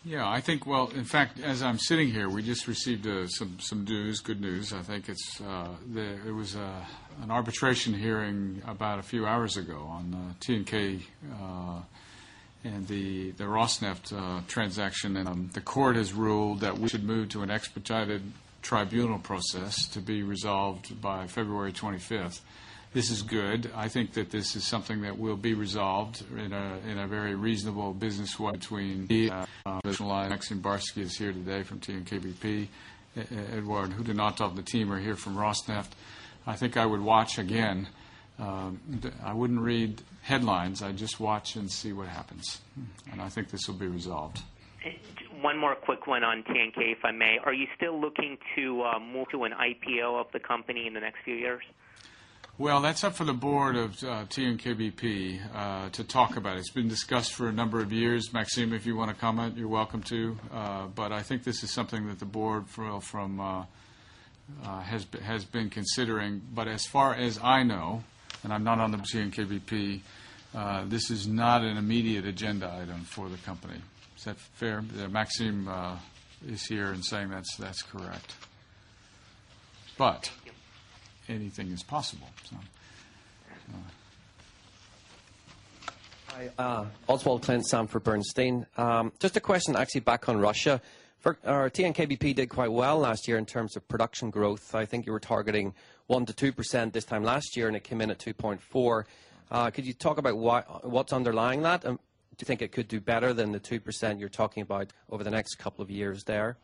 Yes, I think well, in fact, as I'm sitting here, we just received some news, good news. I think it's there was an arbitration hearing about a few hours ago on TNK and the Ross Neft transaction. And the court has ruled that we should move to an expedited tribunal process to be resolved by February 25. This is good. I think that this is something that will be resolved in a very reasonable business between the line. Maxine Barsky is here today from TNKBP. Edouard, who did not talk to the team or here from Rosneft. I think I would watch again. I wouldn't read headlines, I just watch and see what happens. And I think this will be resolved. One more quick one on 10 ks if I may. Are you still looking to move to an IPO of the company in the next few years? Well, that's up for the Board of TNKBP to talk about. It's been discussed for a number of years. Maxime, if you want to comment, you're welcome to. But I think this is something that the Board from has been considering. But as far as I know, and I'm not on the CNKBP, this is not an immediate agenda item for the company. Is that fair? Maxime is here and saying that's correct. But anything is possible. Oswald Clint, Sam for Bernstein. Just a question actually back on Russia. For our TNKBP did quite well last year in terms of production growth. I think you were targeting 1% to 2% this time last year and it came in at 2.4%. Percent. Could you talk about what's underlying that? Do you think it could do better than the 2% you're talking about over the next couple of years there?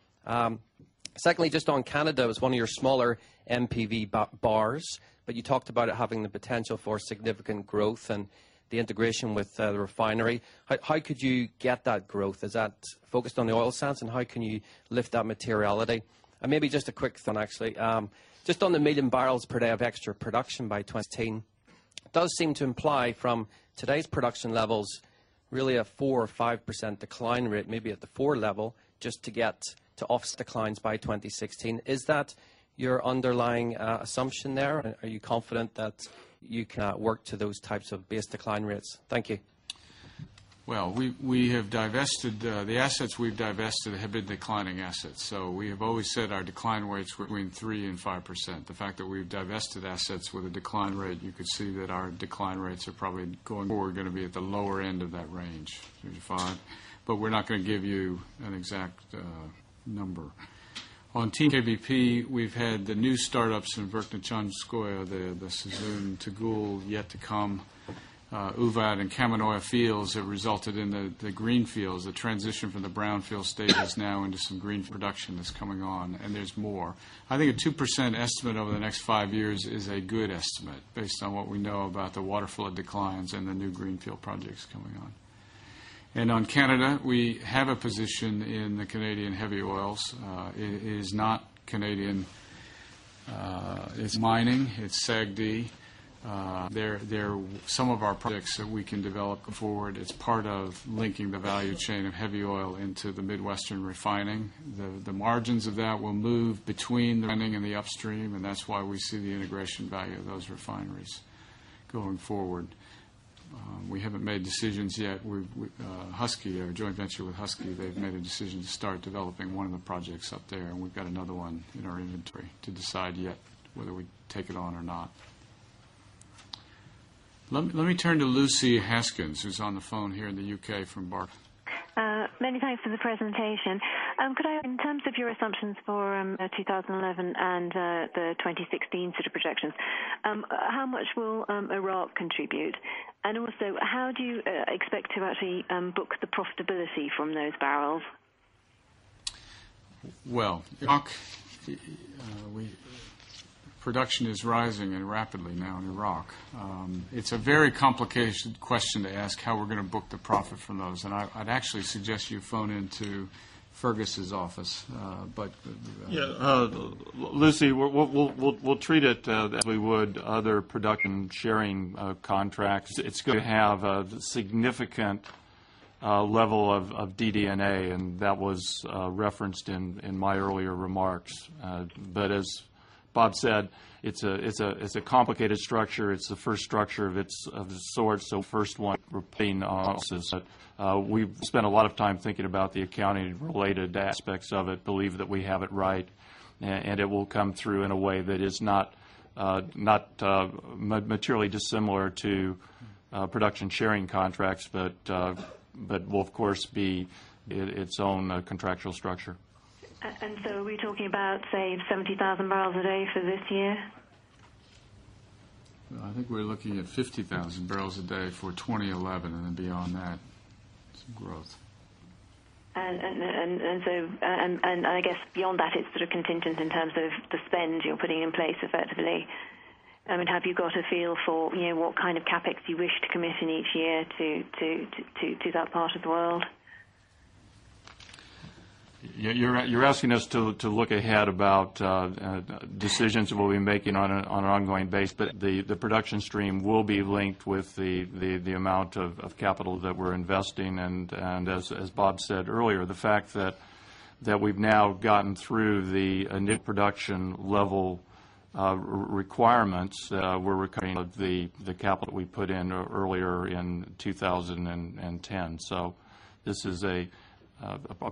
Secondly, just on Canada, it was one of your smaller NPV bars, but you talked about it having the potential for significant growth and the integration with the refinery. How could you get that growth? Is that focused on the oil sands and how can you lift that materiality? Maybe just a quick one actually. Just on the medium barrels per day of extra production by 2016, it does seem to imply from today's production levels really a 4% or 5% decline rate maybe at the 4% level just to get to office declines by 2016. Is that your underlying assumption there? Are you confident that you can work to those types of base decline rates? Thank you. Well, we have divested the assets we've divested have been declining assets. So we have always said our decline rates between 3% 5%. The fact that we've divested assets with a decline rate, you could see that our decline rates are probably going to be at the lower end of that range. But we're not going to give you an exact number. On TKBP, we've had the new startups in Wirtan, Chanskoa, the Suzune, Tagool, yet to come. Uvat and Kamanoya fields have resulted in the greenfields, the transition from the brownfield stage is now into some green production production that's coming on and there's more. I think a 2% estimate over the next 5 years is a good estimate based on what we know about the waterflood declines and the new greenfield projects coming on. And on Canada, we have a position in the Canadian heavy oils. It is not Canadian, it's mining, it's SAGD. There are some of our projects that we can develop forward. It's part of linking the value chain of heavy oil into the Midwestern refining. The margins of that will move between the trending and the upstream and that's why we see the integration value of those refineries going forward. We haven't made decisions yet. Husky, they're a joint venture with Husky. They've made a decision to start developing up there and we've got another one in our inventory to decide yet whether we take it on or not. Let me turn to Lucy Haskins, who's on the phone here in the U. K. From Barclays. Many thanks for the presentation. Could I ask in terms of your assumptions for 2011 and the 2016 sort of projections, how much will Iraq contribute? And also how do you expect to actually book the profitability from those barrels? Well, production is rising and rapidly now in Iraq. It's a very complicated question to ask how we're going to book the profit from those. And I'd actually suggest you phone into Fergus's office. But Yes. Lucy, we'll treat it as we would other production sharing contracts. It's going to have a significant level of DD and A and that was referenced in my earlier remarks. But as Bob said, it's a complicated structure. It's the first structure of the sort. So first one, we've spent a lot of time thinking about the accounting related aspects of it, believe that we have it right and it will come through in a way that is not materially dissimilar to production sharing contracts, but will of course be its own contractual structure. And so are we talking about say 70,000 barrels a day for this year? I think we're looking at 50,000 barrels a day for 2011 and beyond that growth. And so and I guess beyond that it's sort of contingent in terms of the spend you're putting in place effectively. I mean, have you got a feel for what kind of CapEx you wish to commission each year to that part of the world? You're asking us to look ahead about decisions we'll be making on an ongoing base. But the production stream will be linked with the amount of capital that we're investing. And as Bob said earlier, the fact that we've now gotten through the new production level requirements, we're recovering the capital we put in earlier in 2010. So this is a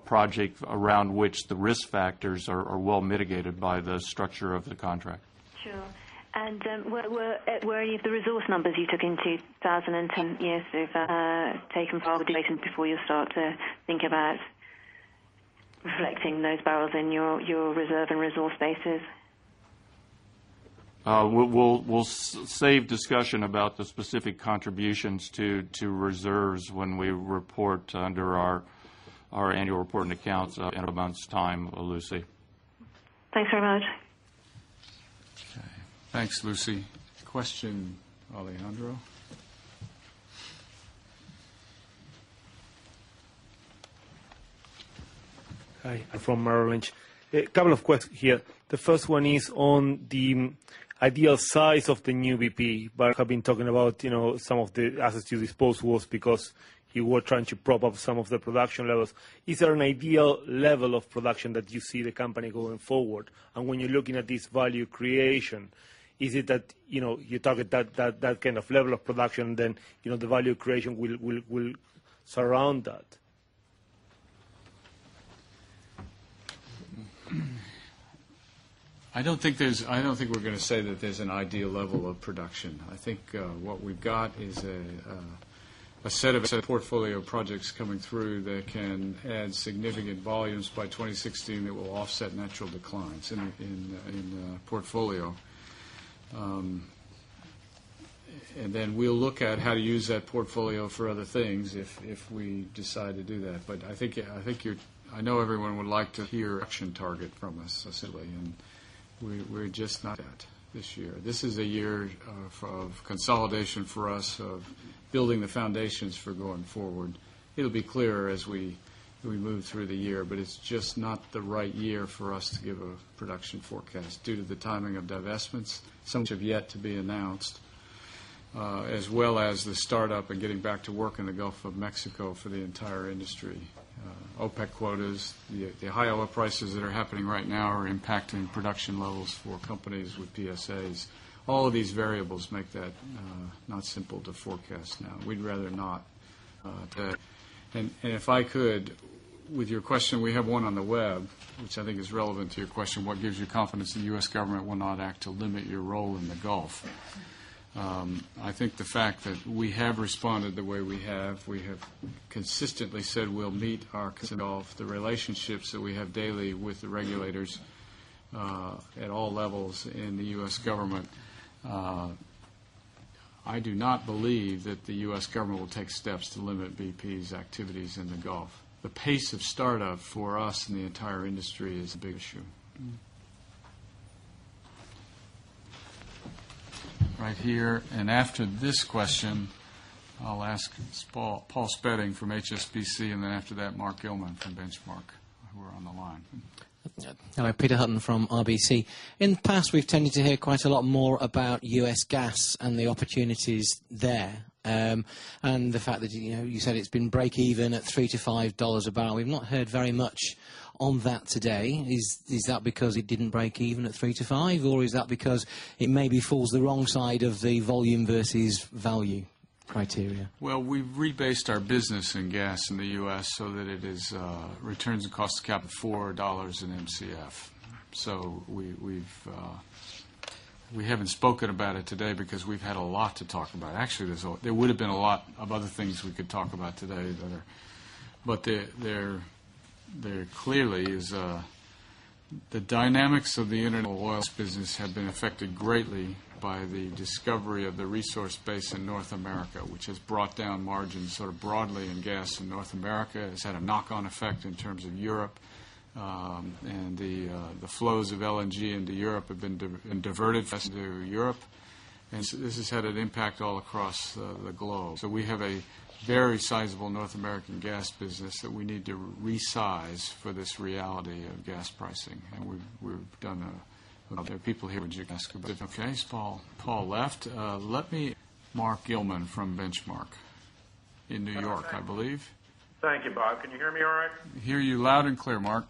project around which the risk factors are well mitigated by the structure of the contract. Sure. And where are you the resource numbers you took in 2010 years have taken part of the equation before you start to think about reflecting those barrels in your reserve and resource basis? We'll save discussion about the specific contributions to reserves when we report under our annual report and accounts in a month's time, Lucy. Thanks very much. Thanks, Lucy. Question, Alejandro? Hi, from Merrill Lynch. A couple of questions here. The first one is on the ideal size of the new BP. Barrick have been talking about some of the assets you disposed was because you were trying to prop up some of the production levels. Is there an ideal level of production that you see the company going forward? And when you're looking at this value creation, is it that you target that kind of level of production then the value creation will surround that? I don't think there's I don't think we're going to say that there's an ideal level of production. I think what we've got is a set of portfolio projects coming through that can add significant volumes by 2016 that will offset natural declines in the portfolio. And then we'll look at how to use that portfolio for other things if we decide to do that. But I think you're I know everyone would like to hear an action target from us, essentially. And we're just not at this year. This is a year of consolidation for us of building the foundations for going forward. It will be clearer as we move through the year, but it's just not the right year for us to give a production forecast due to the timing of divestments. Some of which have yet to be announced, as well as the start up and getting back to work in the Gulf of Mexico for the entire industry. OPEC quotas, the high oil prices that are happening right now are impacting production levels for companies with PSAs. All of these variables make that not simple to forecast now. We'd rather not that. And if I could, with your question, we have one on the web, which I think is relevant to your question, what gives you confidence in the U. S. Government will not act to limit your role in the Gulf. I think the fact that we have responded the way we have, we have consistently said we'll meet our concern of the relationships that we have daily with the regulators at all levels in the U. S. Government. I do not believe that the U. S. Government will take steps to limit BP's activities in the Gulf. The pace of startup for us and the entire industry is a big issue. Right here and after this question, I'll ask Paul Spedding from HSBC and then after that Mark Gillman from Benchmark who are on the line. Peter Hutton from RBC. In the past, we've tended to hear quite a lot more about U. S. Gas and the opportunities there. And the fact that you said it's been breakeven at $3 to $5 a barrel. We've not heard very much on that today. Is that because it didn't break even at 3 to 5? Or is that because it maybe falls the wrong side of the volume versus value criteria? Well, we've rebased our business in gas in the U. S. So that it is returns and cost of capital for dollars in Mcf. So we haven't spoken about it today because we've had a lot to talk about. Actually there would have been a lot of other things we could talk about today that are but there clearly is the dynamics of the international oil business have been affected greatly by the discovery of the resource base in North America, which has brought down margins sort of broadly in gas in North America, has had a knock on effect in terms of Europe. And the flows of LNG into Europe have been diverted into Europe. And so this has had an impact all across the globe. So we have a very sizable North American gas business that we need to resize for this reality of gas pricing. And we've done other people here would just ask a bit of a question. Okay. Paul left. Let me Mark Gillman from Benchmark in New York, I believe. Thank you, Bob. Can you hear me all right? I hear you loud and clear, Mark.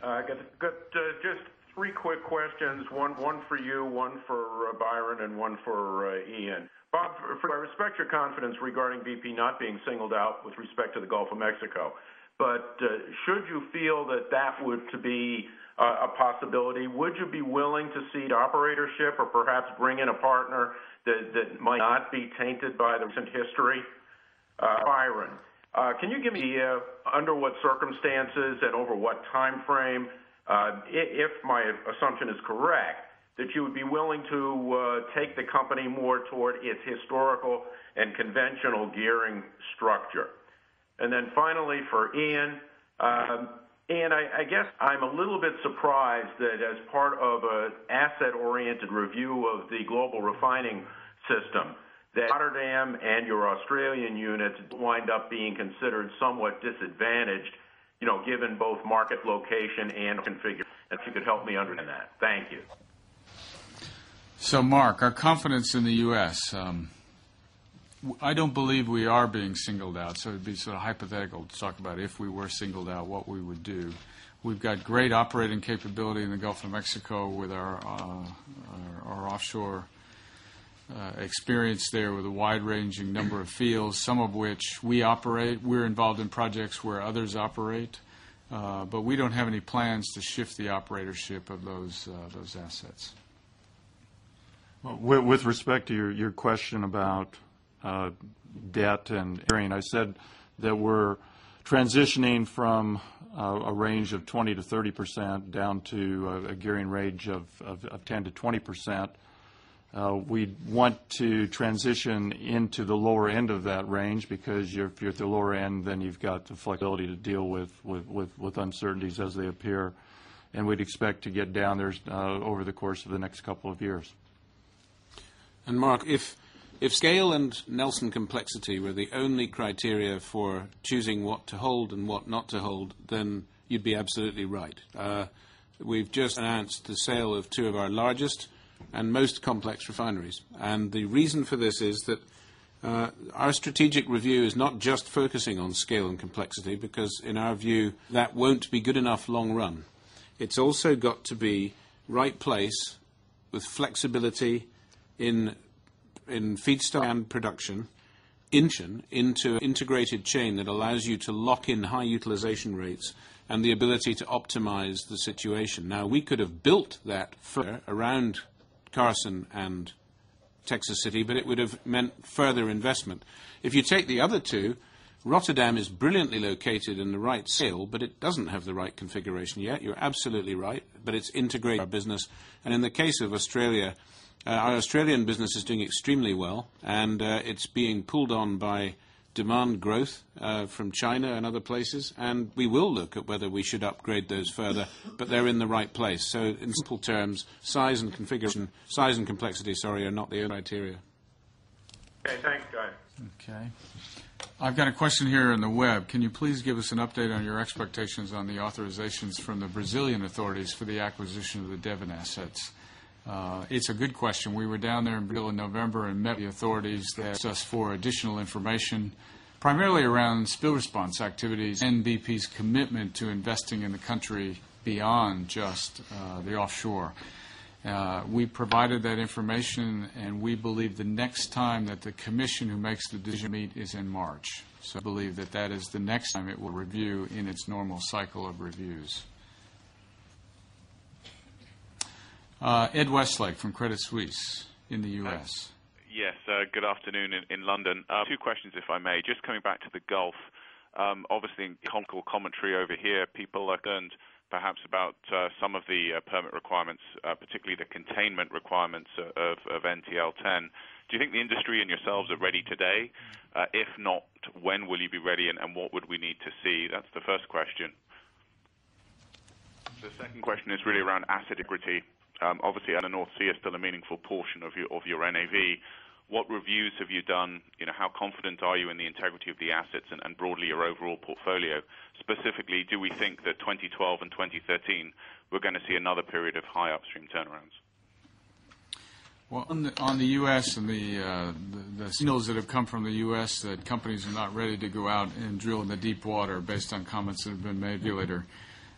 Just three quick questions. One for you, one for Byron and one for Ian. Bob, I respect your confidence regarding BP not being singled out with respect to the Gulf of Mexico. But should you feel that that would be a possibility? Would you be willing to cede operatorship or perhaps bring in a partner that might not be tainted by the recent history? Byron, can you give me under what circumstances and over what timeframe, if my assumption is correct that you would be willing to take the company more toward its historical and conventional gearing structure. And then finally for Ian, Ian, I guess I'm a little bit surprised that as part of an asset oriented review of the global refining system that Rotterdam and your Australian units wind up being considered somewhat disadvantaged given both market location and configure. You could help me understand that. Thank you. So Mark, our confidence in the U. S, I don't believe we are being singled out. So it'd be sort of hypothetical to talk about if we were singled out what we would do. We've got great operating capability in the Gulf offshore experience there with a wide ranging number of fields, some of which we operate. We're involved in projects where others operate. But we don't have any plans to shift the operatorship of those assets. With respect to your question about debt and carrying I said that we're transitioning from a range of 20% to 30% down to a gearing range of 10% to 20%. We want to transition into the lower end of that range because you're at the lower end then you've got the flexibility to deal with uncertainties as they appear. And we'd expect to get down there over the course of the next couple of years. And Mark, if scale and Nelson complexity were the only criteria for choosing what to hold and what not to hold, then you'd be absolutely right. We've just announced the sale of 2 of our largest and most complex refineries. And the reason for this is that our strategic review is not just focusing on scale and complexity because, in our view, that won't be good enough long run. It's also got to be right place with flexibility in feedstock and production, Incheon into an integrated chain that allows you to lock in high utilization rates and the ability to optimize the situation. Now we could have built that further around Carson and Texas City, but it would have meant further investment. If you take the other 2, Rotterdam is brilliantly located in the right sale, but it doesn't have the right configuration yet. You're absolutely right, but it's integrated in our business. And in the case of Australia, our Australian business is doing extremely well, and it's being pulled on by demand growth from China and other places. And we will look at whether we should upgrade those further, but they're in the right place. So in simple terms, size and configuration size and complexity, sorry, are not the criteria. Okay. Thanks, Guy. Okay. I've got a question here on the web. Can you please give us an update on your expectations on the authorizations from the Brazilian authorities for the acquisition of the It's a good question. We were down there in Brazil in November and met the authorities that asked us for additional information, primarily around spill response activities and BP's commitment to investing in the country beyond just the offshore. We provided that information and we believe the next time that the commission who makes the decision to meet is in March. So I believe that that is the next time it will review in its normal cycle of reviews. Ed Westlake from Credit Suisse in the U. S. Yes. Good afternoon in London. Two questions if I may. Just coming back to the Gulf. Obviously, in Conkul commentary over here, people have learned perhaps about some of the permit requirements, particularly the containment requirements of NTL-ten. Do you think the industry and yourselves are ready today? If not, when will you be ready and what would we need to see? That's the first question. The second question is really around asset integrity. Obviously, on the North Sea, it's still a meaningful portion of your NAV. What reviews have you done? How confident are you in the integrity of the assets and broadly your overall portfolio? Specifically, do we think that 20122013 we're going to see another period of high upstream turnarounds? Well, on the U. S, the signals that have come from the U. S. That companies are not ready to go out and drill in the deepwater based on comments that have been made later.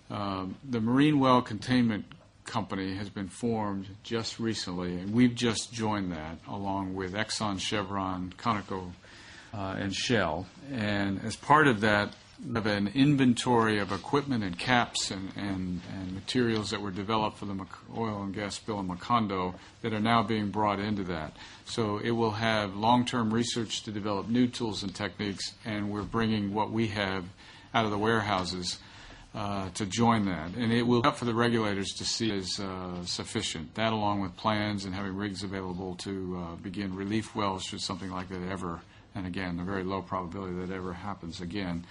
The Marine Well Containment Company has been formed just recently and we've just joined that along with Exxon, Chevron, Conoco and Shell. And as part of that of an inventory of equipment and caps and materials that were developed for the oil and gas bill in Macondo that are now being brought into that. So it will have long term research to develop new tools and techniques and we're bringing what we have out of the warehouses to join that. And it will be up for the regulators to see as sufficient. That along with plans and having rigs available to begin relief wells or something like that ever and again a very low probability that ever happens again.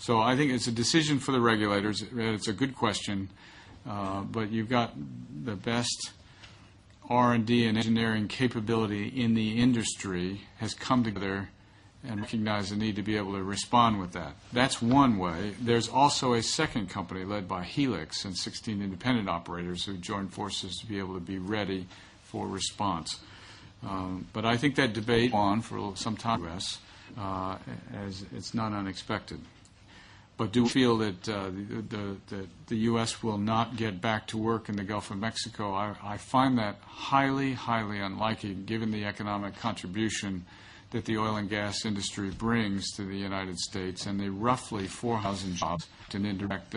So I think it's a decision for the regulators. It's a good question. But you've got the best R and D and engineering capability in the industry has come together and recognize the need to be able to respond with that. That's one way. There's also a second company led by Helix and 16 independent operators who joined forces to be able to be ready for response. But I think that debate on for some time as it's not unexpected. But do feel that the U. S. Will not get back to work in the Gulf of Mexico. I find that highly, highly unlikely given the economic contribution that the oil and gas industry brings to the United States and the roughly 4,000 jobs that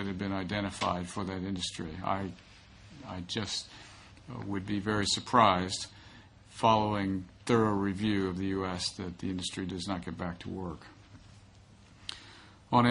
had been identified for that industry. I just would be very surprised following thorough review of the U. S. That the industry does not get back to work. On